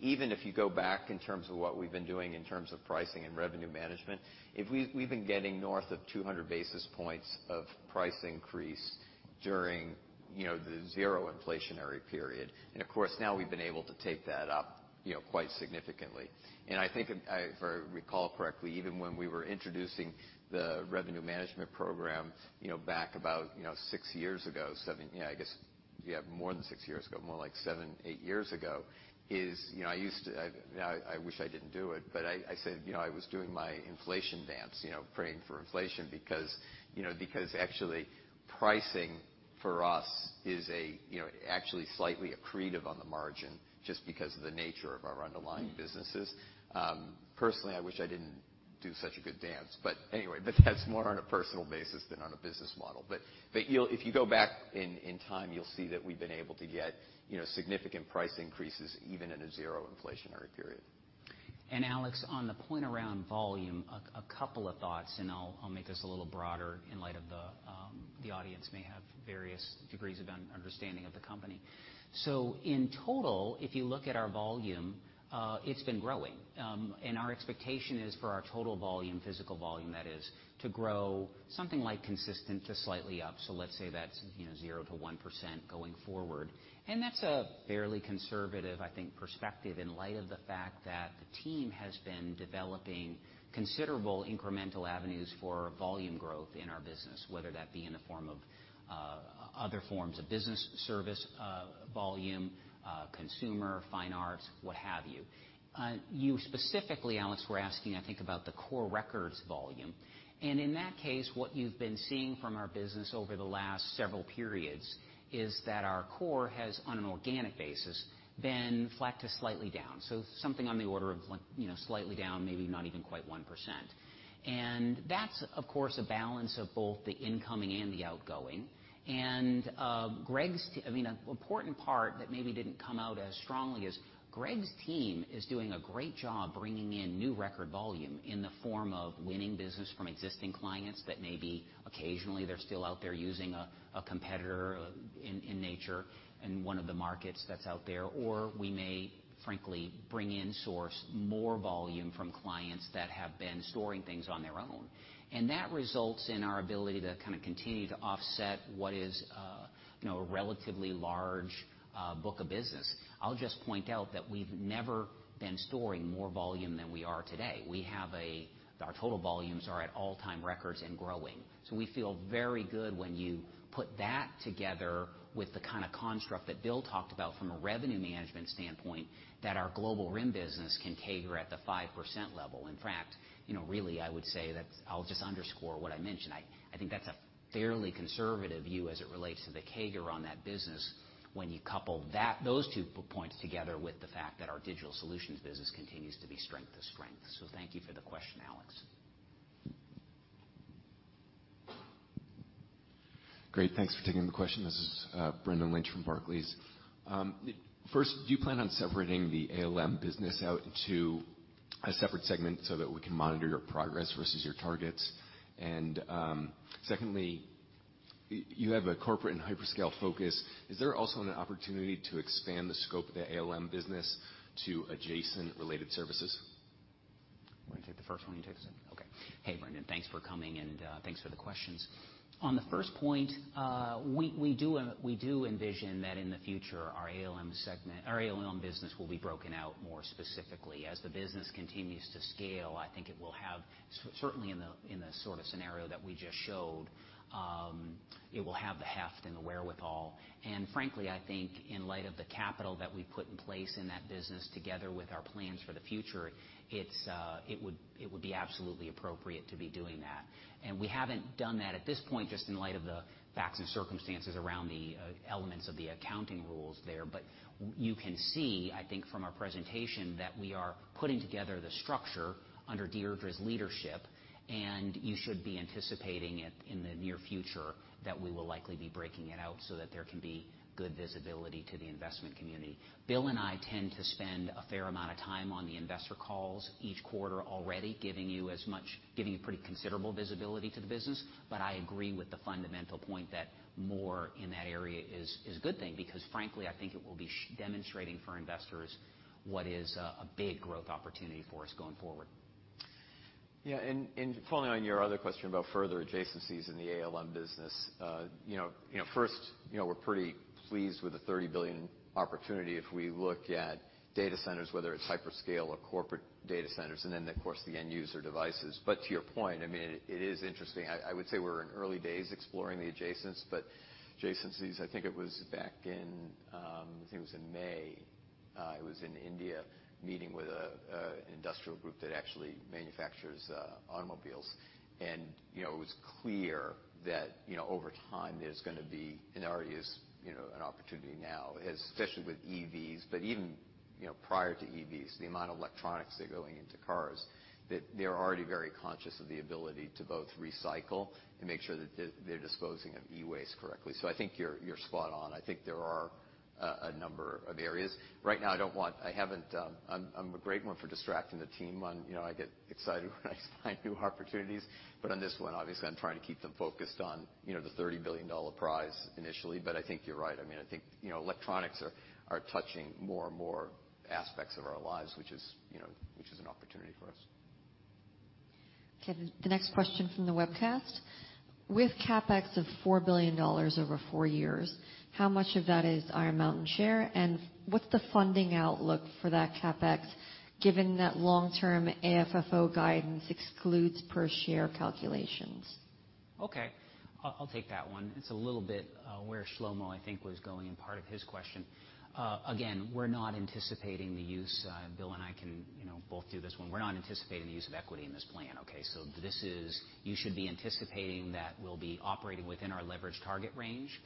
Speaker 4: Even if you go back in terms of what we've been doing in terms of pricing and revenue management, we've been getting north of 200 basis points of price increase during, you know, the zero inflationary period. Of course, now we've been able to take that up, you know, quite significantly. I think if I recall correctly, even when we were introducing the revenue management program, you know, back about, you know, 6 years ago, 7. You know, I guess, yeah, more than 6 years ago, more like 7, 8 years ago. I used to. I wish I didn't do it, but I said, you know, I was doing my inflation dance, you know, praying for inflation because, you know, because actually pricing for us is a, you know, actually slightly accretive on the margin just because of the nature of our underlying businesses. Personally, I wish I didn't do such a good dance. Anyway, but that's more on a personal basis than on a business model. If you go back in time, you'll see that we've been able to get, you know, significant price increases even in a zero inflationary period. Alex, on the point around volume, a couple of thoughts, and I'll make this a little broader in light of the audience may have various degrees of understanding of the company. In total, if you look at our volume, it's been growing. Our expectation is for our total volume, physical volume that is, to grow something like consistent to slightly up. Let's say that's, you know, 0%-1% going forward. That's a fairly conservative, I think, perspective in light of the fact that the team has been developing considerable incremental avenues for volume growth in our business, whether that be in the form of other forms of business service volume, consumer, fine arts, what have you. You specifically, Alex, were asking, I think, about the core records volume. In that case, what you've been seeing from our business over the last several periods is that our core has, on an organic basis, been flat to slightly down. So something on the order of like, you know, slightly down, maybe not even quite 1%. That's, of course, a balance of both the incoming and the outgoing. An important part that maybe didn't come out as strongly as Greg's team is doing a great job bringing in new record volume in the form of winning business from existing clients that maybe occasionally they're still out there using a competitor in nature in one of the markets that's out there, or we may frankly bring in source more volume from clients that have been storing things on their own. That results in our ability to kind of continue to offset what is, you know, a relatively large book of business. I'll just point out that we've never been storing more volume than we are today. Our total volumes are at all-time records and growing. We feel very good when you put that together with the kind of construct that Bill talked about from a revenue management standpoint, that our Global RIM business can CAGR at the 5% level. In fact, you know, really, I would say that I'll just underscore what I mentioned. I think that's a fairly conservative view as it relates to the CAGR on that business when you couple that those two points together with the fact that our digital solutions business continues to be strength to strength. Thank you for the question, Alex.
Speaker 11: Great. Thanks for taking the question. This is Brendan Lynch from Barclays. First, do you plan on separating the ALM business out into a separate segment so that we can monitor your progress versus your targets? Secondly, you have a corporate and hyperscale focus. Is there also an opportunity to expand the scope of the ALM business to adjacent related services?
Speaker 4: You want me to take the first one, you take the second? Okay. Hey, Brendan. Thanks for coming, and thanks for the questions. On the first point, we do envision that in the future, our ALM segment, our ALM business will be broken out more specifically. As the business continues to scale, I think it will have certainly in the sort of scenario that we just showed, it will have the heft and the wherewithal. Frankly, I think in light of the capital that we put in place in that business together with our plans for the future, it would be absolutely appropriate to be doing that. We haven't done that at this point, just in light of the facts and circumstances around the elements of the accounting rules there. You can see, I think, from our presentation that we are putting together the structure under Deirdre's leadership, and you should be anticipating it in the near future that we will likely be breaking it out so that there can be good visibility to the investment community. Bill and I tend to spend a fair amount of time on the investor calls each quarter already, giving you pretty considerable visibility to the business. I agree with the fundamental point that more in that area is a good thing because frankly, I think it will be demonstrating for investors what is a big growth opportunity for us going forward. Following on your other question about further adjacencies in the ALM business, you know, first, you know, we're pretty pleased with the $30 billion opportunity if we look at data centers, whether it's hyperscale or corporate data centers, and then of course, the end user devices. To your point, I mean, it is interesting. I would say we're in early days exploring the adjacencies, I think it was back in May, I was in India meeting with an industrial group that actually manufactures automobiles. You know, it was clear that, you know, over time, there's gonna be, and already is, you know, an opportunity now, especially with EVs, but even, you know, prior to EVs, the amount of electronics that are going into cars, that they're already very conscious of the ability to both recycle and make sure that they're disposing of e-waste correctly. I think you're spot on. I think there are a number of areas. Right now, I don't want. I haven't, I'm a great one for distracting the team on, you know, I get excited when I find new opportunities. On this one, obviously, I'm trying to keep them focused on, you know, the $30 billion prize initially. I think you're right. I mean, I think, you know, electronics are touching more and more aspects of our lives, which is, you know, which is an opportunity for us. Okay. The next question from the webcast. With CapEx of $4 billion over four years, how much of that is Iron Mountain share, and what's the funding outlook for that CapEx, given that long-term AFFO guidance excludes per share calculations? Okay, I'll take that one. It's a little bit where Shlomo, I think, was going in part of his question. Again, we're not anticipating the use. Bill and I can, you know, both do this one. We're not anticipating the use of equity in this plan, okay? This is. You should be anticipating that we'll be operating within our leverage target range.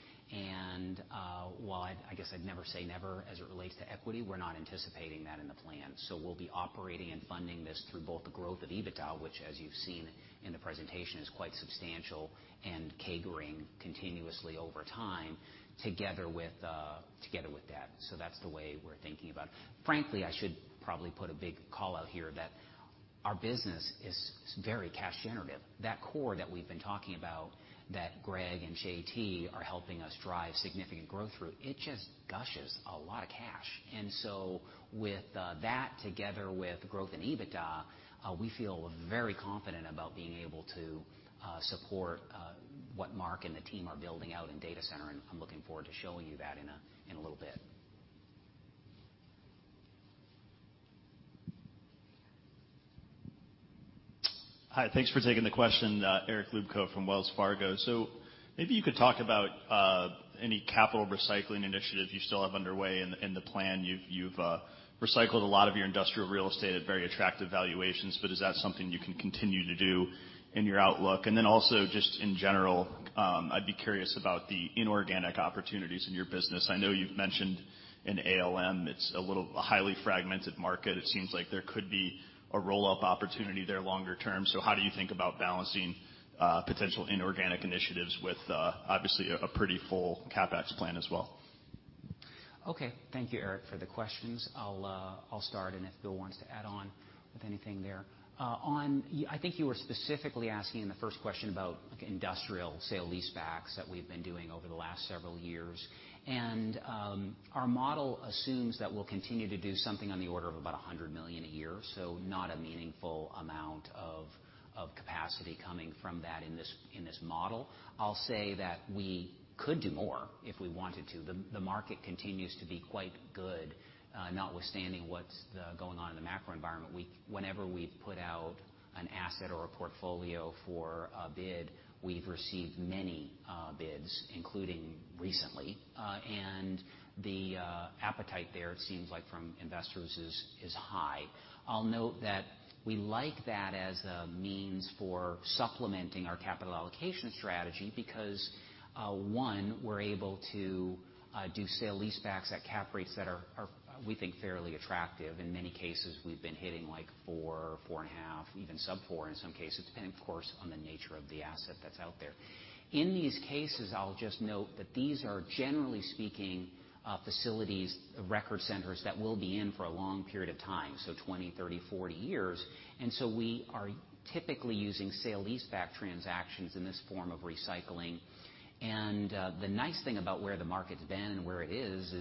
Speaker 4: While I guess I'd never say never, as it relates to equity, we're not anticipating that in the plan. We'll be operating and funding this through both the growth of EBITDA, which as you've seen in the presentation, is quite substantial and CAGR-ing continuously over time together with that. That's the way we're thinking about it. Frankly, I should probably put a big call out here that our business is very cash generative. That core that we've been talking about, that Greg and JT are helping us drive significant growth through, it just gushes a lot of cash. With that, together with growth in EBITDA, we feel very confident about being able to support what Mark and the team are building out in data center, and I'm looking forward to showing you that in a little bit.
Speaker 12: Hi, thanks for taking the question. Eric Luebchow from Wells Fargo. Maybe you could talk about any capital recycling initiative you still have underway in the plan. You've recycled a lot of your industrial real estate at very attractive valuations, but is that something you can continue to do in your outlook? Also just in general, I'd be curious about the inorganic opportunities in your business. I know you've mentioned in ALM, it's a little, a highly fragmented market. It seems like there could be a roll-up opportunity there longer term. How do you think about balancing potential inorganic initiatives with obviously a pretty full CapEx plan as well?
Speaker 4: Okay. Thank you, Eric, for the questions. I'll start, and if Bill wants to add on with anything there. I think you were specifically asking in the first question about industrial sale-leasebacks that we've been doing over the last several years. Our model assumes that we'll continue to do something on the order of about $100 million a year, so not a meaningful amount of capacity coming from that in this model. I'll say that we could do more if we wanted to. The market continues to be quite good, notwithstanding what's going on in the macro environment. Whenever we've put out an asset or a portfolio for a bid, we've received many bids, including recently. The appetite there, it seems like from investors is high. I'll note that we like that as a means for supplementing our capital allocation strategy, because, one, we're able to do sale-leasebacks at cap rates that are, we think fairly attractive. In many cases, we've been hitting like 4%, 4.5%, even sub-4% in some cases, depending, of course, on the nature of the asset that's out there. In these cases, I'll just note that these are, generally speaking, facilities, record centers that we'll be in for a long period of time, so 20, 30, 40 years. We are typically using sale-leaseback transactions in this form of recycling. The nice thing about where the market's been and where it is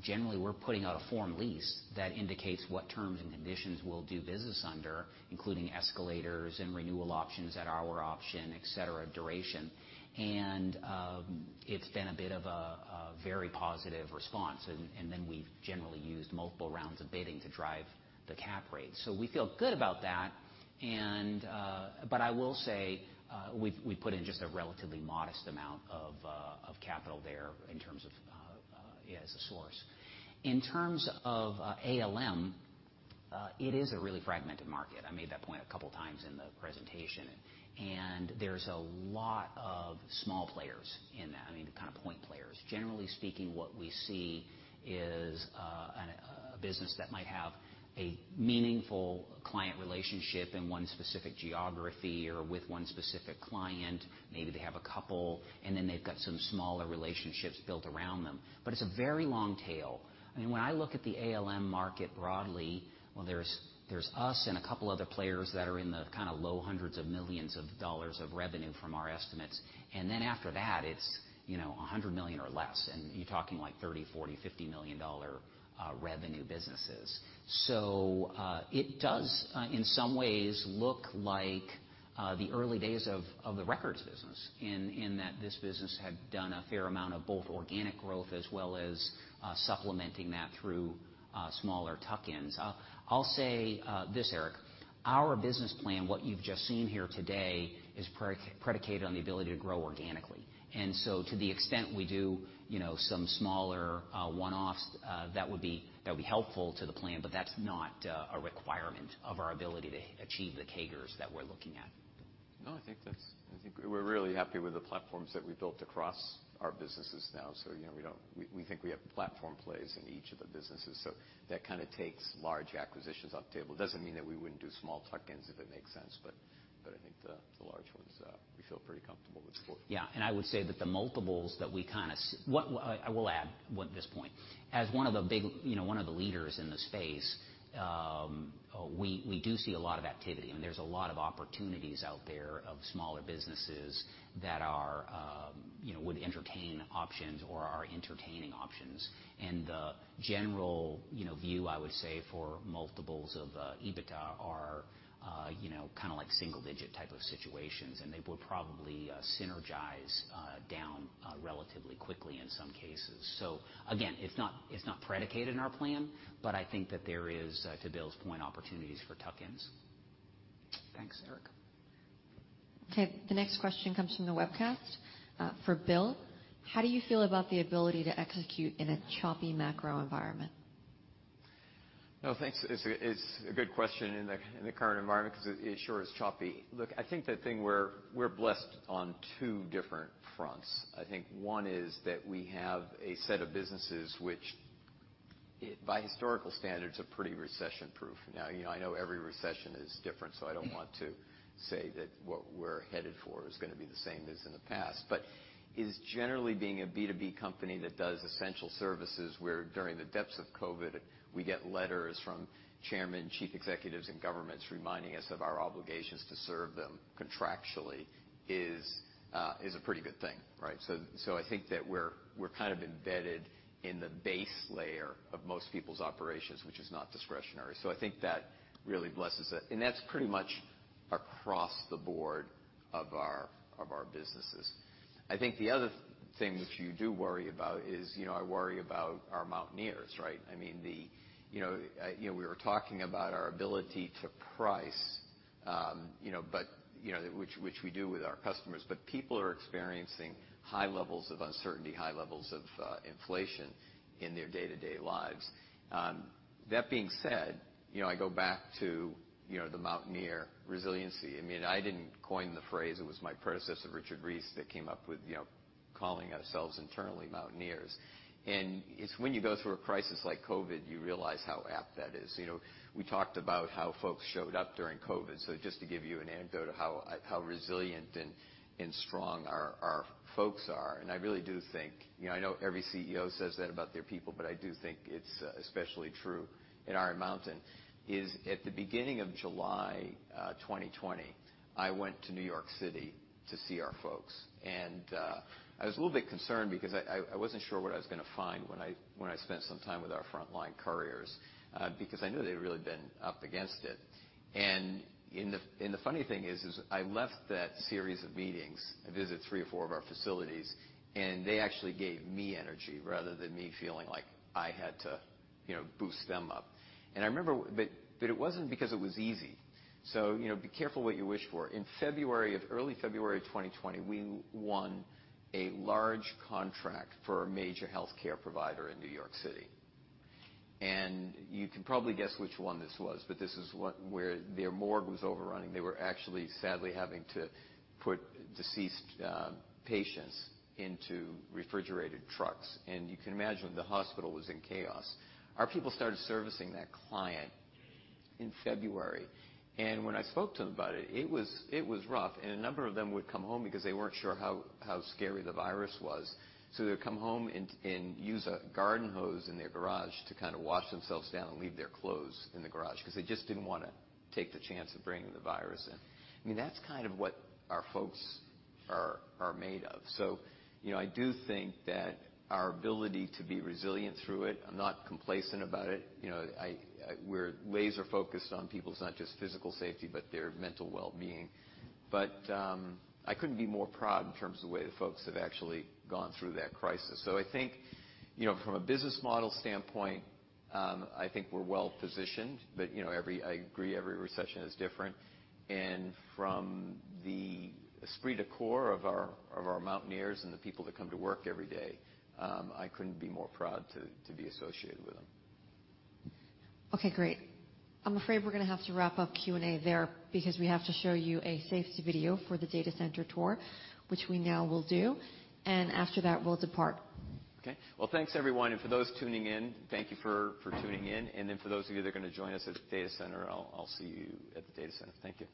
Speaker 4: generally, we're putting out a form lease that indicates what terms and conditions we'll do business under, including escalators and renewal options at our option, et cetera, duration. It's been a bit of a very positive response. Then we've generally used multiple rounds of bidding to drive the cap rate. We feel good about that. I will say, we've put in just a relatively modest amount of capital there in terms of, yeah, as a source. In terms of ALM, it is a really fragmented market. I made that point a couple times in the presentation. There's a lot of small players in that, I mean, the kinda point players. Generally speaking, what we see is, a business that might have a meaningful client relationship in one specific geography or with one specific client. Maybe they have a couple, and then they've got some smaller relationships built around them. It's a very long tail. I mean, when I look at the ALM market broadly, well, there's us and a couple other players that are in the kinda low hundreds of millions of dollars of revenue from our estimates. After that, it's, you know, $100 million or less, and you're talking like $30 million, $40 million, $50 million revenue businesses. It does, in some ways look like the early days of the records business, in that this business had done a fair amount of both organic growth as well as supplementing that through smaller tuck-ins. I'll say this, Eric. Our business plan, what you've just seen here today, is predicated on the ability to grow organically. To the extent we do, you know, some smaller, one-offs, that would be helpful to the plan, but that's not a requirement of our ability to achieve the CAGRs that we're looking at.
Speaker 2: No, I think we're really happy with the platforms that we built across our businesses now. You know, we think we have platform plays in each of the businesses. So that kind of takes large acquisitions off the table. Doesn't mean that we wouldn't do small tuck-ins if it makes sense, but I think the large ones we feel pretty comfortable with the flow.
Speaker 4: Yeah. I would say that the multiples that we kinda see. I will add to this point. As one of the big, you know, one of the leaders in the space, we do see a lot of activity, and there's a lot of opportunities out there of smaller businesses that are, you know, would entertain options or are entertaining options. The general, you know, view, I would say, for multiples of EBITDA are, you know, kinda like single digit type of situations, and they will probably synergize down relatively quickly in some cases. Again, it's not predicated in our plan, but I think that there is, to Bill's point, opportunities for tuck-ins. Thanks, Eric.
Speaker 12: Okay. The next question comes from the webcast for Bill. How do you feel about the ability to execute in a choppy macro environment?
Speaker 2: No, thanks. It's a good question in the current environment 'cause it sure is choppy. Look, I think the thing we're blessed on two different fronts. I think one is that we have a set of businesses, by historical standards, are pretty recession-proof. Now, you know, I know every recession is different, so I don't want to say that what we're headed for is gonna be the same as in the past. Generally being a B2B company that does essential services, where during the depths of COVID, we get letters from chairmen, chief executives, and governments reminding us of our obligations to serve them contractually is a pretty good thing, right? I think that we're kind of embedded in the base layer of most people's operations, which is not discretionary. I think that really blesses it, and that's pretty much across the board of our businesses. I think the other thing which you do worry about is, you know, I worry about our Mountaineers, right? I mean, we were talking about our ability to price, you know, but you know, which we do with our customers. But people are experiencing high levels of uncertainty, high levels of inflation in their day-to-day lives. That being said, you know, I go back to, you know, the Mountaineer resiliency. I mean, I didn't coin the phrase, it was my predecessor, Richard Reese, that came up with, you know, calling ourselves internally Mountaineers. It's when you go through a crisis like COVID, you realize how apt that is. You know, we talked about how folks showed up during COVID. Just to give you an anecdote of how resilient and strong our folks are, and I really do think, you know, I know every CEO says that about their people, but I do think it's especially true in Iron Mountain. At the beginning of July 2020, I went to New York City to see our folks. I was a little bit concerned because I wasn't sure what I was gonna find when I spent some time with our frontline couriers, because I knew they'd really been up against it. The funny thing is I left that series of meetings. I visit three or four of our facilities, and they actually gave me energy rather than me feeling like I had to, you know, boost them up. I remember. it wasn't because it was easy. You know, be careful what you wish for. In early February of 2020, we won a large contract for a major healthcare provider in New York City. You can probably guess which one this was, this is one where their morgue was overrunning. They were actually sadly having to put deceased, patients into refrigerated trucks. You can imagine the hospital was in chaos. Our people started servicing that client in February, and when I spoke to them about it was rough. A number of them would come home because they weren't sure how scary the virus was. They'd come home and use a garden hose in their garage to kind of wash themselves down and leave their clothes in the garage, 'cause they just didn't wanna take the chance of bringing the virus in. I mean, that's kind of what our folks are made of. You know, I do think that our ability to be resilient through it. I'm not complacent about it. You know, We're laser focused on people's not just physical safety, but their mental well-being. I couldn't be more proud in terms of the way the folks have actually gone through that crisis. I think, you know, from a business model standpoint, I think we're well positioned. You know, every, I agree, every recession is different. From the esprit de corps of our Mountaineers and the people that come to work every day, I couldn't be more proud to be associated with them.
Speaker 12: Okay, great. I'm afraid we're gonna have to wrap up Q&A there because we have to show you a safety video for the data center tour, which we now will do, and after that, we'll depart.
Speaker 2: Okay. Well, thanks everyone, and for those tuning in, thank you for tuning in. For those of you that are gonna join us at the data center, I'll see you at the data center. Thank you.